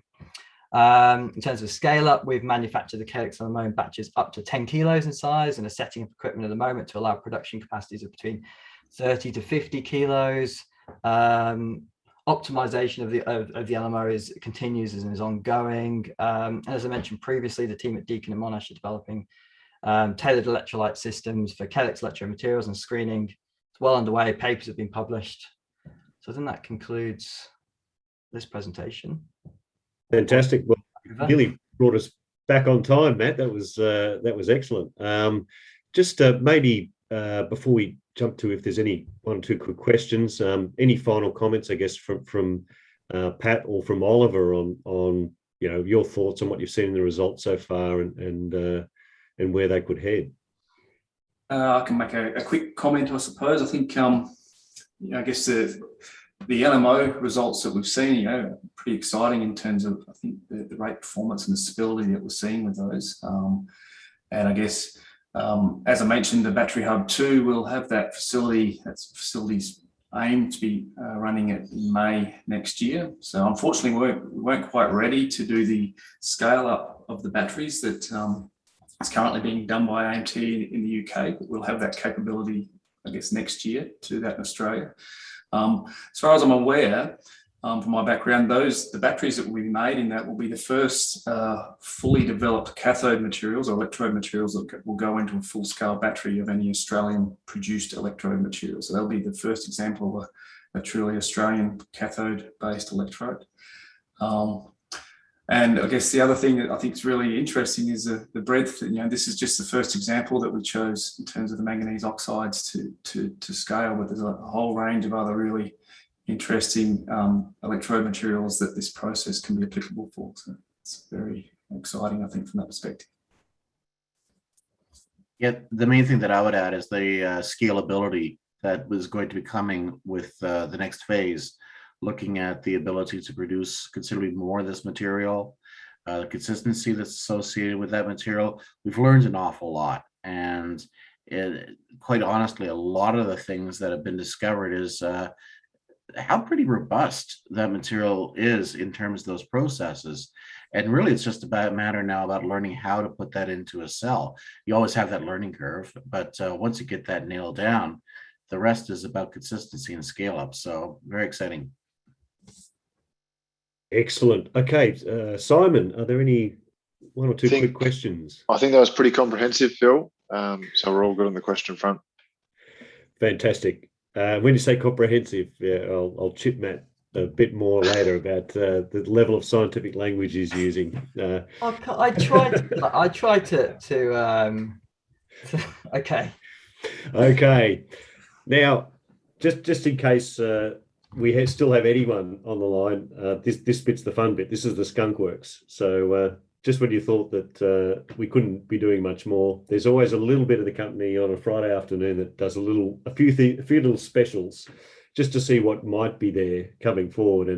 In terms of scale-up, we've manufactured the Calix LMO in batches up to 10 kilos in size and are setting up equipment at the moment to allow production capacities of between 30-50 kilos. Optimization of the LMO continues and is ongoing. As I mentioned previously, the team at Deakin and Monash are developing tailored electrolyte systems for Calix electrode materials, and screening is well underway. Papers have been published. I think that concludes this presentation. Fantastic. You nearly brought us back on time, Matt, that was excellent. Just maybe before we jump to if there's any one or two quick questions, any final comments, I guess, from Pat or from Oliver on your thoughts on what you've seen in the results so far and where they could head? I can make a quick comment, I suppose. I guess the LMO results that we've seen, pretty exciting in terms of, I think, the rate of performance and the stability that we're seeing with those. I guess, as I mentioned, the Battery Hub 2 will have that facility. That facility's aim to be running it in May next year. Unfortunately, we weren't quite ready to do the scale-up of the batteries that is currently being done by AMT in the U.K. We'll have that capability, I guess, next year to do that in Australia. As far as I'm aware, from my background, the batteries that we've made in that will be the first fully developed cathode materials or electrode materials that will go into a full-scale battery of any Australian-produced electrode materials. That'll be the first example of a truly Australian cathode-based electrode. I guess the other thing that I think is really interesting is the breadth. This is just the first example that we chose in terms of the manganese oxides to scale. There's a whole range of other really interesting electrode materials that this process can be applicable for. It's very exciting, I think, from that perspective. Yeah. The main thing that I would add is the scalability that was going to be coming with the next phase, looking at the ability to produce considerably more of this material, the consistency that's associated with that material. We've learned an awful lot, and quite honestly, a lot of the things that have been discovered is how pretty robust that material is in terms of those processes. Really, it's just a matter now about learning how to put that into a cell. You always have that learning curve, but once you get that nailed down, the rest is about consistency and scale-up. Very exciting. Excellent. Okay, Simon, are there one or two quick questions? I think that was pretty comprehensive, Phil. We're all good on the question front. Fantastic. When you say comprehensive, I'll chip Matt a bit more later about the level of scientific language he's using. Okay. Okay. Now, just in case we still have anyone on the line, this bit's the fun bit. This is the skunkworks. Just when you thought that we couldn't be doing much more, there's always a little bit of the company on a Friday afternoon that does a few little specials just to see what might be there coming forward.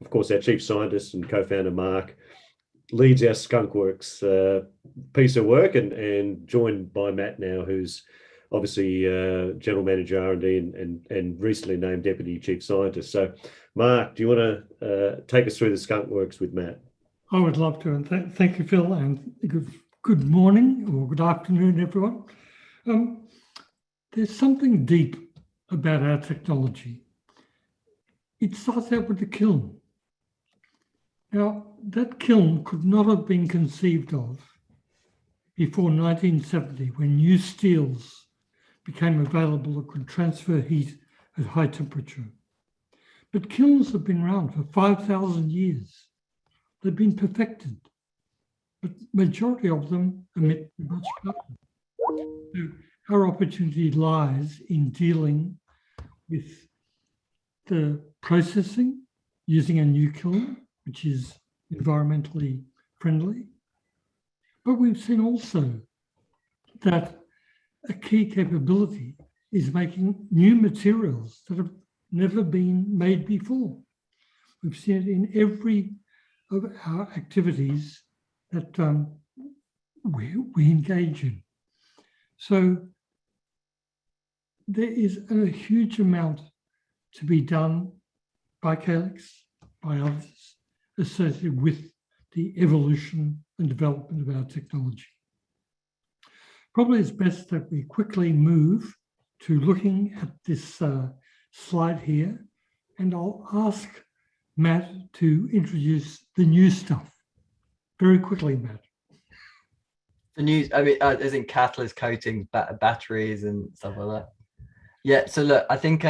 Of course, our Chief Scientist and Co-founder, Mark, leads our skunkworks piece of work, and joined by Matt now, who's obviously General Manager of R&D and recently named Deputy Chief Scientist. Mark, do you want to take us through the skunkworks with Matt? I would love to. Thank you, Phil, good morning or good afternoon, everyone. There is something deep about our technology. It starts out with a kiln. That kiln could not have been conceived of before 1970, when new steels became available that could transfer heat at high temperature. Kilns have been around for 5,000 years. They have been perfected, majority of them emit much carbon. Our opportunity lies in dealing with the processing using a new kiln, which is environmentally friendly. We have seen also that a key capability is making new materials that have never been made before. We have seen it in every of our activities that we engage in. There is a huge amount to be done by Calix, by others, associated with the evolution and development of our technology. Probably it's best that we quickly move to looking at this slide here, and I'll ask Matt to introduce the new stuff. Very quickly, Matt. As in catalyst coatings, batteries, and stuff like that? Yeah. Look, I think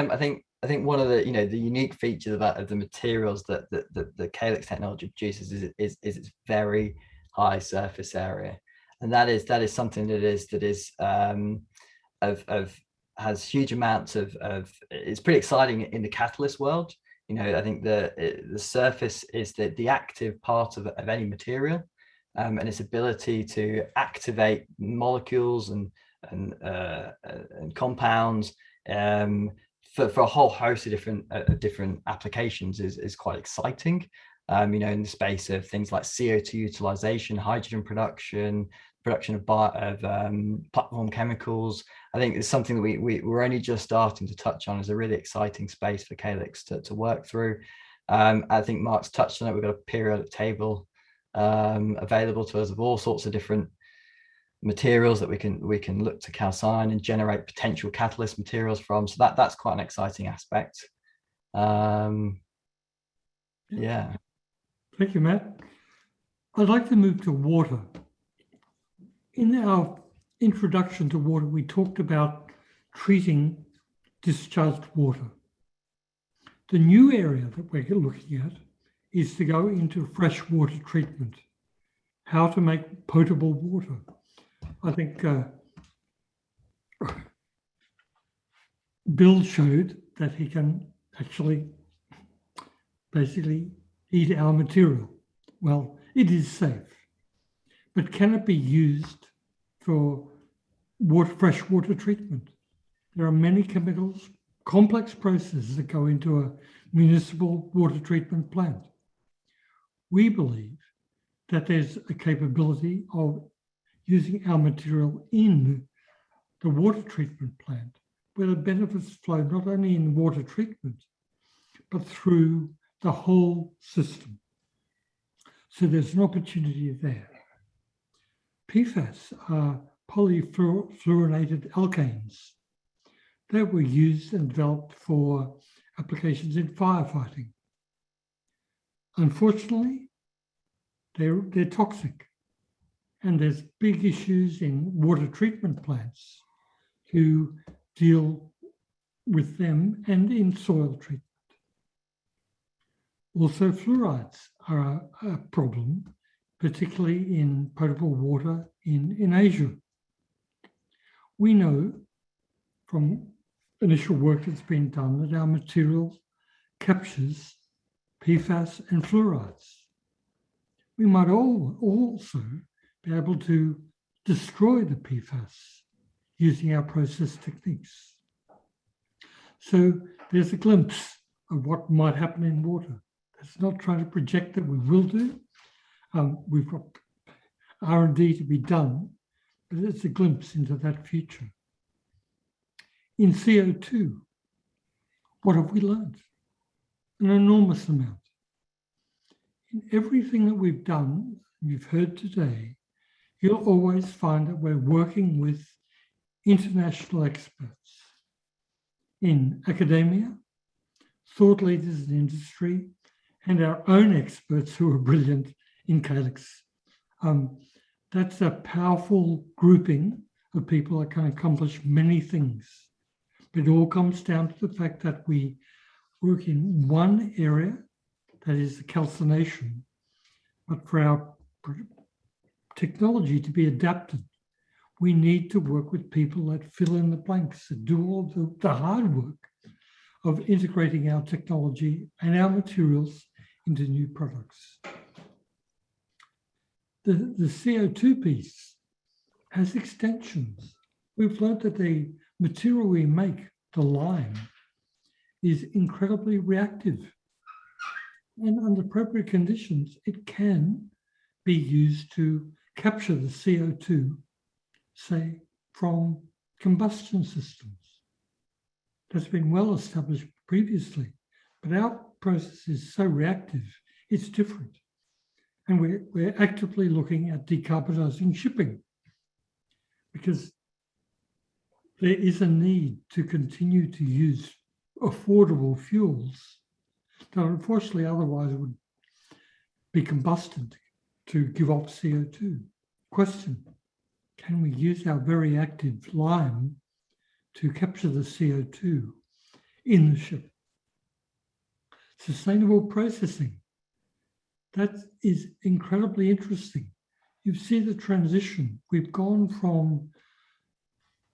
one of the unique features of the materials that the Calix technology produces is its very high surface area, and that is something that It's pretty exciting in the catalyst world. I think the surface is the active part of any material, and its ability to activate molecules and compounds for a whole host of different applications is quite exciting. In the space of things like CO2 utilization, hydrogen production of platform chemicals, I think it's something that we're only just starting to touch on as a really exciting space for Calix to work through. I think Mark's touched on it. We've got a periodic table available to us of all sorts of different materials that we can look to calcine and generate potential catalyst materials from. That's quite an exciting aspect. Yeah. Thank you, Matt. I'd like to move to water. In our introduction to water, we talked about treating discharged water. The new area that we're looking at is to go into fresh water treatment, how to make potable water. I think Bill showed that he can actually basically heat our material. It is safe. Can it be used for fresh water treatment? There are many chemicals, complex processes that go into a municipal water treatment plant. We believe that there's a capability of using our material in the water treatment plant, where the benefits flow not only in water treatment, but through the whole system. There's an opportunity there. PFAS are polyfluorinated alkanes that were used and developed for applications in firefighting. Unfortunately, they're toxic, and there's big issues in water treatment plants to deal with them and in soil treatment. Fluorides are a problem, particularly in potable water in Asia. We know from initial work that's been done that our material captures PFAS and fluorides. We might also be able to destroy the PFAS using our process techniques. There's a glimpse of what might happen in water. That's not trying to project that we will do. We've got R&D to be done, it's a glimpse into that future. In CO2, what have we learned? An enormous amount. In everything that we've done, you've heard today, you'll always find that we're working with international experts in academia, thought leaders in industry, and our own experts who are brilliant in Calix. That's a powerful grouping of people that can accomplish many things. It all comes down to the fact that we work in one area, that is the calcination. For our technology to be adapted, we need to work with people that fill in the blanks and do all the hard work of integrating our technology and our materials into new products. The CO2 piece has extensions. We've learned that the material we make, the lime, is incredibly reactive. Under appropriate conditions, it can be used to capture the CO2, say from combustion systems. That's been well established previously. Our process is so reactive, it's different, and we're actively looking at decarbonizing shipping because there is a need to continue to use affordable fuels that unfortunately otherwise would be combusted to give off CO2. Question? Can we use our very active lime to capture the CO2 in the ship? Sustainable processing. That is incredibly interesting. You see the transition. We've gone from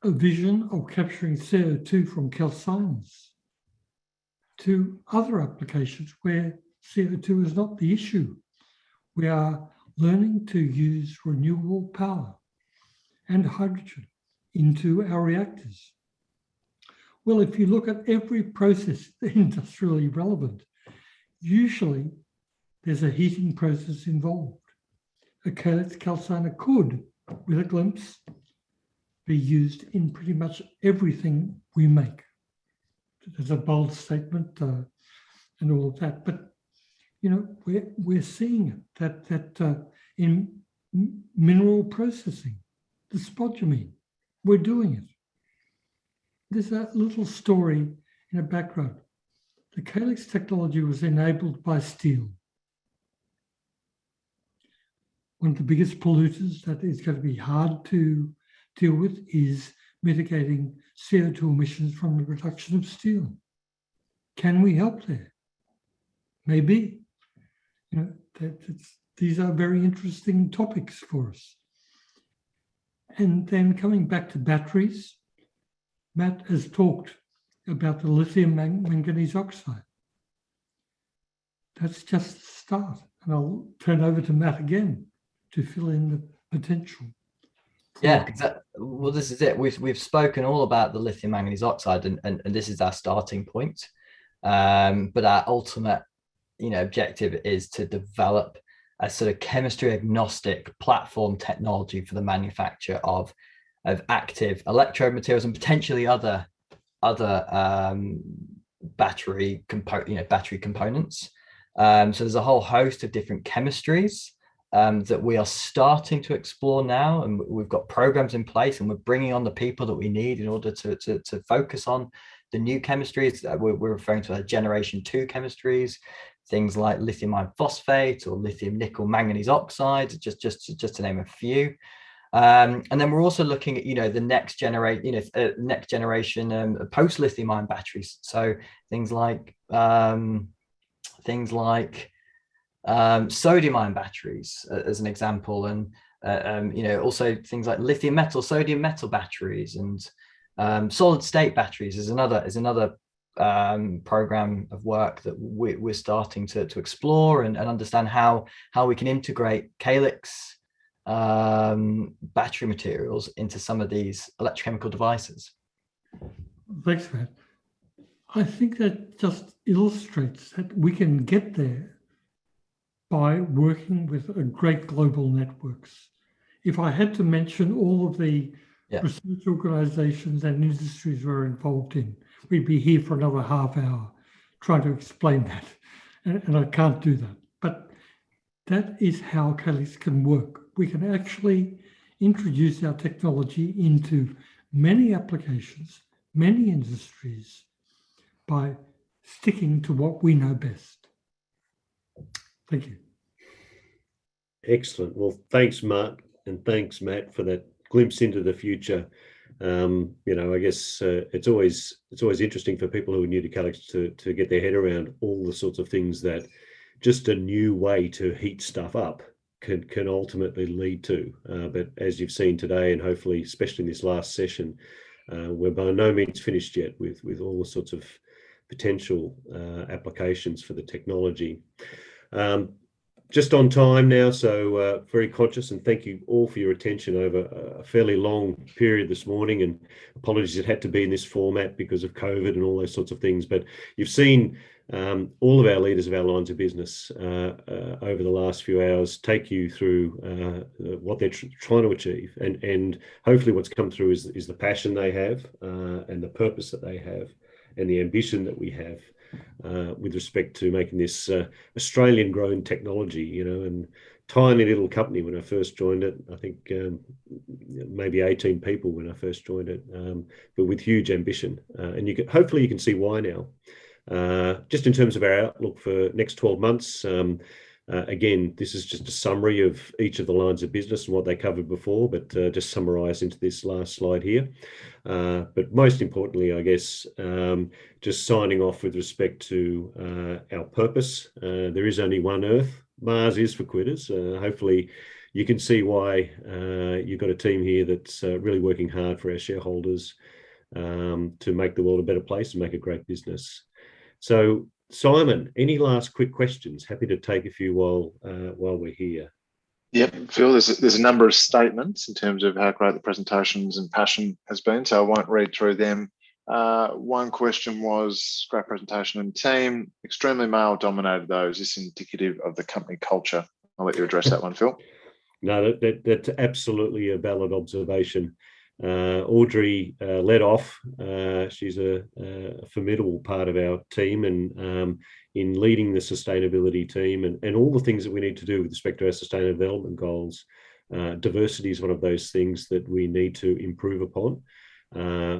a vision of capturing CO2 from calcines to other applications where CO2 is not the issue. We are learning to use renewable power and hydrogen into our reactors. Well, if you look at every process that is industrially relevant, usually there's a heating process involved. A Calix calciner could, with a glimpse, be used in pretty much everything we make. That's a bold statement and all of that, we're seeing it in mineral processing, the spodumene, we're doing it. There's that little story in the background. The Calix technology was enabled by steel. One of the biggest polluters that is going to be hard to deal with is mitigating CO2 emissions from the production of steel. Can we help there? Maybe. These are very interesting topics for us. Coming back to batteries, Matt has talked about the lithium manganese oxide. That's just the start. I'll turn over to Matt again to fill in the potential. Well, this is it. We've spoken all about the lithium manganese oxide, and this is our starting point. Our ultimate objective is to develop a sort of chemistry-agnostic platform technology for the manufacture of active electrode materials and potentially other battery components. There's a whole host of different chemistries that we are starting to explore now, and we've got programs in place, and we're bringing on the people that we need in order to focus on the new chemistries. We're referring to our generation 2 chemistries, things like lithium iron phosphate or lithium nickel manganese oxide, just to name a few. We're also looking at the next generation post-lithium-ion batteries, so things like sodium-ion batteries, as an example, and also things like lithium metal, sodium metal batteries, and solid-state batteries is another program of work that we're starting to explore and understand how we can integrate Calix battery materials into some of these electrochemical devices. Thanks, Matt. I think that just illustrates that we can get there by working with great global networks. If I had to mention all thee... Yeah ...research organizations and industries we're involved in, we'd be here for another half hour trying to explain that, and I can't do that. That is how Calix can work. We can actually introduce our technology into many applications, many industries, by sticking to what we know best. Thank you. Excellent. Well, thanks, Mark, and thanks, Matt, for that glimpse into the future. I guess it is always interesting for people who are new to Calix to get their head around all the sorts of things that just a new way to heat stuff up can ultimately lead to. As you have seen today, and hopefully, especially in this last session, we're by no means finished yet with all the sorts of potential applications for the technology. Just on time now, very conscious and thank you all for your attention over a fairly long period this morning, and apologies it had to be in this format because of COVID and all those sorts of things. You've seen all of our leaders of our lines of business over the last few hours take you through what they're trying to achieve and hopefully what's come through is the passion they have, and the purpose that they have, and the ambition that we have with respect to making this Australian-grown technology. Tiny little company when I first joined it, I think maybe 18 people when I first joined it, but with huge ambition. Hopefully you can see why now. Just in terms of our outlook for next 12 months, again, this is just a summary of each of the lines of business and what they covered before, but just summarized into this last slide here. Most importantly, I guess, just signing off with respect to our purpose. There is only one Earth. Mars is for quitters. Hopefully, you can see why you've got a team here that's really working hard for our shareholders to make the world a better place and make a great business. Simon, any last quick questions? Happy to take a few while we're here. Yep. Phil, there's a number of statements in terms of how great the presentations and passion has been, so I won't read through them. One question was, "Great presentation on team. Extremely male dominated though. Is this indicative of the company culture?" I'll let you address that one, Phil. That's absolutely a valid observation. Audrey led off. She's a formidable part of our team and in leading the sustainability team and all the things that we need to do with respect to our Sustainable Development Goals. Diversity is one of those things that we need to improve upon.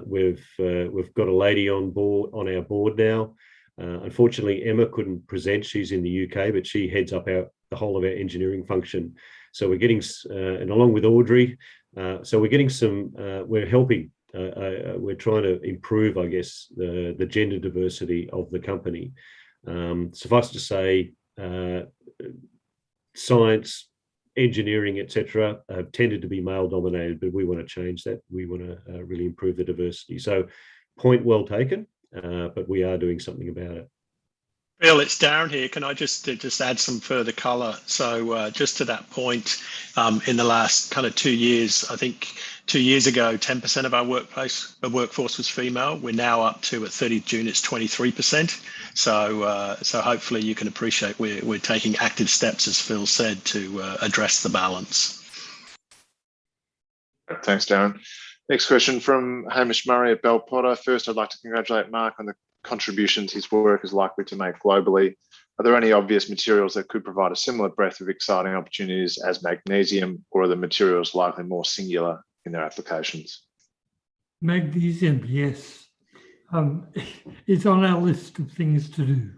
We've got a lady on our board now. Unfortunately, Emma couldn't present. She's in the U.K., she heads up the whole of our engineering function, and along with Audrey. We're trying to improve, I guess, the gender diversity of the company. Suffice to say, science, engineering, et cetera, have tended to be male dominated, we want to change that. We want to really improve the diversity. Point well taken, we are doing something about it. Phil, it's Darren here. Can I just add some further color? Just to that point, in the last kind of two years, I think two years ago, 10% of our workforce was female. We're now up to, at 30th June, it's 23%. Hopefully you can appreciate we're taking active steps, as Phil said, to address the balance. Thanks, Darren. Next question from Hamish Murray at Bell Potter. "First, I'd like to congratulate Mark on the contributions his work is likely to make globally. Are there any obvious materials that could provide a similar breadth of exciting opportunities as magnesium, or are the materials likely more singular in their applications? Magnesium, yes. It's on our list of things to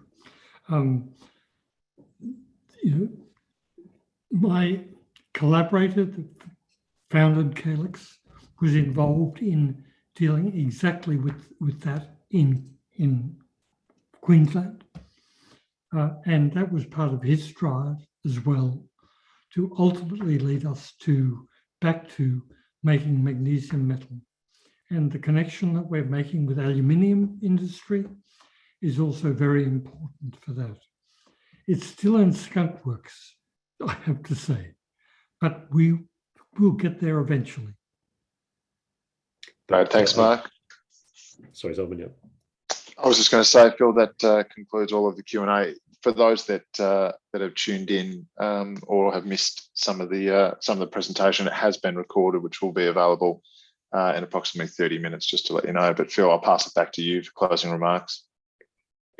do. My collaborator that founded Calix was involved in dealing exactly with that in Queensland. That was part of his drive as well to ultimately lead us back to making magnesium metal, and the connection that we're making with the aluminum industry is also very important for that. It's still in skunkworks, I have to say, but we will get there eventually. Great. Thanks, Mark. Sorry, Simon, you up? I was just going to say, Phil, that concludes all of the Q&A. For those that have tuned in or have missed some of the presentation, it has been recorded, which will be available in approximately 30 minutes, just to let you know. Phil, I'll pass it back to you for closing remarks.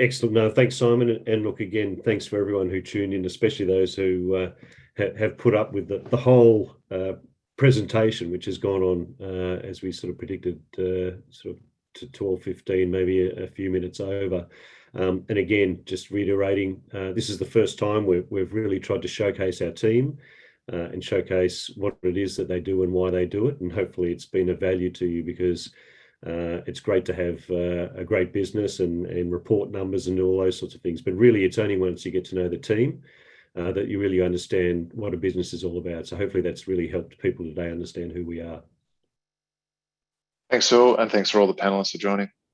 Excellent. Thanks, Simon, look, again, thanks for everyone who tuned in, especially those who have put up with the whole presentation, which has gone on, as we sort of predicted, sort of to 12:15, maybe a few minutes over. Again, just reiterating, this is the first time we've really tried to showcase our team, and showcase what it is that they do and why they do it, and hopefully it's been of value to you because it's great to have a great business and report numbers and all those sorts of things. Really, it's only once you get to know the team that you really understand what a business is all about. Hopefully that's really helped people today understand who we are. Thanks, Phil, and thanks for all the panelists for joining.